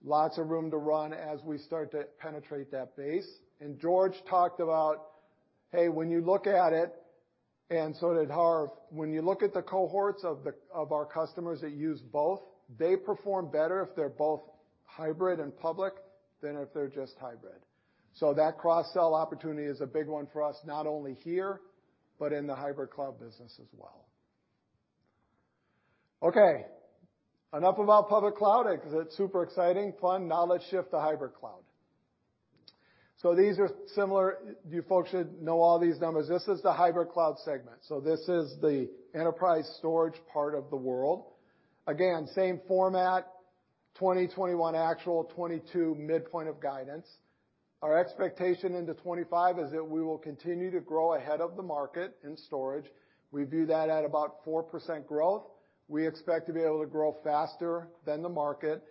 lots of room to run as we start to penetrate that base. George talked about, hey, when you look at it, and so did Harv, when you look at the cohorts of our customers that use both, they perform better if they're both hybrid and public than if they're just hybrid. That cross-sell opportunity is a big one for us, not only here, but in the hybrid cloud business as well. Okay. Enough about public cloud, because it's super exciting, fun. Now let's shift to hybrid cloud. These are similar. You folks should know all these numbers. This is the hybrid cloud segment. This is the enterprise storage part of the world. Again, same format, 2021 actual, 2022 midpoint of guidance. Our expectation into 2025 is that we will continue to grow ahead of the market in storage. We view that at about 4% growth. We expect to be able to grow faster than the market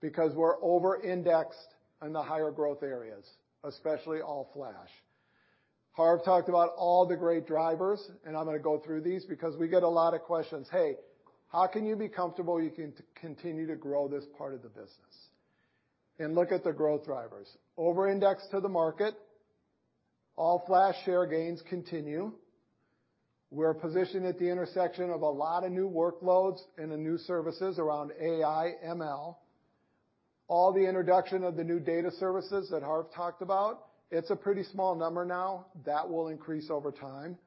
because we're over-indexed in the higher growth areas, especially all-flash. Harv talked about all the great drivers, and I'm gonna go through these because we get a lot of questions, "Hey, how can you be comfortable you can continue to grow this part of the business?" Look at the growth drivers. Over-index to the market. All Flash share gains continue. We're positioned at the intersection of a lot of new workloads and the new services around AI, ML. All the introduction of the new data services that Harv talked about, it's a pretty small number now. That will increase over time.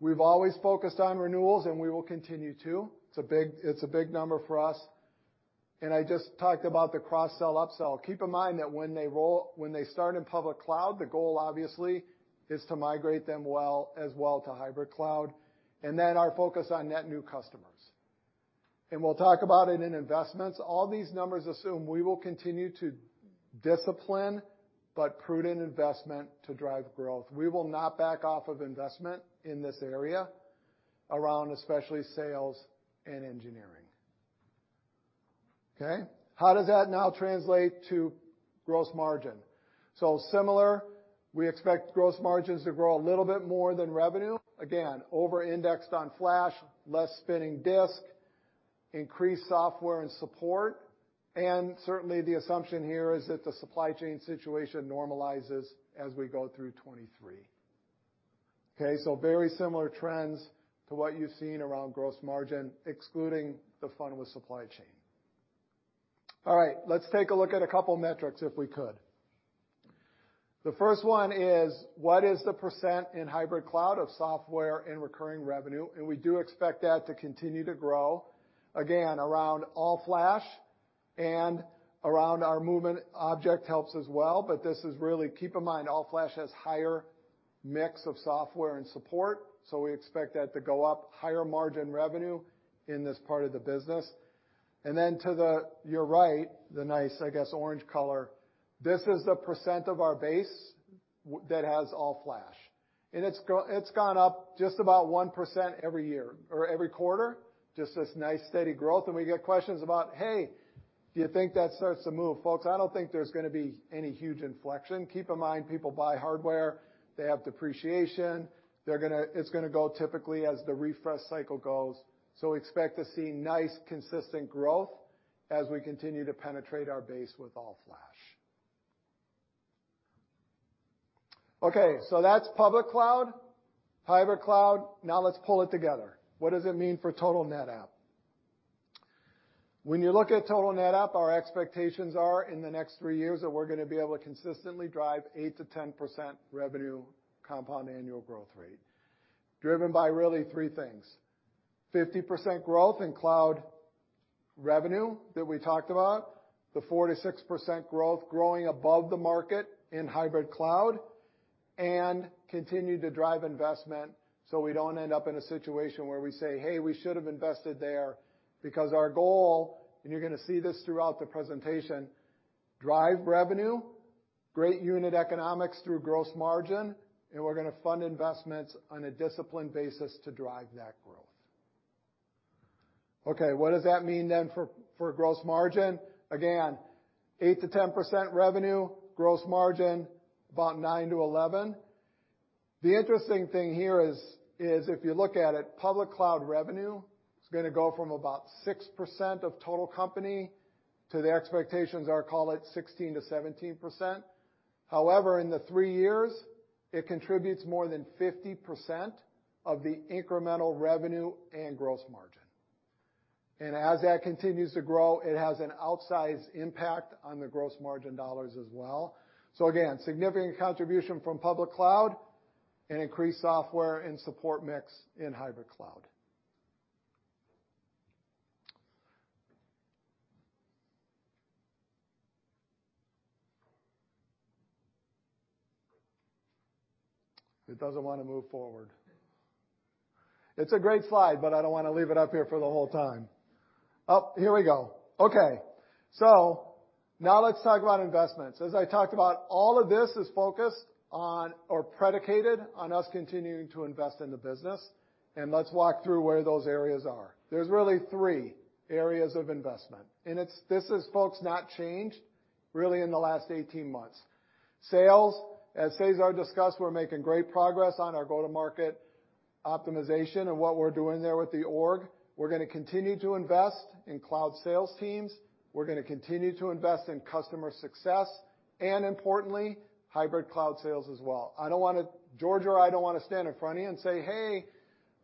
We've always focused on renewals, and we will continue to. It's a big number for us. I just talked about the cross-sell, up-sell. Keep in mind that when they start in public cloud, the goal, obviously, is to migrate them well as well to hybrid cloud. Our focus on net new customers. We'll talk about it in investments. All these numbers assume we will continue disciplined but prudent investment to drive growth. We will not back off of investment in this area around especially sales and engineering. Okay? How does that now translate to gross margin? Similar, we expect gross margins to grow a little bit more than revenue. Again, over-indexed on Flash, less spinning disk, increased software and support, and certainly, the assumption here is that the supply chain situation normalizes as we go through 2023. Okay? Very similar trends to what you've seen around gross margin, excluding the fun with supply chain. All right, let's take a look at a couple metrics if we could. The first one is: what is the % in hybrid cloud of software and recurring revenue? We do expect that to continue to grow, again, around All-Flash and around our movement to object helps as well, but this is really. Keep in mind, All-Flash has higher mix of software and support, so we expect that to go up, higher margin revenue in this part of the business. Then to your right, the nice, I guess, orange color, this is the % of our base with All-Flash. It's gone up just about 1% every year or every quarter, just this nice steady growth. We get questions about, "Hey, do you think that starts to move?" Folks, I don't think there's gonna be any huge inflection. Keep in mind, people buy hardware, they have depreciation, they're gonna—it's gonna go typically as the refresh cycle goes. Expect to see nice consistent growth as we continue to penetrate our base with All Flash. Okay, that's public cloud, hybrid cloud. Now let's pull it together. What does it mean for total NetApp? When you look at total NetApp, our expectations are in the next three years that we're gonna be able to consistently drive 8%-10% revenue compound annual growth rate, driven by really three things. 50% growth in cloud revenue that we talked about, the 4%-6% growth growing above the market in hybrid cloud, and continue to drive investment, so we don't end up in a situation where we say, "Hey, we should have invested there," because our goal, and you're gonna see this throughout the presentation, drive revenue, great unit economics through gross margin, and we're gonna fund investments on a disciplined basis to drive that growth. Okay, what does that mean then for gross margin? Again, 8%-10% revenue, gross margin about 9%-11%. The interesting thing here is if you look at it, public cloud revenue is gonna go from about 6% of total company to the expectations are call it 16%-17%. However, in the 3 years, it contributes more than 50% of the incremental revenue and gross margin. As that continues to grow, it has an outsized impact on the gross margin dollars as well. Again, significant contribution from public cloud and increased software and support mix in hybrid cloud. It doesn't wanna move forward. It's a great slide, but I don't wanna leave it up here for the whole time. Oh, here we go. Okay. Now let's talk about investments. As I talked about, all of this is focused on or predicated on us continuing to invest in the business, and let's walk through where those areas are. There's really three areas of investment, and this is, folks, not changed really in the last 18 months. Sales, as Cesar discussed, we're making great progress on our go-to-market optimization and what we're doing there with the org. We're gonna continue to invest in cloud sales teams. We're gonna continue to invest in customer success, and importantly, hybrid cloud sales as well. George or I don't wanna stand in front of you and say, "Hey,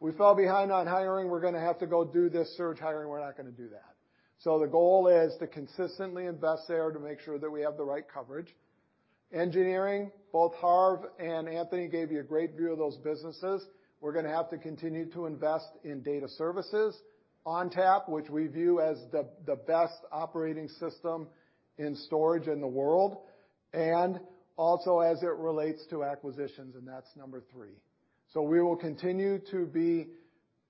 we fell behind on hiring. We're gonna have to go do this surge hiring." We're not gonna do that. The goal is to consistently invest there to make sure that we have the right coverage. Engineering, both Harv and Anthony gave you a great view of those businesses. We're gonna have to continue to invest in data services. ONTAP, which we view as the best operating system in storage in the world, and also as it relates to acquisitions, and that's number three. We will continue to be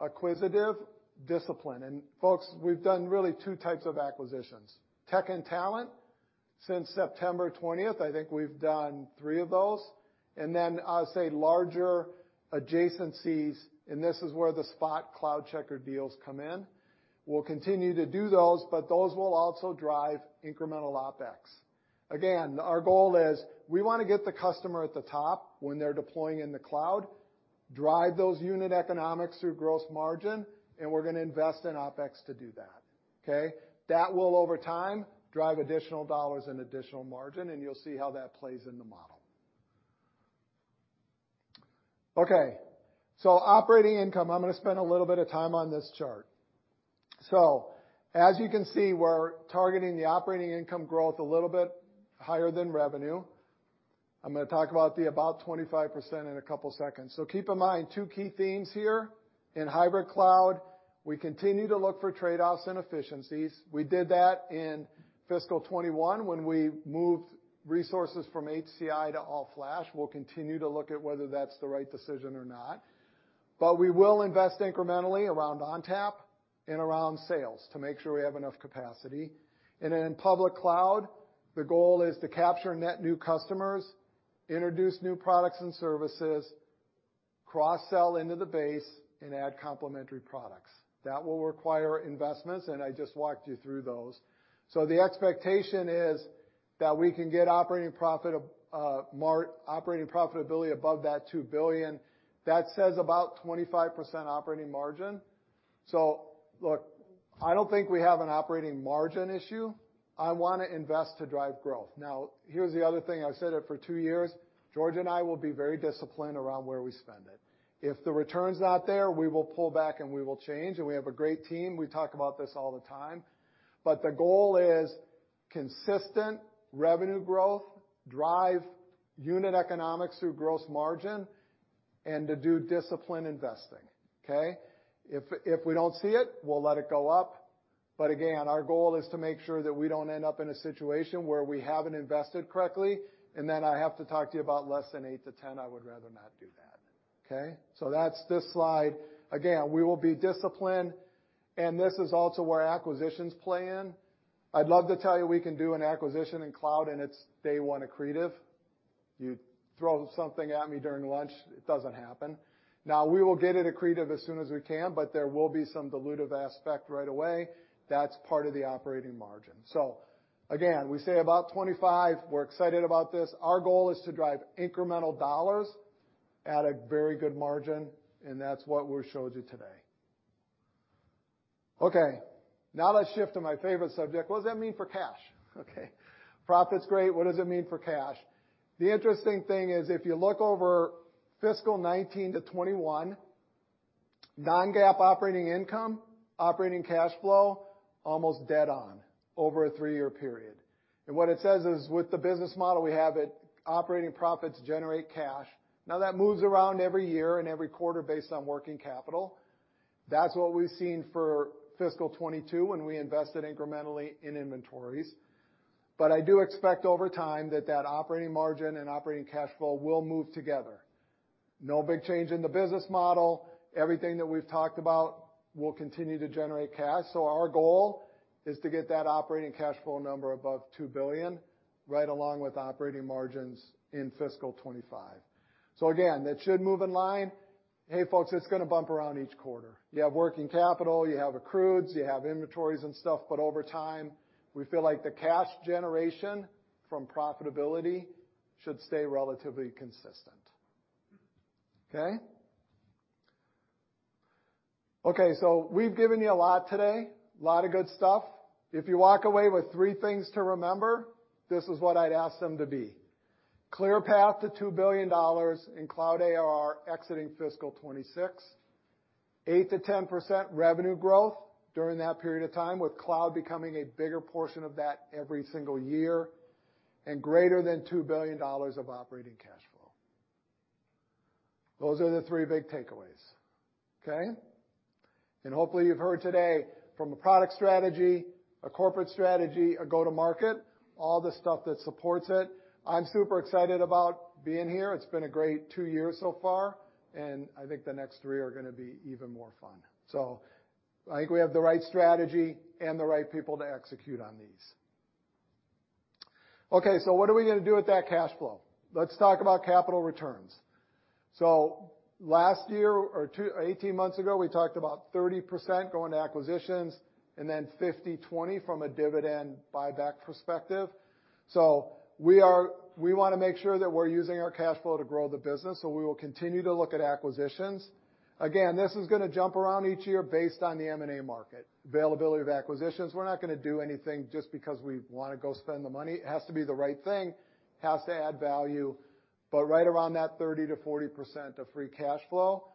acquisitive, disciplined. Folks, we've done really two types of acquisitions, tech and talent. Since September 20th, I think we've done three of those. Then I'll say larger adjacencies, and this is where the Spot CloudCheckr deals come in. We'll continue to do those, but those will also drive incremental OpEx. Again, our goal is we want to get the customer at the top when they're deploying in the cloud, drive those unit economics through gross margin, and we're going to invest in OpEx to do that. Okay? That will, over time, drive additional dollars and additional margin, and you'll see how that plays in the model. Okay, operating income, I'm going to spend a little bit of time on this chart. As you can see, we're targeting the operating income growth a little bit higher than revenue. I'm going to talk about twenty-five percent in a couple seconds. Keep in mind two key themes here. In hybrid cloud, we continue to look for trade-offs and efficiencies. We did that in fiscal 2021 when we moved resources from HCI to All Flash. We'll continue to look at whether that's the right decision or not. We will invest incrementally around ONTAP and around sales to make sure we have enough capacity. In public cloud, the goal is to capture net new customers, introduce new products and services, cross-sell into the base, and add complementary products. That will require investments, and I just walked you through those. The expectation is that we can get operating profit, operating profitability above that $2 billion. That says about 25% operating margin. Look, I don't think we have an operating margin issue. I wanna invest to drive growth. Now, here's the other thing. I've said it for two years, George and I will be very disciplined around where we spend it. If the return's not there, we will pull back and we will change, and we have a great team. We talk about this all the time, but the goal is consistent revenue growth, drive unit economics through gross margin, and to do disciplined investing. Okay? If we don't see it, we'll let it go up. Again, our goal is to make sure that we don't end up in a situation where we haven't invested correctly, and then I have to talk to you about less than 8-10. I would rather not do that. Okay? That's this slide. Again, we will be disciplined, and this is also where acquisitions play in. I'd love to tell you we can do an acquisition in cloud, and it's day one accretive. You throw something at me during lunch, it doesn't happen. Now, we will get it accretive as soon as we can, but there will be some dilutive aspect right away. That's part of the operating margin. Again, we say about 25. We're excited about this. Our goal is to drive incremental dollars at a very good margin, and that's what we showed you today. Okay, now let's shift to my favorite subject. What does that mean for cash? Okay. Profit's great. What does it mean for cash? The interesting thing is, if you look over fiscal 2019 to 2021, non-GAAP operating income, operating cash flow, almost dead on over a three-year period. What it says is, with the business model we have, our operating profits generate cash. Now, that moves around every year and every quarter based on working capital. That's what we've seen for fiscal 2022 when we invested incrementally in inventories. I do expect over time that that operating margin and operating cash flow will move together. No big change in the business model. Everything that we've talked about will continue to generate cash. Our goal is to get that operating cash flow number above $2 billion right along with operating margins in fiscal 2025. Again, that should move in line. Hey, folks, it's gonna bump around each quarter. You have working capital, you have accrueds, you have inventories and stuff, but over time, we feel like the cash generation from profitability should stay relatively consistent. Okay? Okay, we've given you a lot today, a lot of good stuff. If you walk away with three things to remember, this is what I'd ask them to be. Clear path to $2 billion in cloud ARR exiting fiscal 2026. 8%-10% revenue growth during that period of time, with cloud becoming a bigger portion of that every single year. Greater than $2 billion of operating cash flow. Those are the three big takeaways, okay? Hopefully you've heard today from a product strategy, a corporate strategy, a go-to-market, all the stuff that supports it. I'm super excited about being here. It's been a great 2 years so far, and I think the next three are gonna be even more fun. I think we have the right strategy and the right people to execute on these. Okay, so what are we gonna do with that cash flow? Let's talk about capital returns. 18 months ago, we talked about 30% going to acquisitions and then 50/20 from a dividend buyback perspective. We wanna make sure that we're using our cash flow to grow the business, so we will continue to look at acquisitions. Again, this is gonna jump around each year based on the M&A market, availability of acquisitions. We're not gonna do anything just because we wanna go spend the money. It has to be the right thing, has to add value, but right around that 30%-40% of free cash flow.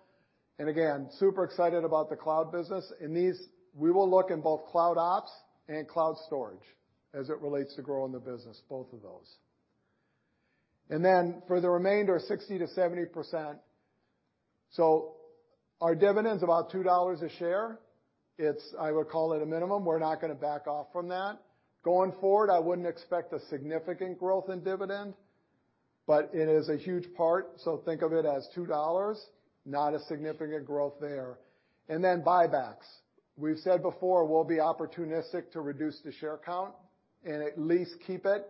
Again, super excited about the cloud business. In these, we will look in both Cloud Ops and cloud storage as it relates to growing the business, both of those. Then for the remainder, 60%-70%. Our dividend's about $2 a share. It's I would call it a minimum. We're not gonna back off from that. Going forward, I wouldn't expect a significant growth in dividend, but it is a huge part. Think of it as $2, not a significant growth there. Then buybacks. We've said before, we'll be opportunistic to reduce the share count and at least keep it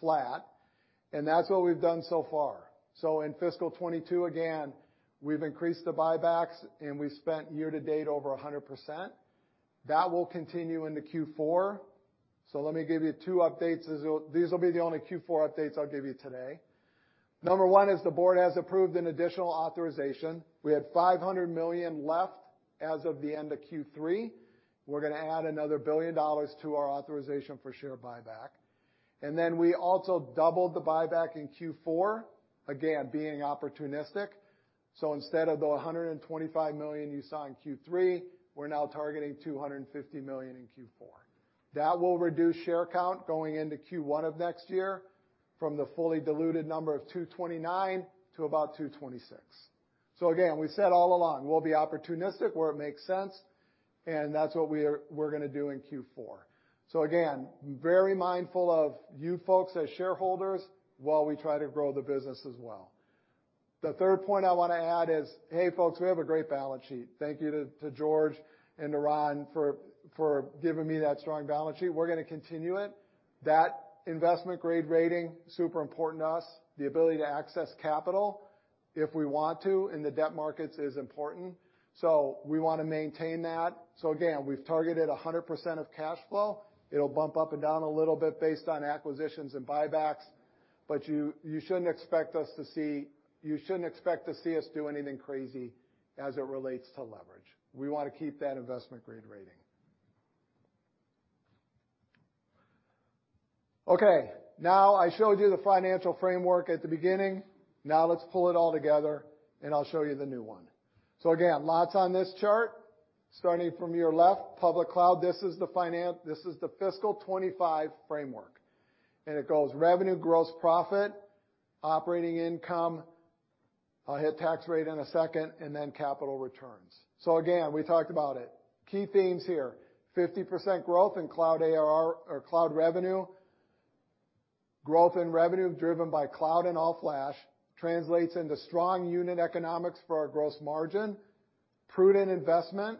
flat. That's what we've done so far. In fiscal 2022, again, we've increased the buybacks, and we spent year to date over 100%. That will continue into Q4. Let me give you two updates. These will be the only Q4 updates I'll give you today. Number one is the board has approved an additional authorization. We had $500 million left as of the end of Q3. We're gonna add another $1 billion to our authorization for share buyback. Then we also doubled the buyback in Q4, again, being opportunistic. Instead of the $125 million you saw in Q3, we're now targeting $250 million in Q4. That will reduce share count going into Q1 of next year from the fully diluted number of 229 to about 226. Again, we said all along, we'll be opportunistic where it makes sense, and that's what we are, we're gonna do in Q4. Again, very mindful of you folks as shareholders while we try to grow the business as well. The third point I wanna add is, hey, folks, we have a great balance sheet. Thank you to George and to Ron for giving me that strong balance sheet. We're gonna continue it. That investment-grade rating, super important to us. The ability to access capital if we want to in the debt markets is important. We wanna maintain that. Again, we've targeted 100% of cash flow. It'll bump up and down a little bit based on acquisitions and buybacks, but you shouldn't expect to see us do anything crazy as it relates to leverage. We wanna keep that investment-grade rating. Okay, now I showed you the financial framework at the beginning. Now let's pull it all together, and I'll show you the new one. Again, lots on this chart. Starting from your left, public cloud. This is the fiscal 2025 framework. It goes revenue, gross profit, operating income. I'll hit tax rate in a second, and then capital returns. Again, we talked about it. Key themes here, 50% growth in cloud ARR or cloud revenue. Growth in revenue driven by cloud and All-Flash translates into strong unit economics for our gross margin. Prudent investment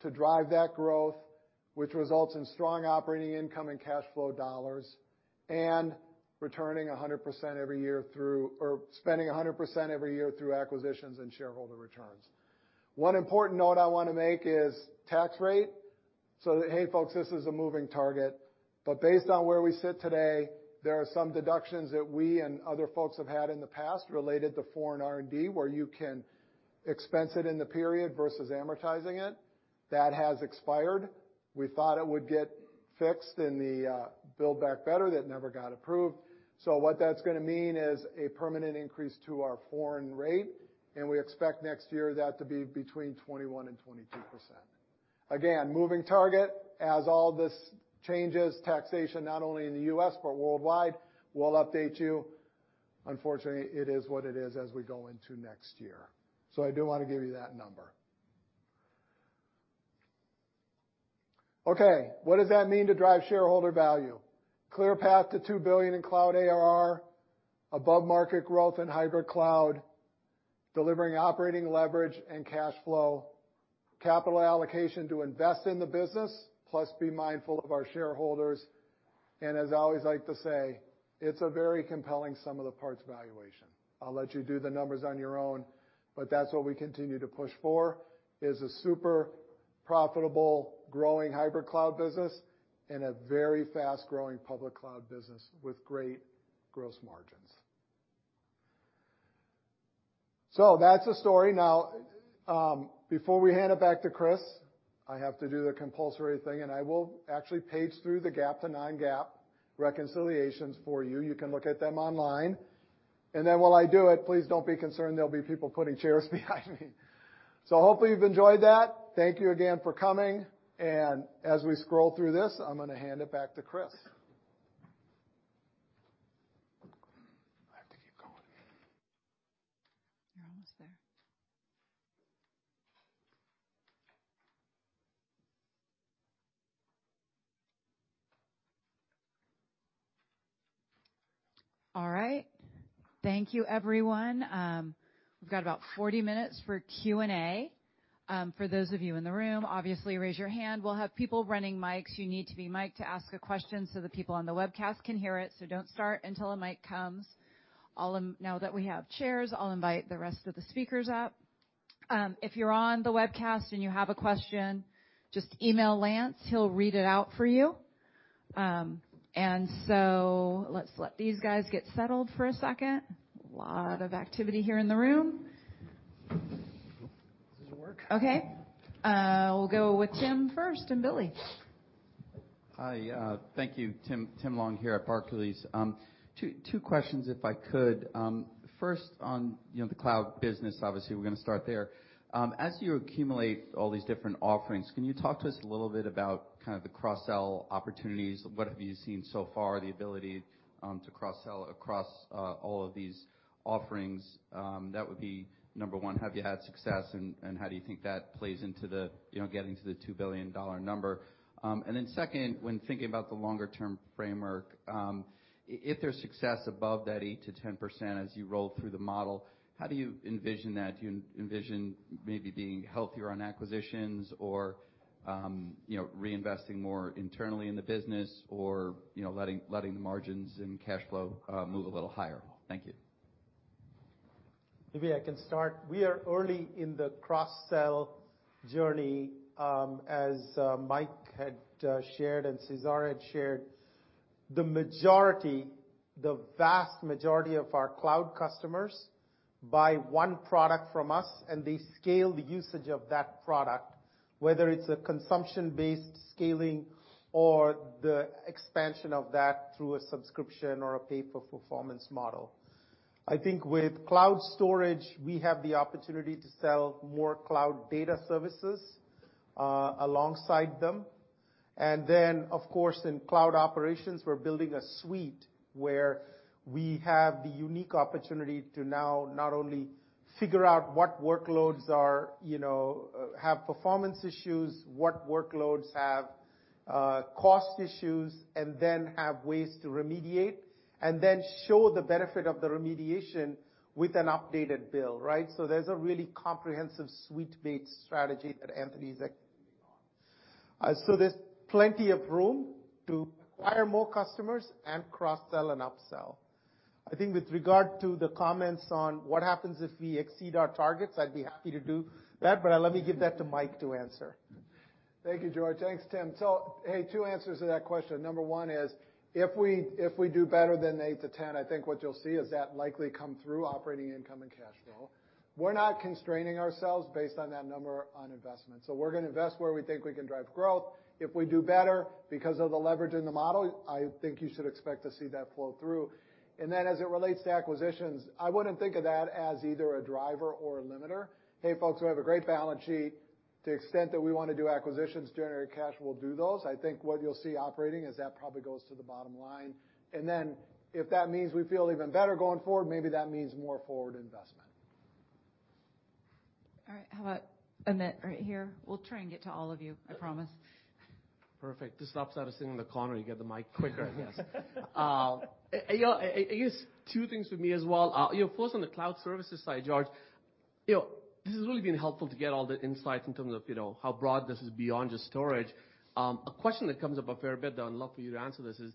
to drive that growth, which results in strong operating income and cash flow dollars, and returning 100% every year through acquisitions and shareholder returns. One important note I wanna make is tax rate. Hey, folks, this is a moving target, but based on where we sit today, there are some deductions that we and other folks have had in the past related to foreign R&D, where you can expense it in the period versus amortizing it. That has expired. We thought it would get fixed in the Build Back Better. That never got approved. What that's gonna mean is a permanent increase to our foreign rate, and we expect next year that to be between 21% and 22%. Again, moving target. As all this changes taxation, not only in the U.S., but worldwide, we'll update you. Unfortunately, it is what it is as we go into next year. I do wanna give you that number. Okay, what does that mean to drive shareholder value? Clear path to $2 billion in cloud ARR, above-market growth in hybrid cloud, delivering operating leverage and cash flow, capital allocation to invest in the business, plus be mindful of our shareholders. As I always like to say, it's a very compelling sum of the parts valuation. I'll let you do the numbers on your own, but that's what we continue to push for, is a super profitable growing hybrid cloud business and a very fast-growing public cloud business with great gross margins. That's the story. Now, before we hand it back to Kris, I have to do the compulsory thing, and I will actually page through the GAAP to non-GAAP reconciliations for you. You can look at them online. Then while I do it, please don't be concerned there'll be people putting chairs behind me. Hopefully you've enjoyed that. Thank you again for coming, and as we scroll through this, I'm gonna hand it back to Kris. I have to keep going. You're almost there. All right. Thank you, everyone. We've got about 40 minutes for Q&A. For those of you in the room, obviously raise your hand. We'll have people running mics. You need to be mic'd to ask a question so the people on the webcast can hear it, so don't start until a mic comes. Now that we have chairs, I'll invite the rest of the speakers up. If you're on the webcast and you have a question, just email Lance, he'll read it out for you. Let's let these guys get settled for a second. A lot of activity here in the room. Okay. We'll go with Tim first, Tim Long. Hi. Thank you. Tim Long here at Barclays. Two questions if I could. First on, you know, the cloud business, obviously we're gonna start there. As you accumulate all these different offerings, can you talk to us a little bit about kind of the cross-sell opportunities? What have you seen so far, the ability to cross-sell across all of these offerings? That would be number one. Have you had success, and how do you think that plays into the, you know, getting to the $2 billion number? Second, when thinking about the longer-term framework, if there's success above that 8%-10% as you roll through the model, how do you envision that? Do you envision maybe being healthier on acquisitions or, you know, reinvesting more internally in the business or, you know, letting the margins and cash flow move a little higher? Thank you. Maybe I can start. We are early in the cross-sell journey, as Mike had shared and Cesar had shared. The majority, the vast majority of our cloud customers buy one product from us, and they scale the usage of that product, whether it's a consumption-based scaling or the expansion of that through a subscription or a pay-for-performance model. I think with cloud storage, we have the opportunity to sell more cloud data services alongside them. And then, of course, in cloud operations, we're building a suite where we have the unique opportunity to now not only figure out what workloads are, you know, have performance issues, what workloads have cost issues, and then have ways to remediate, and then show the benefit of the remediation with an updated bill, right? There's a really comprehensive suite-based strategy that Anthony is executing on. There's plenty of room to acquire more customers and cross-sell and up-sell. I think with regard to the comments on what happens if we exceed our targets, I'd be happy to do that, but let me give that to Mike to answer. Thank you, George. Thanks, Tim. Hey, two answers to that question. Number one is, if we do better than 8-10, I think what you'll see is that likely come through operating income and cash flow. We're not constraining ourselves based on that number on investment. We're gonna invest where we think we can drive growth. If we do better because of the leverage in the model, I think you should expect to see that flow through. As it relates to acquisitions, I wouldn't think of that as either a driver or a limiter. Hey, folks, we have a great balance sheet. To the extent that we want to do acquisitions, generate cash, we'll do those. I think what you'll see operating is that probably goes to the bottom line. If that means we feel even better going forward, maybe that means more forward investment. All right. How about Amit right here? We'll try and get to all of you, I promise. Perfect. This stops out of sitting in the corner. You get the mic quicker, I guess. Yes, two things for me as well. You know, first on the cloud services side, George, you know, this has really been helpful to get all the insights in terms of, you know, how broad this is beyond just storage. A question that comes up a fair bit, I'd love for you to answer this, is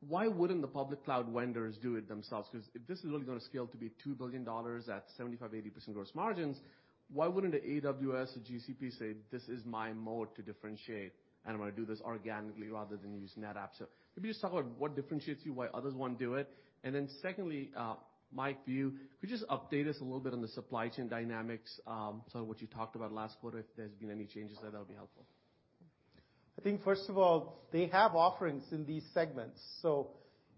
why wouldn't the public cloud vendors do it themselves? 'Cause if this is really gonna scale to be $2 billion at 75%-80% gross margins, why wouldn't the AWS or GCP say, "This is my moat to differentiate, and I'm gonna do this organically rather than using NetApp?" Maybe just talk about what differentiates you, why others won't do it. Secondly, Mike, for you, could you just update us a little bit on the supply chain dynamics, so what you talked about last quarter, if there's been any changes there, that'll be helpful. I think, first of all, they have offerings in these segments.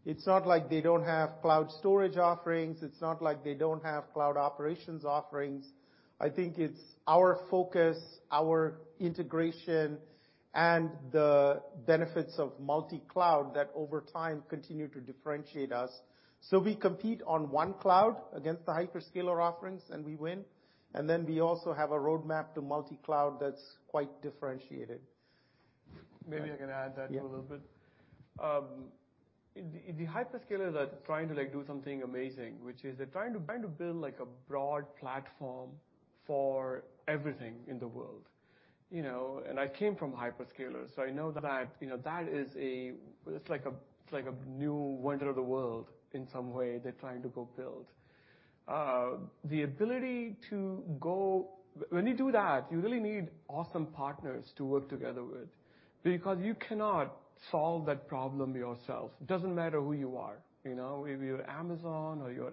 It's not like they don't have cloud storage offerings. It's not like they don't have cloud operations offerings. I think it's our focus, our integration, and the benefits of multi-cloud that over time continue to differentiate us. We compete on one cloud against the hyperscaler offerings, and we win. Then we also have a roadmap to multi-cloud that's quite differentiated. Maybe I can add to that a little bit. Yeah. The hyperscalers are trying to, like, do something amazing, which is they're trying to build like a broad platform for everything in the world, you know. I came from hyperscalers, so I know that, you know, that is a, it's like a, it's like a new wonder of the world in some way they're trying to go build. When you do that, you really need awesome partners to work together with because you cannot solve that problem yourself. It doesn't matter who you are, you know. If you're Amazon or you're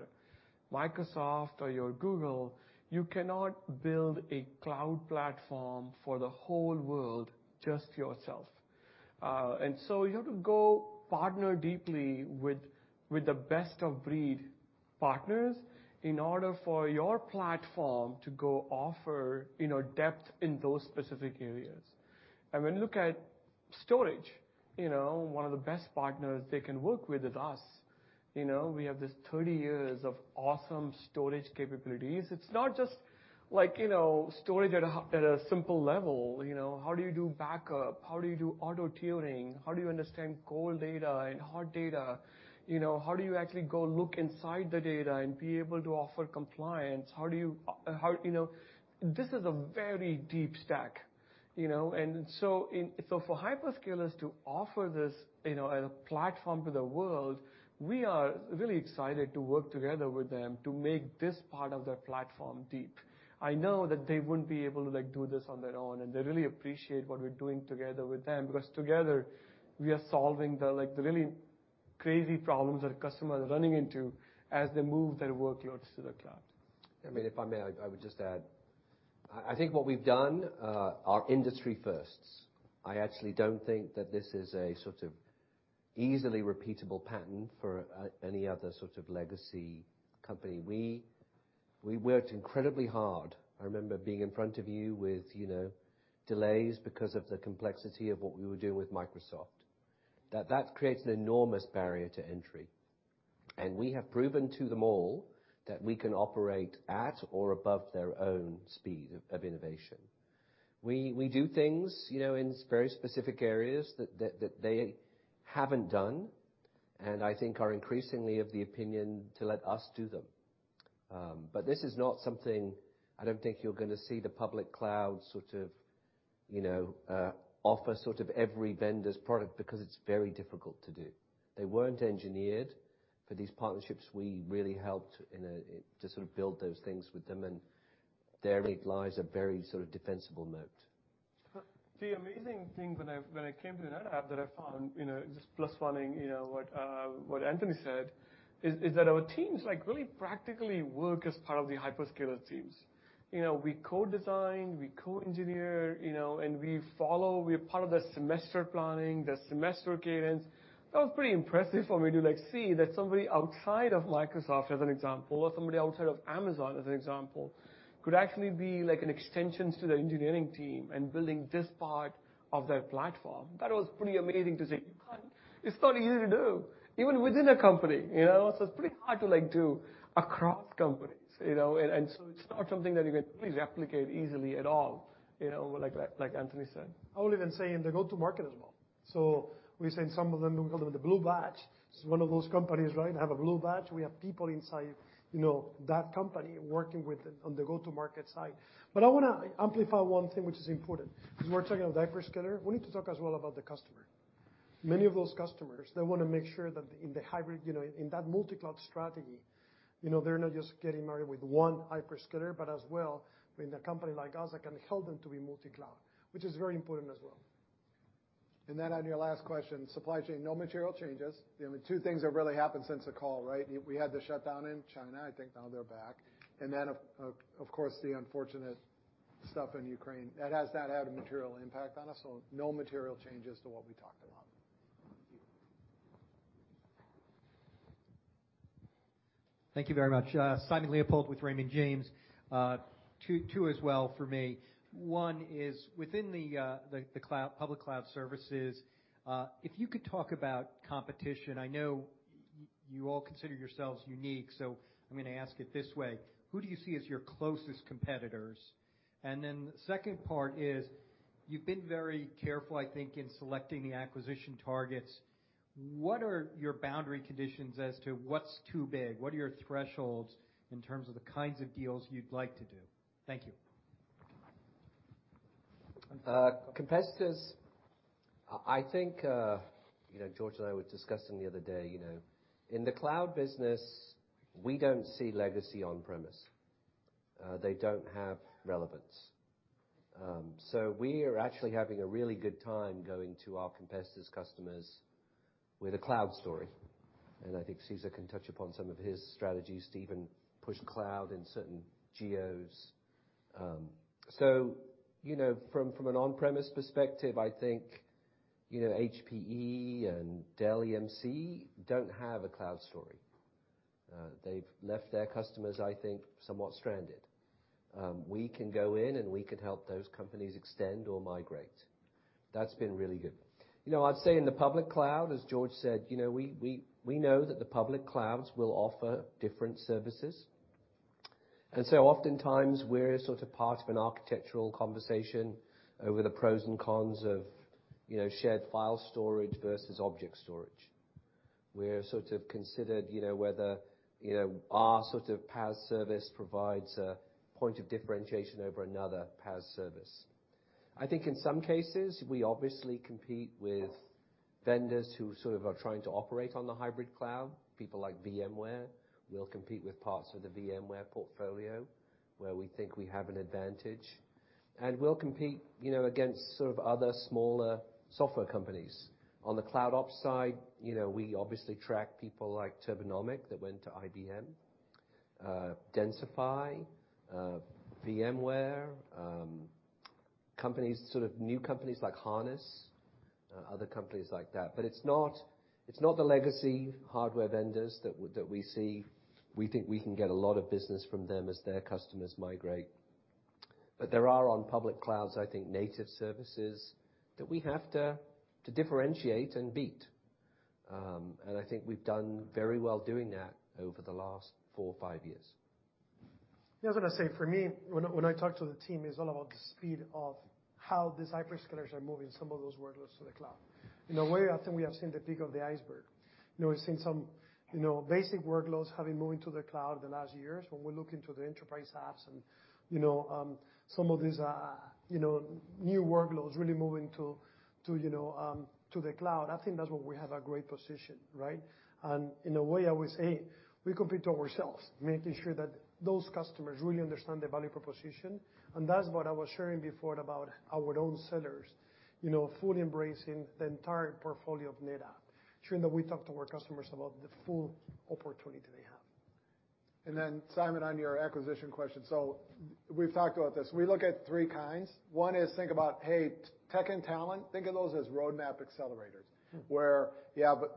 Microsoft or you're Google, you cannot build a cloud platform for the whole world, just yourself. You have to go partner deeply with the best of breed partners in order for your platform to go offer, you know, depth in those specific areas. When you look at storage, you know, one of the best partners they can work with is us. You know, we have this 30 years of awesome storage capabilities. It's not just like, you know, storage at a simple level, you know. How do you do backup? How do you do auto-tiering? How do you understand cold data and hot data? You know, how do you actually go look inside the data and be able to offer compliance? How do you know? You know, this is a very deep stack, you know. So for hyperscalers to offer this, you know, as a platform to the world, we are really excited to work together with them to make this part of their platform deep. I know that they wouldn't be able to, like, do this on their own, and they really appreciate what we're doing together with them, because together we are solving the, like, the really crazy problems that customers are running into as they move their workloads to the cloud. I mean, if I may, I would just add, I think what we've done are industry firsts. I actually don't think that this is a sort of easily repeatable pattern for any other sort of legacy company. We worked incredibly hard. I remember being in front of you with, you know, delays because of the complexity of what we were doing with Microsoft. That creates an enormous barrier to entry, and we have proven to them all that we can operate at or above their own speed of innovation. We do things, you know, in very specific areas that they haven't done and I think are increasingly of the opinion to let us do them. This is not something I don't think you're gonna see the public cloud you know offer sort of every vendor's product because it's very difficult to do. They weren't engineered for these partnerships. We really helped in to sort of build those things with them, and therein lies a very sort of defensible moat. The amazing thing when I came to NetApp that I found, you know, just plus one-ing, you know, what Anthony said is that our teams like really practically work as part of the hyperscaler teams. You know, we co-design, we co-engineer, you know, and we follow. We're part of the semester planning, the semester cadence. That was pretty impressive for me to, like, see that somebody outside of Microsoft, as an example, or somebody outside of Amazon, as an example, could actually be like an extension to the engineering team and building this part of their platform. That was pretty amazing to see. It's not easy to do even within a company, you know. It's pretty hard to, like, do across companies, you know. It's not something that you can really replicate easily at all, you know, like Anthony said. I would even say in the go-to-market as well. We say in some of them, we call them the blue badge. This is one of those companies that have a blue badge, right. We have people inside, you know, that company working with it on the go-to-market side. I wanna amplify one thing which is important. When we're talking of hyperscaler, we need to talk as well about the customer. Many of those customers, they wanna make sure that in the hybrid, you know, in that multi-cloud strategy, you know, they're not just getting married with one hyperscaler, but as well with a company like us that can help them to be multi-cloud, which is very important as well. On your last question, supply chain, no material changes. You know, the two things that really happened since the call, right? We had the shutdown in China, I think now they're back. Of course, the unfortunate stuff in Ukraine. That has not had a material impact on us, so no material changes to what we talked about. Thank you. Thank you very much. Simon Leopold with Raymond James. Two as well for me. One is within the Public Cloud Services, if you could talk about competition. I know you all consider yourselves unique, so I'm gonna ask it this way: Who do you see as your closest competitors? The second part is, you've been very careful, I think, in selecting the acquisition targets. What are your boundary conditions as to what's too big? What are your thresholds in terms of the kinds of deals you'd like to do? Thank you. Competitors, I think, you know, George and I were discussing the other day, you know, in the cloud business we don't see legacy on-premises. They don't have relevance. We are actually having a really good time going to our competitors' customers with a cloud story, and I think Cesar can touch upon some of his strategies to even push cloud in certain geos. You know, from an on-premises perspective, I think, you know, HPE and Dell EMC don't have a cloud story. They've left their customers, I think, somewhat stranded. We can go in, and we can help those companies extend or migrate. That's been really good. You know, I'd say in the public cloud, as George said, you know, we know that the public clouds will offer different services. Oftentimes we're sort of part of an architectural conversation over the pros and cons of, you know, shared file storage versus object storage. We're sort of considered, you know, whether, you know, our sort of PaaS service provides a point of differentiation over another PaaS service. I think in some cases, we obviously compete with vendors who sort of are trying to operate on the hybrid cloud, people like VMware. We'll compete with parts of the VMware portfolio where we think we have an advantage, and we'll compete, you know, against sort of other smaller software companies. On the CloudOps side, you know, we obviously track people like Turbonomic that went to IBM, Densify, VMware, companies, sort of new companies like Harness, other companies like that. But it's not the legacy hardware vendors that we see. We think we can get a lot of business from them as their customers migrate. There are on public clouds, I think, native services that we have to differentiate and beat. I think we've done very well doing that over the last four or five years. Yeah, I was gonna say for me, when I talk to the team, it's all about the speed of how these hyperscalers are moving some of those workloads to the cloud. In a way, I think we have seen the peak of the iceberg. You know, we've seen some, you know, basic workloads having moved into the cloud in the last years. When we look into the enterprise apps and, you know, some of these, you know, new workloads really moving to the cloud, I think that's where we have a great position, right? In a way, I would say we compete to ourselves, making sure that those customers really understand the value proposition, and that's what I was sharing before about our own sellers. You know, fully embracing the entire portfolio of NetApp, ensuring that we talk to our customers about the full opportunity they have. Simon, on your acquisition question, so we've talked about this. We look at three kinds. One is think about, hey, tech and talent, think of those as roadmap accelerators. Mm. You have a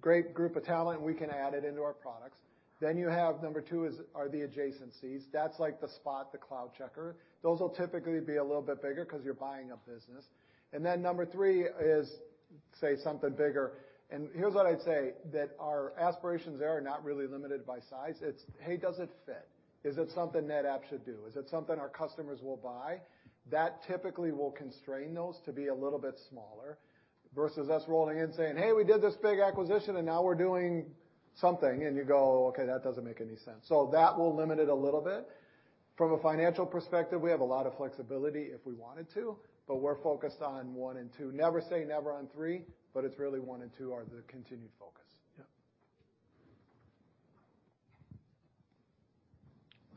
great group of talent, and we can add it into our products. You have number two is the adjacencies. That's like the Spot, the CloudCheckr. Those will typically be a little bit bigger 'cause you're buying a business. Number three is, say, something bigger. Here's what I'd say, that our aspirations there are not really limited by size. It's, hey, does it fit? Is it something NetApp should do? Is it something our customers will buy? That typically will constrain those to be a little bit smaller. Versus us rolling in saying, "Hey, we did this big acquisition, and now we're doing something." And you go, "Okay, that doesn't make any sense." That will limit it a little bit. From a financial perspective, we have a lot of flexibility if we wanted to, but we're focused on one and two. Never say never on three, but it's really one and two are the continued focus.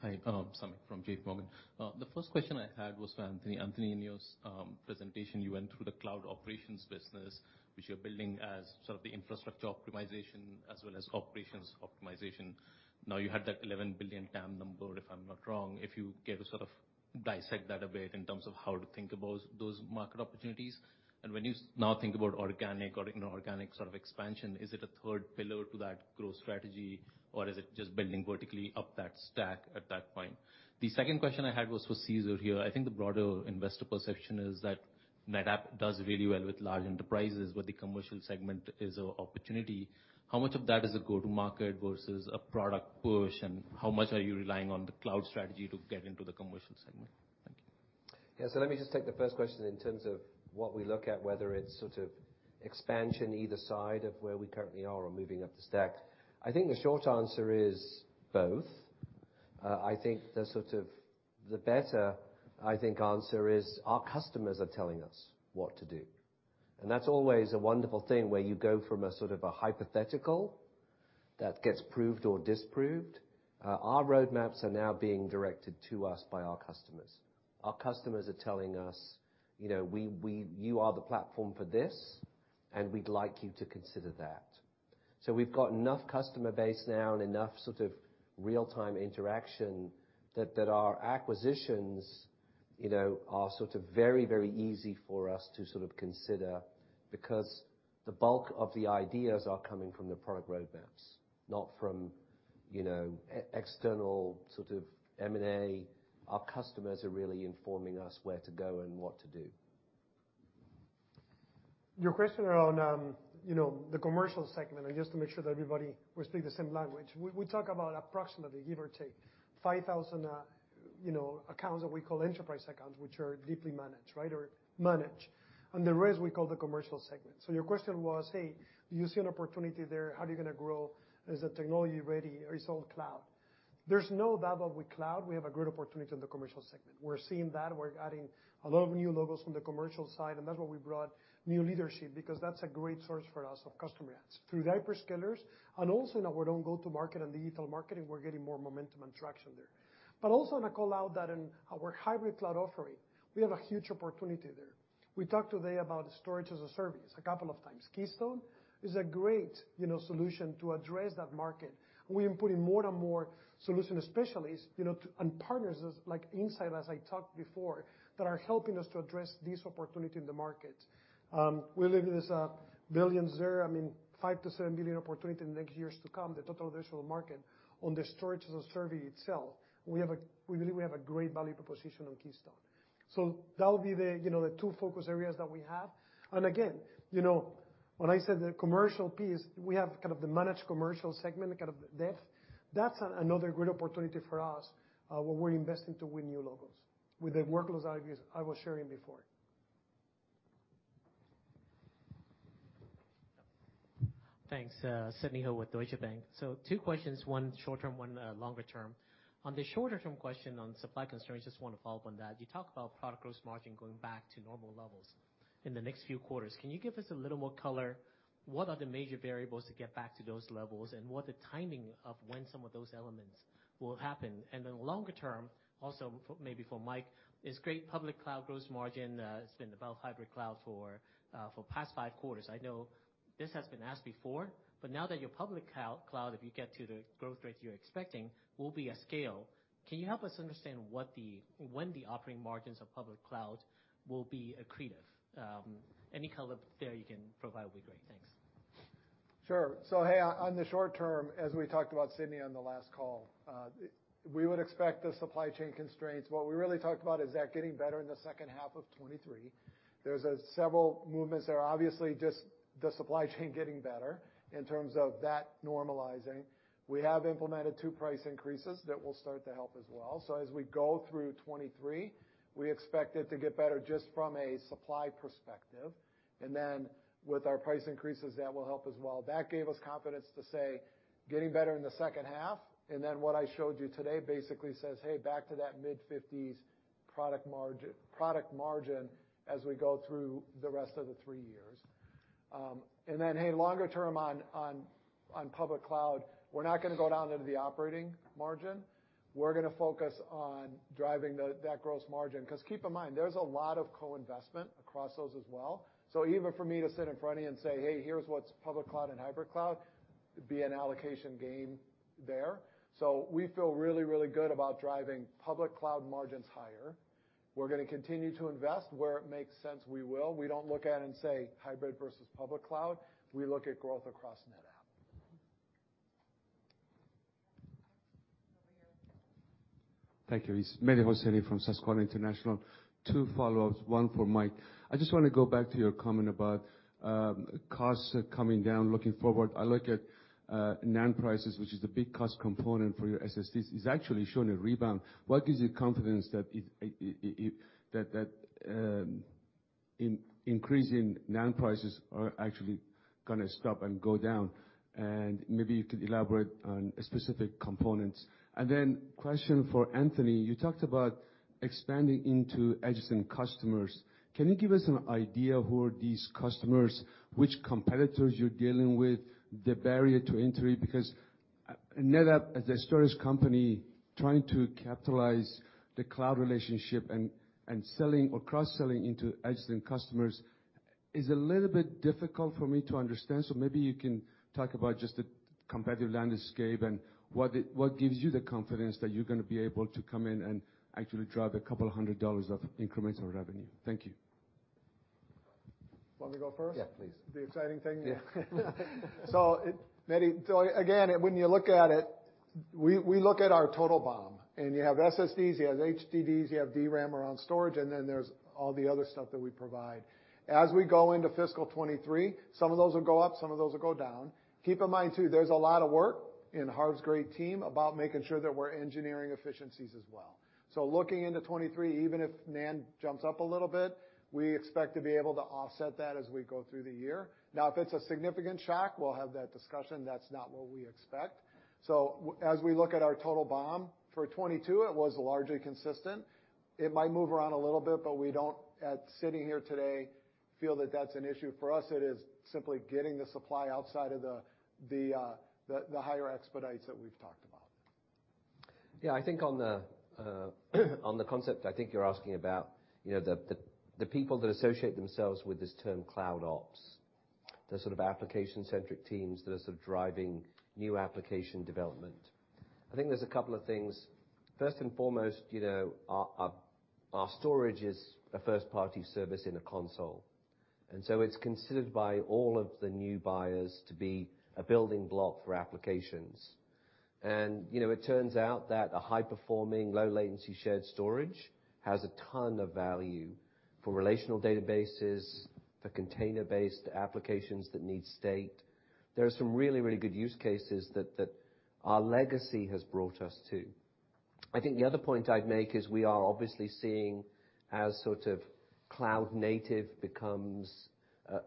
Yeah. Hi, Samik from JPMorgan. The first question I had was for Anthony. Anthony, in your presentation, you went through the cloud operations business, which you're building as sort of the infrastructure optimization as well as operations optimization. Now you had that $11 billion TAM number, if I'm not wrong. If you care to sort of dissect that a bit in terms of how to think about those market opportunities? When you now think about organic or inorganic sort of expansion, is it a third pillar to that growth strategy, or is it just building vertically up that stack at that point? The second question I had was for Cesar here. I think the broader investor perception is that NetApp does really well with large enterprises, but the commercial segment is a opportunity. How much of that is a go-to-market versus a product push, and how much are you relying on the cloud strategy to get into the commercial segment? Thank you. Let me just take the first question in terms of what we look at, whether it's sort of expansion either side of where we currently are or moving up the stack. I think the short answer is both. I think the sort of better answer is our customers are telling us what to do. That's always a wonderful thing, where you go from a sort of a hypothetical that gets proved or disproved. Our roadmaps are now being directed to us by our customers. Our customers are telling us, you know, "You are the platform for this, and we'd like you to consider that." We've got enough customer base now and enough sort of real-time interaction that our acquisitions, you know, are sort of very, very easy for us to sort of consider because the bulk of the ideas are coming from the product roadmaps, not from, you know, external sort of M&A. Our customers are really informing us where to go and what to do. Your question around, you know, the commercial segment, and just to make sure that everybody we speak the same language. We talk about approximately, give or take, 5,000, you know, accounts that we call enterprise accounts, which are deeply managed, right? Or managed. The rest we call the commercial segment. Your question was, hey, do you see an opportunity there? How are you going to grow? Is the technology ready? It's all cloud. There's no doubt that with cloud, we have a great opportunity in the commercial segment. We're seeing that. We're adding a lot of new logos from the commercial side, and that's why we brought new leadership because that's a great source for us of customer adds through hyperscalers. Also now we're on go-to-market and digital marketing, we're getting more momentum and traction there. I call out that in our hybrid cloud offering, we have a huge opportunity there. We talked today about storage-as-a-service a couple of times. Keystone is a great, you know, solution to address that market. We're putting more and more solution specialists, you know, and partners as, like Insight, as I talked before, that are helping us to address this opportunity in the market. We believe there's a $1 billion there, I mean, $5 billion-$7 billion opportunity in the next years to come, the total addressable market on the storage-as-a-service itself. We believe we have a great value proposition on Keystone. So that'll be the, you know, the two focus areas that we have. Again, you know, when I said the commercial piece, we have kind of the managed commercial segment, kind of the depth. That's another great opportunity for us, where we're investing to win new logos with the workloads ideas I was sharing before. Thanks. Sidney Ho with Deutsche Bank. Two questions, one short term, one longer term. On the shorter term question on supply constraints, just want to follow up on that. You talked about product gross margin going back to normal levels in the next few quarters. Can you give us a little more color? What are the major variables to get back to those levels, and what the timing of when some of those elements will happen? Longer term, also for, maybe for Mike, it's great public cloud gross margin, it's been about hybrid cloud for past five quarters. I know this has been asked before, but now that your public cloud, if you get to the growth rate you're expecting, will be at scale, can you help us understand what, when the operating margins of public cloud will be accretive? Any color there you can provide will be great. Thanks. Sure. Hey, on the short term, as we talked about Sidney on the last call, we would expect the supply chain constraints. What we really talked about is that getting better in the second half of 2023. There's several movements there, obviously, just the supply chain getting better in terms of that normalizing. We have implemented 2 price increases that will start to help as well. As we go through 2023, we expect it to get better just from a supply perspective. With our price increases, that will help as well. That gave us confidence to say, getting better in the second half. What I showed you today basically says, hey, back to that mid-50s% product margin as we go through the rest of the three years. Longer term on public cloud, we're not going to go down into the operating margin. We're going to focus on driving that gross margin. 'Cause keep in mind, there's a lot of co-investment across those as well. Even for me to sit in front of you and say, "Hey, here's what's public cloud and hybrid cloud," it'd be an allocation game there. We feel really good about driving public cloud margins higher. We're going to continue to invest. Where it makes sense, we will. We don't look at it and say hybrid versus public cloud. We look at growth across NetApp. Thank you. It's Mehdi Hosseini from Susquehanna International. Two follow-ups, one for Mike. I just want to go back to your comment about costs coming down looking forward. I look at NAND prices, which is the big cost component for your SSDs, is actually showing a rebound. What gives you confidence that that Increase in NAND prices are actually going to stop and go down. Maybe you could elaborate on specific components. Then a question for Anthony, you talked about expanding into adjacent customers. Can you give us an idea who are these customers, which competitors you're dealing with, the barrier to entry? Because NetApp as a storage company, trying to capitalize the cloud relationship and selling or cross-selling into adjacent customers is a little bit difficult for me to understand. Maybe you can talk about just the competitive landscape and what gives you the confidence that you're going to be able to come in and actually drive $200 of incremental revenue. Thank you. Want me to go first? Yeah, please. The exciting thing. Yeah. Again, when you look at it, we look at our total BOM, and you have SSDs, you have HDDs, you have DRAM around storage, and then there's all the other stuff that we provide. As we go into fiscal 2023, some of those will go up, some of those will go down. Keep in mind too, there's a lot of work, and Harv's great team, about making sure that we're engineering efficiencies as well. Looking into 2023, even if NAND jumps up a little bit, we expect to be able to offset that as we go through the year. Now, if it's a significant shock, we'll have that discussion. That's not what we expect. As we look at our total BOM for 2022, it was largely consistent. It might move around a little bit, but we don't, sitting here today, feel that that's an issue. For us, it is simply getting the supply outside of the higher expedites that we've talked about. Yeah, I think on the concept I think you're asking about, you know, the people that associate themselves with this term CloudOps, the sort of application-centric teams that are sort of driving new application development, I think there's a couple of things. First and foremost, you know, our storage is a first-party service in a console, and so it's considered by all of the new buyers to be a building block for applications. You know, it turns out that a high-performing, low-latency shared storage has a ton of value for relational databases, for container-based applications that need state. There are some really good use cases that our legacy has brought us to. I think the other point I'd make is we are obviously seeing as sort of cloud native becomes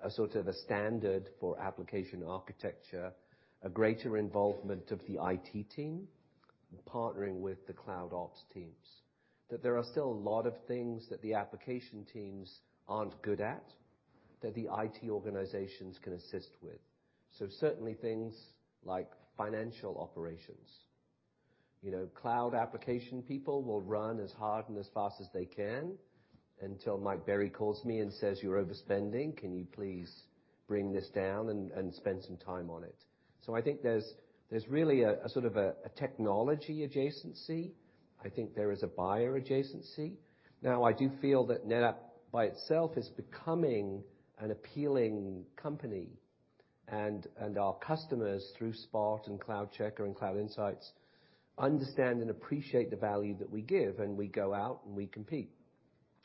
a sort of a standard for application architecture, a greater involvement of the IT team partnering with the CloudOps teams. That there are still a lot of things that the application teams aren't good at that the IT organizations can assist with. Certainly things like financial operations. You know, cloud application people will run as hard and as fast as they can until Mike Berry calls me and says, "You're overspending. Can you please bring this down and spend some time on it?" I think there's really a sort of a technology adjacency. I think there is a buyer adjacency. Now, I do feel that NetApp by itself is becoming an appealing company, and our customers, through Spot and CloudCheckr and Cloud Insights, understand and appreciate the value that we give, and we go out and we compete.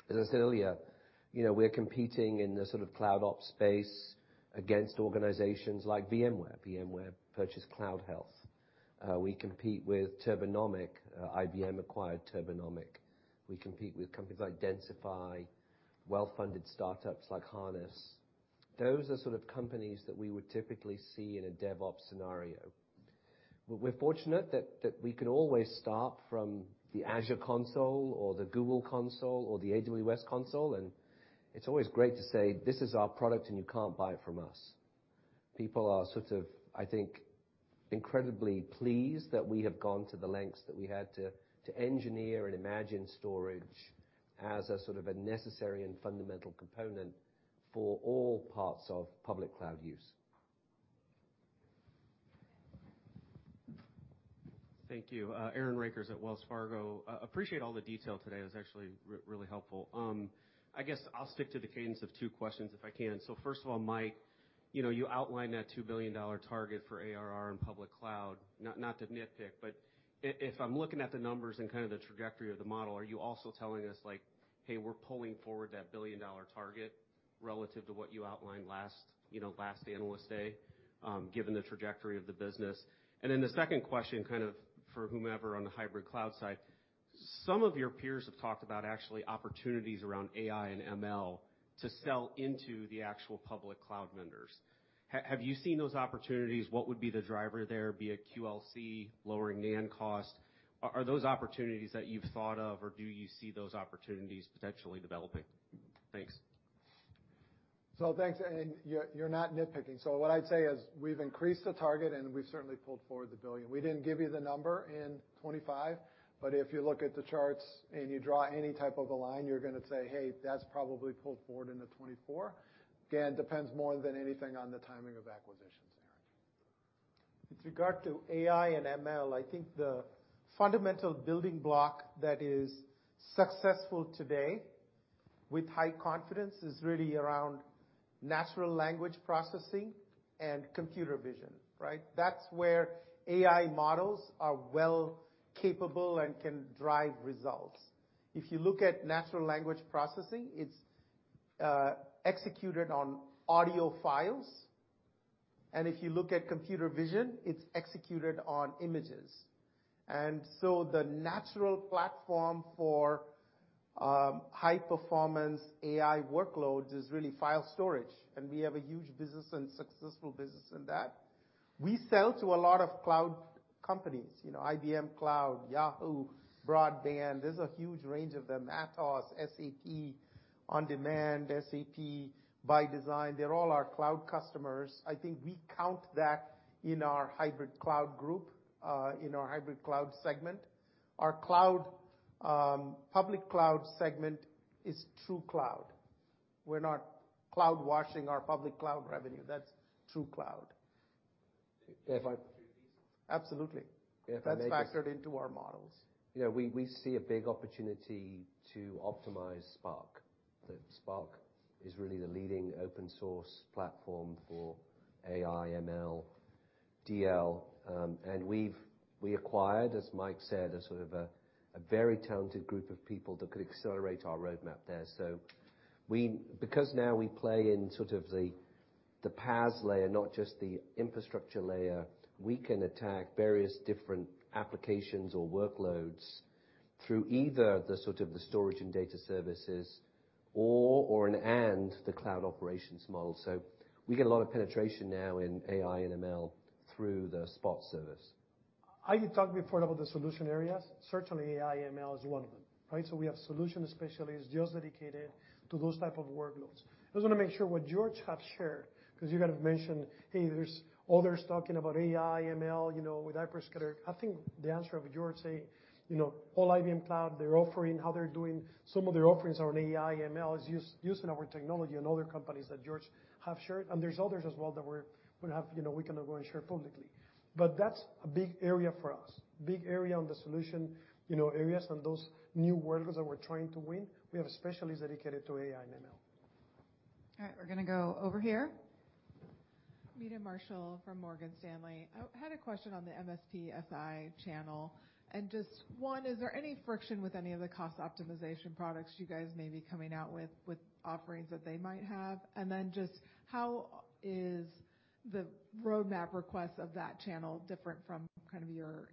As I said earlier, you know, we're competing in the sort of CloudOps space against organizations like VMware. VMware purchased CloudHealth. We compete with Turbonomic. IBM acquired Turbonomic. We compete with companies like Densify, well-funded startups like Harness. Those are sort of companies that we would typically see in a DevOps scenario. We're fortunate that we can always start from the Azure console or the Google console or the AWS console, and it's always great to say, "This is our product and you can't buy it from us." People are sort of, I think, incredibly pleased that we have gone to the lengths that we had to engineer and imagine storage as a sort of a necessary and fundamental component for all parts of public cloud use. Thank you. Aaron Rakers at Wells Fargo. Appreciate all the detail today. It was actually really helpful. I guess I'll stick to the cadence of two questions if I can. First of all, Mike, you know, you outlined that $2 billion target for ARR and public cloud. Not to nitpick, but if I'm looking at the numbers and kind of the trajectory of the model, are you also telling us like, "Hey, we're pulling forward that $1 billion target," relative to what you outlined last, you know, last analyst day, given the trajectory of the business? Then the second question, kind of for whomever on the hybrid cloud side, some of your peers have talked about actually opportunities around AI and ML to sell into the actual public cloud vendors. Have you seen those opportunities? What would be the driver there, be it QLC, lowering NAND costs? Are those opportunities that you've thought of, or do you see those opportunities potentially developing? Thanks. Thanks. You're not nitpicking. What I'd say is we've increased the target, and we've certainly pulled forward the billion. We didn't give you the number in 2025, but if you look at the charts and you draw any type of a line, you're going to say, "Hey, that's probably pulled forward into 2024." Again, depends more than anything on the timing of acquisitions, Aaron. With regard to AI and ML, I think the fundamental building block that is successful today with high confidence is really around natural language processing and computer vision, right? That's where AI models are well capable and can drive results. If you look at natural language processing, it's executed on audio files. If you look at computer vision, it's executed on images. The natural platform for high-performance AI workloads is really file storage, and we have a huge business and successful business in that. We sell to a lot of cloud companies, you know, IBM Cloud, Yahoo, Bandwidth. There's a huge range of them. Atos, SAP On Demand, SAP ByDesign, they're all our cloud customers. I think we count that in our hybrid cloud group in our hybrid cloud segment. Our cloud public cloud segment is true cloud. We're not cloud washing our public cloud revenue. That's true cloud. If I- Absolutely. If I may just- That's factored into our models. Yeah, we see a big opportunity to optimize Spark. Spark is really the leading open source platform for AI, ML, DL, and we've acquired, as Mike said, a sort of a very talented group of people that could accelerate our roadmap there. Because now we play in sort of the PaaS layer, not just the infrastructure layer, we can attack various different applications or workloads through either the sort of the storage and data services or and the cloud operations model. We get a lot of penetration now in AI and ML through the Spot service. I talked before about the solution areas. Certainly AI, ML is one of them, right? We have solution specialists just dedicated to those type of workloads. I just wanna make sure what George have shared, 'cause you kind of mentioned, hey, there's others talking about AI, ML, you know, with Hyperscaler. I think the answer of George say, you know, all IBM Cloud, they're offering how they're doing some of their offerings on AI, ML is us using our technology and other companies that George have shared. And there's others as well that we have, you know, we cannot go and share publicly. That's a big area for us, big area on the solution, you know, areas and those new workloads that we're trying to win, we have specialists dedicated to AI and ML. All right, we're gonna go over here. Meta Marshall from Morgan Stanley. I had a question on the MSP SI channel. Just one, is there any friction with any of the cost optimization products you guys may be coming out with offerings that they might have? Just how is the roadmap request of that channel different from kind of your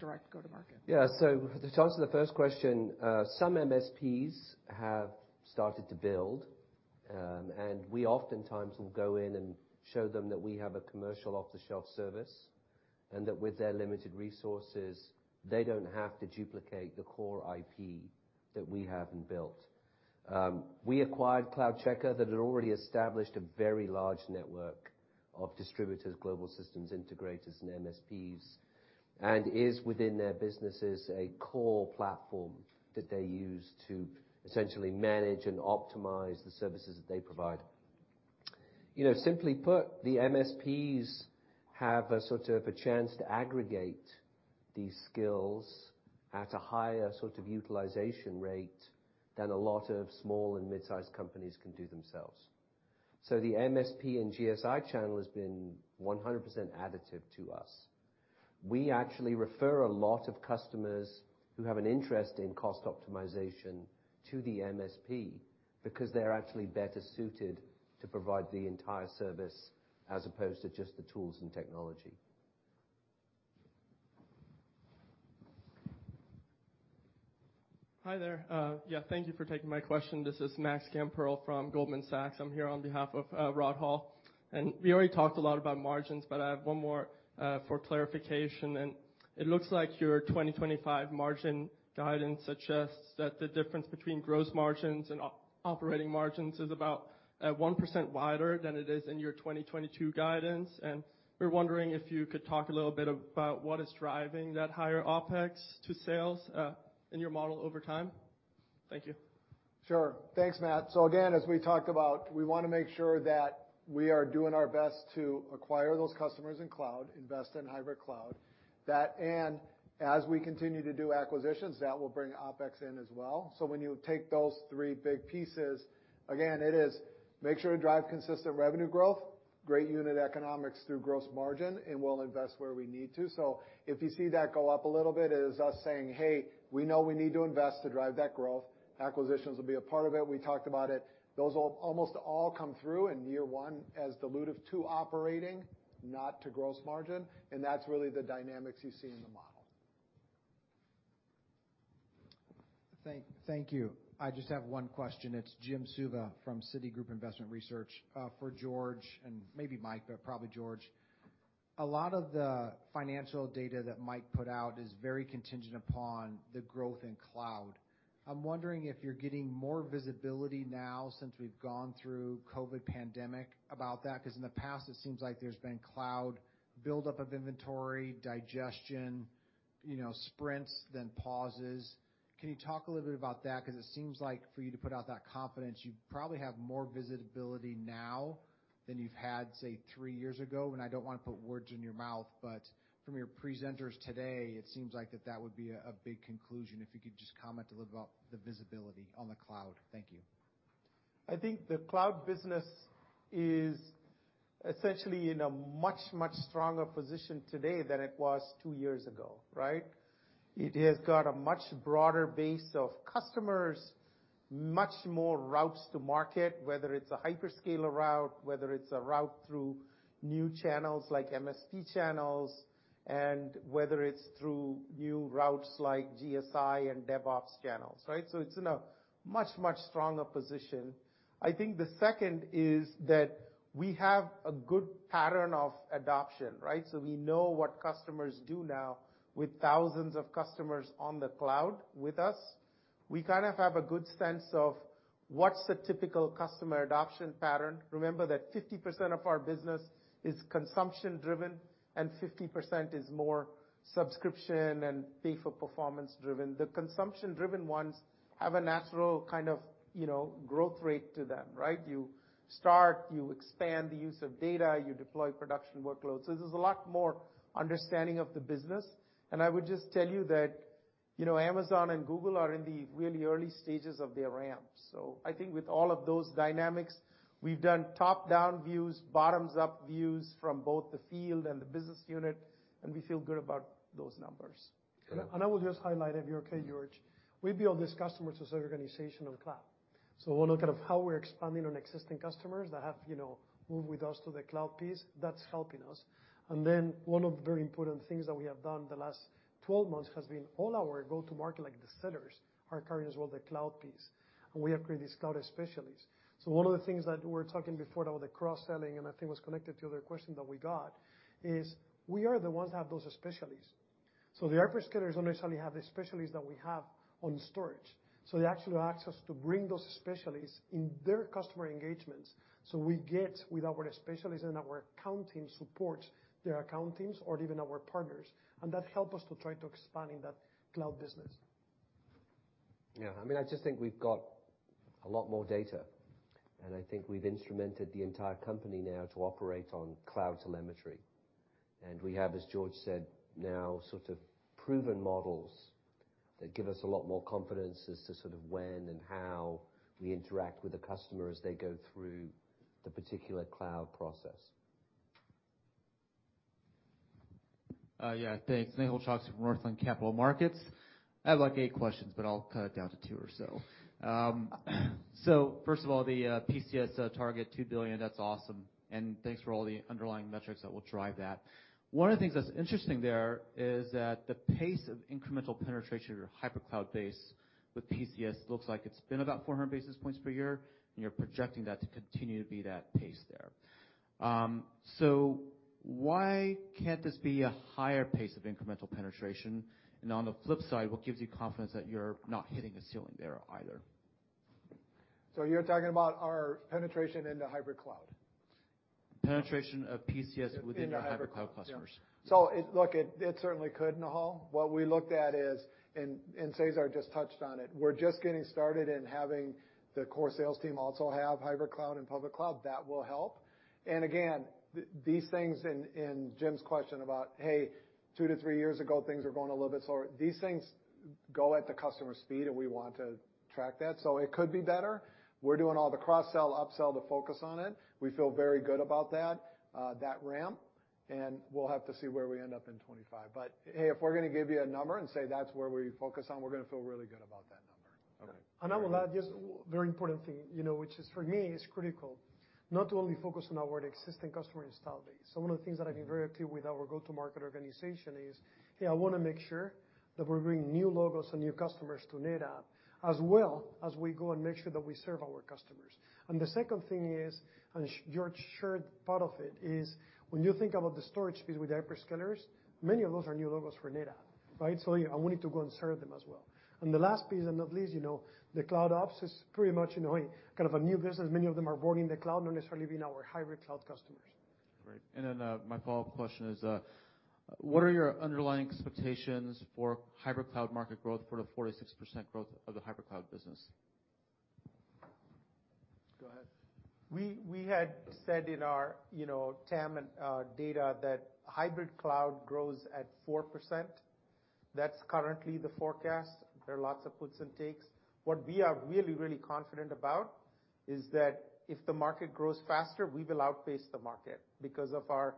direct go-to-market? Yeah. To answer the first question, some MSPs have started to build, and we oftentimes will go in and show them that we have a commercial off-the-shelf service, and that with their limited resources, they don't have to duplicate the core IP that we have and built. We acquired CloudCheckr that had already established a very large network of distributors, global systems integrators, and MSPs, and is within their businesses a core platform that they use to essentially manage and optimize the services that they provide. You know, simply put, the MSPs have a sort of a chance to aggregate these skills at a higher sort of utilization rate than a lot of small and mid-sized companies can do themselves. The MSP and GSI channel has been 100% additive to us. We actually refer a lot of customers who have an interest in cost optimization to the MSP because they're actually better suited to provide the entire service as opposed to just the tools and technology. Hi there. Thank you for taking my question. This is Max Gamperl from Goldman Sachs. I'm here on behalf of Rod Hall. We already talked a lot about margins, but I have one more for clarification. It looks like your 2025 margin guidance suggests that the difference between gross margins and operating margins is about 1% wider than it is in your 2022 guidance. We're wondering if you could talk a little bit about what is driving that higher OpEx to sales in your model over time. Thank you. Sure. Thanks, Max. Again, as we talked about, we wanna make sure that we are doing our best to acquire those customers in cloud, invest in hybrid cloud. That, and as we continue to do acquisitions, that will bring OpEx in as well. When you take those three big pieces, again, it is make sure to drive consistent revenue growth, great unit economics through gross margin, and we'll invest where we need to. If you see that go up a little bit, it is us saying, "Hey, we know we need to invest to drive that growth." Acquisitions will be a part of it. We talked about it. Those almost all come through in year one as dilutive to operating, not to gross margin, and that's really the dynamics you see in the model. Thank you. I just have one question. It's Jim Suva from Citigroup Global Markets. For George and maybe Mike, but probably George. A lot of the financial data that Mike put out is very contingent upon the growth in cloud. I'm wondering if you're getting more visibility now since we've gone through COVID-19 pandemic about that, 'cause in the past it seems like there's been cloud buildup of inventory, digestion, you know, sprints, then pauses. Can you talk a little bit about that? 'Cause it seems like for you to put out that confidence, you probably have more visibility now than you've had, say, three years ago. I don't wanna put words in your mouth, but from your presenters today, it seems like that would be a big conclusion. If you could just comment a little about the visibility on the cloud. Thank you. I think the cloud business is essentially in a much, much stronger position today than it was two years ago, right? It has got a much broader base of customers, much more routes to market, whether it's a hyperscaler route, whether it's a route through new channels like MSP channels, and whether it's through new routes like GSI and DevOps channels, right? It's in a much, much stronger position. I think the second is that we have a good pattern of adoption, right? We know what customers do now with thousands of customers on the cloud with us. We kind of have a good sense of what's the typical customer adoption pattern. Remember that 50% of our business is consumption-driven, and 50% is more subscription and pay-for-performance driven. The consumption-driven ones have a natural kind of, you know, growth rate to them, right? You start, you expand the use of data, you deploy production workloads. There's a lot more understanding of the business. I would just tell you that, you know, Amazon and Google are in the really early stages of their ramp. I think with all of those dynamics, we've done top-down views, bottoms-up views from both the field and the business unit, and we feel good about those numbers. I will just highlight, if you're okay, George. We build these customers as an organization on cloud. One, look at how we're expanding on existing customers that have, you know, moved with us to the cloud piece that's helping us. One of the very important things that we have done the last 12 months has been all our go-to-market, like the sellers, are carrying as well the cloud piece, and we have created these cloud specialists. One of the things that we're talking before now with the cross-selling, and I think was connected to the question that we got, is we are the ones who have those specialists. The hyperscalers don't necessarily have the specialists that we have on storage. They actually ask us to bring those specialists in their customer engagements. We get with our specialists and our account team supports their account teams or even our partners, and that help us to try to expand in that cloud business. Yeah. I mean, I just think we've got a lot more data, and I think we've instrumented the entire company now to operate on cloud telemetry. We have, as George said, now sort of proven models that give us a lot more confidence as to sort of when and how we interact with the customer as they go through the particular cloud process. Yeah, thanks. Nehal Chokshi from Northland Capital Markets. I have like eight questions, but I'll cut it down to two or so. So first of all, the PCS target $2 billion, that's awesome. Thanks for all the underlying metrics that will drive that. One of the things that's interesting there is that the pace of incremental penetration or hybrid cloud base with PCS looks like it's been about 400 basis points per year, and you're projecting that to continue to be that pace there. So why can't this be a higher pace of incremental penetration? On the flip side, what gives you confidence that you're not hitting a ceiling there either? You're talking about our penetration into hybrid cloud. Penetration of PCS In the hybrid cloud. Yeah. Your hybrid cloud customers. Look, it certainly could, Nehal. What we looked at is, and Cesar just touched on it. We're just getting started in having the core sales team also have hybrid cloud and public cloud. That will help. Again, these things in Jim's question about, hey, two to three years ago, things were going a little bit slower. These things go at the customer speed, and we want to track that. It could be better. We're doing all the cross sell, upsell to focus on it. We feel very good about that ramp, and we'll have to see where we end up in 2025. Hey, if we're gonna give you a number and say that's where we focus on, we're gonna feel really good about that number. Okay. I will add just very important thing, you know, which is for me is critical, not to only focus on our existing customer install base. One of the things that I've been very active with our go-to-market organization is, hey, I wanna make sure that we're bringing new logos and new customers to NetApp as well as we go and make sure that we serve our customers. The second thing is, and George shared part of it, is when you think about the storage piece with hyperscalers, many of those are new logos for NetApp, right? I want it to go and serve them as well. The last piece, and not least, you know, the Cloud Ops is pretty much, you know, a kind of a new business. Many of them are born in the cloud, not necessarily being our hybrid cloud customers. Great. My follow-up question is, what are your underlying expectations for hybrid cloud market growth for the 46% growth of the hybrid cloud business? Go ahead. We had said in our, you know, TAM and data that hybrid cloud grows at 4%. That's currently the forecast. There are lots of puts and takes. What we are really, really confident about is that if the market grows faster, we will outpace the market because of our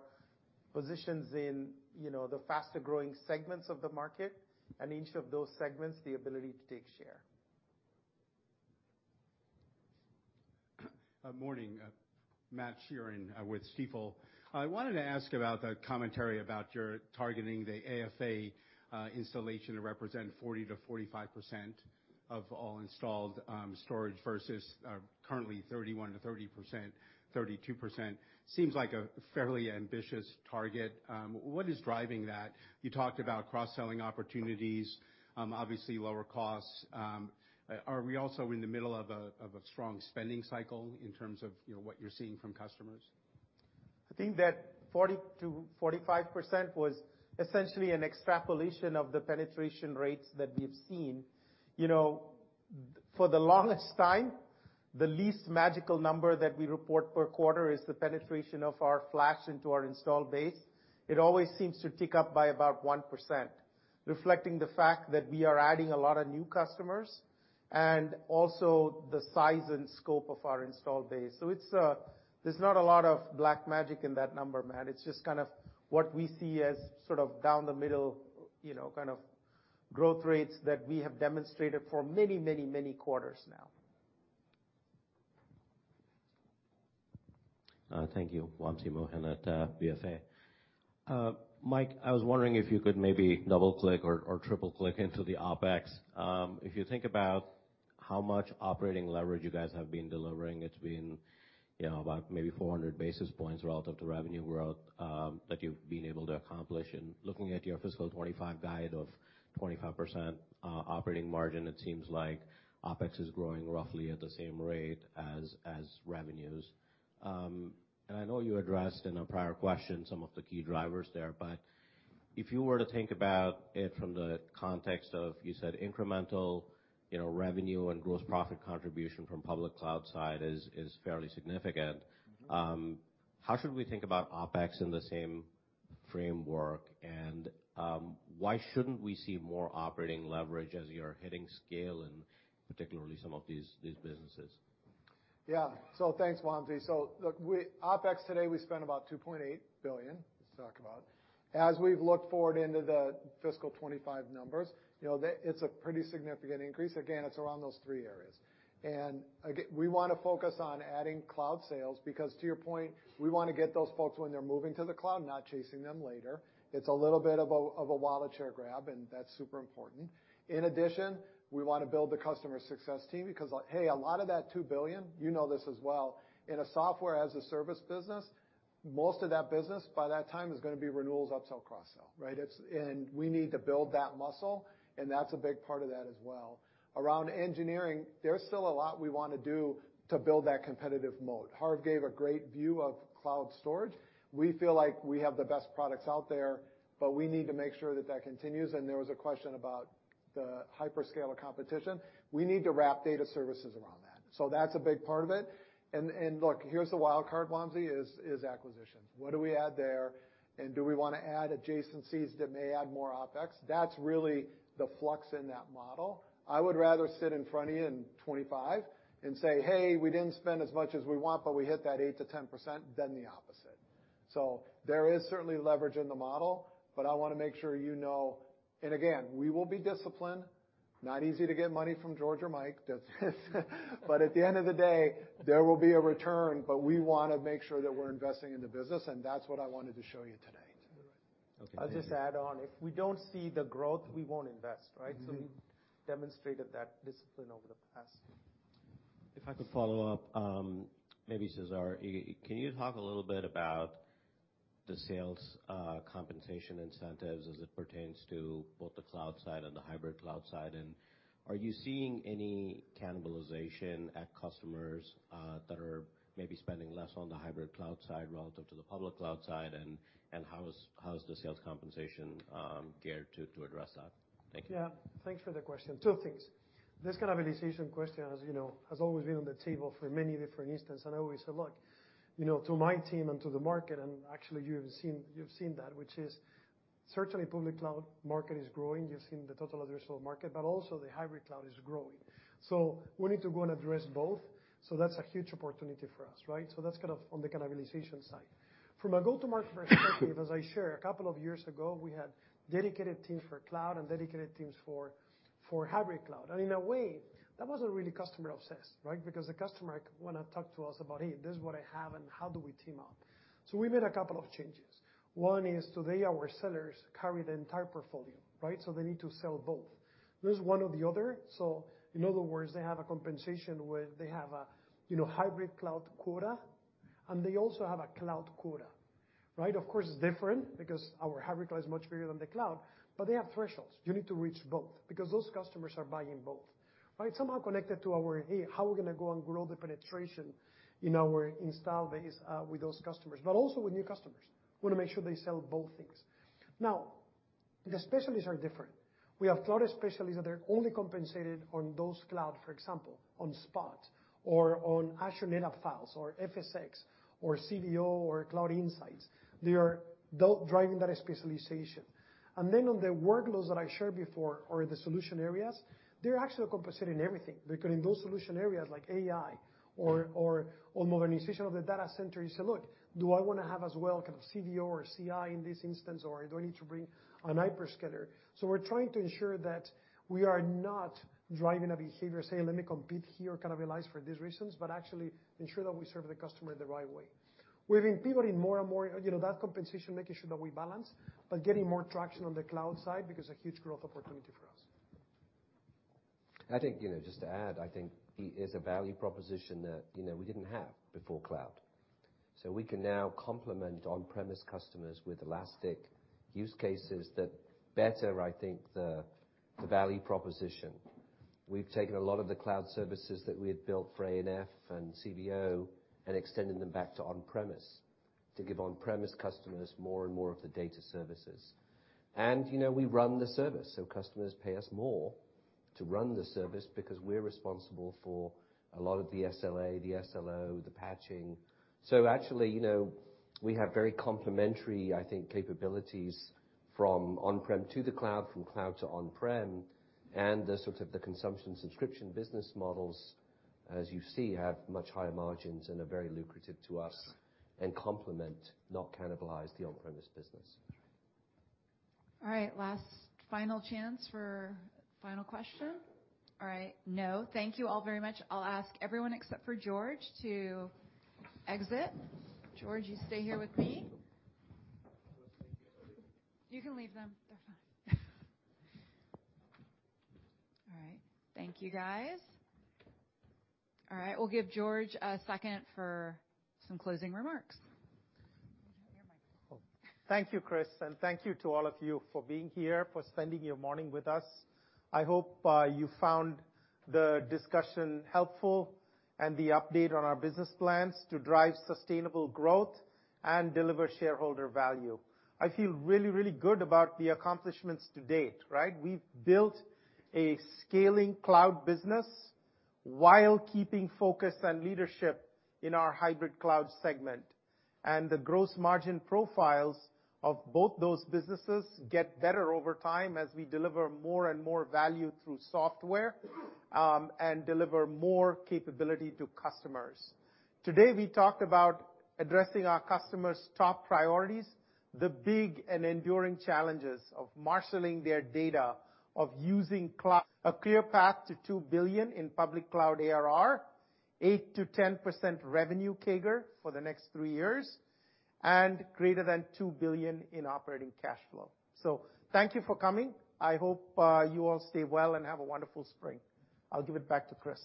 positions in, you know, the faster-growing segments of the market, and each of those segments, the ability to take share. Morning. Matt Sheerin with Stifel. I wanted to ask about the commentary about your targeting the AFA installation to represent 40%-45% of all installed storage versus currently 31%-32%. Seems like a fairly ambitious target. What is driving that? You talked about cross-selling opportunities, obviously lower costs. Are we also in the middle of a strong spending cycle in terms of what you're seeing from customers? I think that 40%-45% was essentially an extrapolation of the penetration rates that we've seen. You know, for the longest time, the least magical number that we report per quarter is the penetration of our flash into our installed base. It always seems to tick up by about 1%, reflecting the fact that we are adding a lot of new customers and also the size and scope of our installed base. It's, there's not a lot of black magic in that number, Matt. It's just kind of what we see as sort of down the middle, you know, kind of growth rates that we have demonstrated for many quarters now. Thank you. Wamsi Mohan at BofA. Mike, I was wondering if you could maybe double-click or triple-click into the OpEx. If you think about how much operating leverage you guys have been delivering, it's been, you know, about maybe 400 basis points relative to revenue growth that you've been able to accomplish. Looking at your fiscal 2025 guide of 25% operating margin, it seems like OpEx is growing roughly at the same rate as revenues. I know you addressed in a prior question some of the key drivers there, but if you were to think about it from the context of you said incremental, you know, revenue and gross profit contribution from public cloud side is fairly significant. How should we think about OpEx in the same framework? Why shouldn't we see more operating leverage as you're hitting scale, and particularly some of these businesses? Yeah. Thanks, Wamsi. Look, OpEx today, we spend about $2.8 billion. Let's talk about it. As we've looked forward into the fiscal 2025 numbers, you know, it's a pretty significant increase. Again, it's around those three areas. We want to focus on adding cloud sales, because to your point, we want to get those folks when they're moving to the cloud, not chasing them later. It's a little bit of a wallet share grab, and that's super important. In addition, we want to build the customer success team because, hey, a lot of that $2 billion, you know this as well, in a software as a service business, most of that business by that time is going to be renewals, upsell, cross-sell, right? We need to build that muscle, and that's a big part of that as well. Around engineering, there's still a lot we wanna do to build that competitive mode. Harv gave a great view of cloud storage. We feel like we have the best products out there, but we need to make sure that that continues. There was a question about the hyperscaler competition. We need to wrap data services around that. That's a big part of it. Look, here's the wild card, Vamshi, is acquisitions. What do we add there? Do we wanna add adjacencies that may add more OpEx? That's really the flux in that model. I would rather sit in front of you in 2025 and say, "Hey, we didn't spend as much as we want, but we hit that 8%-10%," than the opposite. There is certainly leverage in the model, but I wanna make sure you know. again, we will be disciplined. Not easy to get money from George or Mike. That's. At the end of the day, there will be a return, but we wanna make sure that we're investing in the business, and that's what I wanted to show you today. Okay. I'll just add on. If we don't see the growth, we won't invest, right? Mm-hmm. We've demonstrated that discipline over the past. If I could follow up, maybe Cesar, can you talk a little bit about the sales compensation incentives as it pertains to both the cloud side and the hybrid cloud side? Are you seeing any cannibalization at customers that are maybe spending less on the hybrid cloud side relative to the public cloud side? How is the sales compensation geared to address that? Thank you. Yeah. Thanks for the question. Two things. This cannibalization question, as you know, has always been on the table for many different instances. I always say, look, you know, to my team and to the market, and actually you've seen that, which is, certainly, the public cloud market is growing. You've seen the total addressable market, but also the hybrid cloud is growing. We need to go and address both. That's a huge opportunity for us, right? That's kind of on the cannibalization side. From a go-to-market perspective, as I share, a couple of years ago, we had dedicated teams for cloud and dedicated teams for hybrid cloud. In a way, that wasn't really customer obsessed, right? Because the customer wanna talk to us about, "Hey, this is what I have, and how do we team up?" We made a couple of changes. One is today our sellers carry the entire portfolio, right? They need to sell both. There's one or the other. In other words, they have a compensation where they have a, you know, hybrid cloud quota, and they also have a cloud quota, right? Of course, it's different because our hybrid cloud is much bigger than the cloud, but they have thresholds. You need to reach both because those customers are buying both, right? Somehow connected to our, hey, how are we gonna go and grow the penetration in our install base, with those customers. Also with new customers. We wanna make sure they sell both things. Now, the specialists are different. We have cloud specialists that they're only compensated on those cloud, for example, on Spot or on Azure NetApp Files or FSx or CVO or Cloud Insights. They are driving that specialization. Then on the workloads that I shared before or the solution areas, they're actually compensated in everything, because in those solution areas like AI or modernization of the data center, you say, "Look, do I wanna have as well kind of CVO or CI in this instance, or do I need to bring an hyperscaler?" We're trying to ensure that we are not driving a behavior, saying, "Let me compete here, cannibalize for these reasons," but actually ensure that we serve the customer in the right way. We're pivoting more and more, you know, that compensation, making sure that we balance, but getting more traction on the cloud side because a huge growth opportunity for us. I think, you know, just to add, I think it is a value proposition that, you know, we didn't have before cloud. We can now complement on-premises customers with elastic use cases that better, I think, the value proposition. We've taken a lot of the cloud services that we had built for ANF and CVO and extended them back to on-premises to give on-premises customers more and more of the data services. You know, we run the service, so customers pay us more to run the service because we're responsible for a lot of the SLA, the SLO, the patching. Actually, you know, we have very complementary, I think, capabilities from on-prem to the cloud, from cloud to on-prem, and the sort of consumption subscription business models, as you see, have much higher margins and are very lucrative to us and complement, not cannibalize the on-premise business. All right. Last final chance for final question. All right. No. Thank you all very much. I'll ask everyone except for George to exit. George, you stay here with me. You can leave them. They're fine. All right. Thank you, guys. All right, we'll give George a second for some closing remarks. You don't have your microphone. Thank you, Kris, and thank you to all of you for being here, for spending your morning with us. I hope you found the discussion helpful and the update on our business plans to drive sustainable growth and deliver shareholder value. I feel really, really good about the accomplishments to date, right? We've built a scaling cloud business while keeping focus and leadership in our hybrid cloud segment. The gross margin profiles of both those businesses get better over time as we deliver more and more value through software and deliver more capability to customers. Today, we talked about addressing our customers' top priorities, the big and enduring challenges of marshaling their data, of using a clear path to $2 billion in Public Cloud ARR, 8%-10% revenue CAGR for the next three years, and greater than $2 billion in operating cash flow. Thank you for coming. I hope you all stay well and have a wonderful spring. I'll give it back to Kris.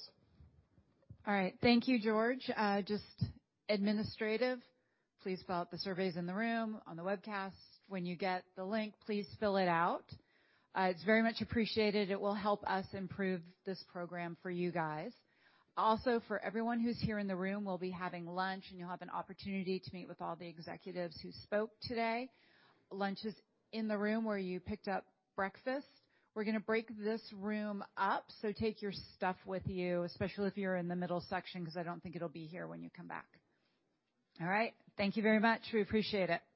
All right. Thank you, George. Just administrative. Please fill out the surveys in the room on the webcast. When you get the link, please fill it out. It's very much appreciated. It will help us improve this program for you guys. Also, for everyone who's here in the room, we'll be having lunch, and you'll have an opportunity to meet with all the executives who spoke today. Lunch is in the room where you picked up breakfast. We're gonna break this room up, so take your stuff with you, especially if you're in the middle section, 'cause I don't think it'll be here when you come back. All right. Thank you very much. We appreciate it.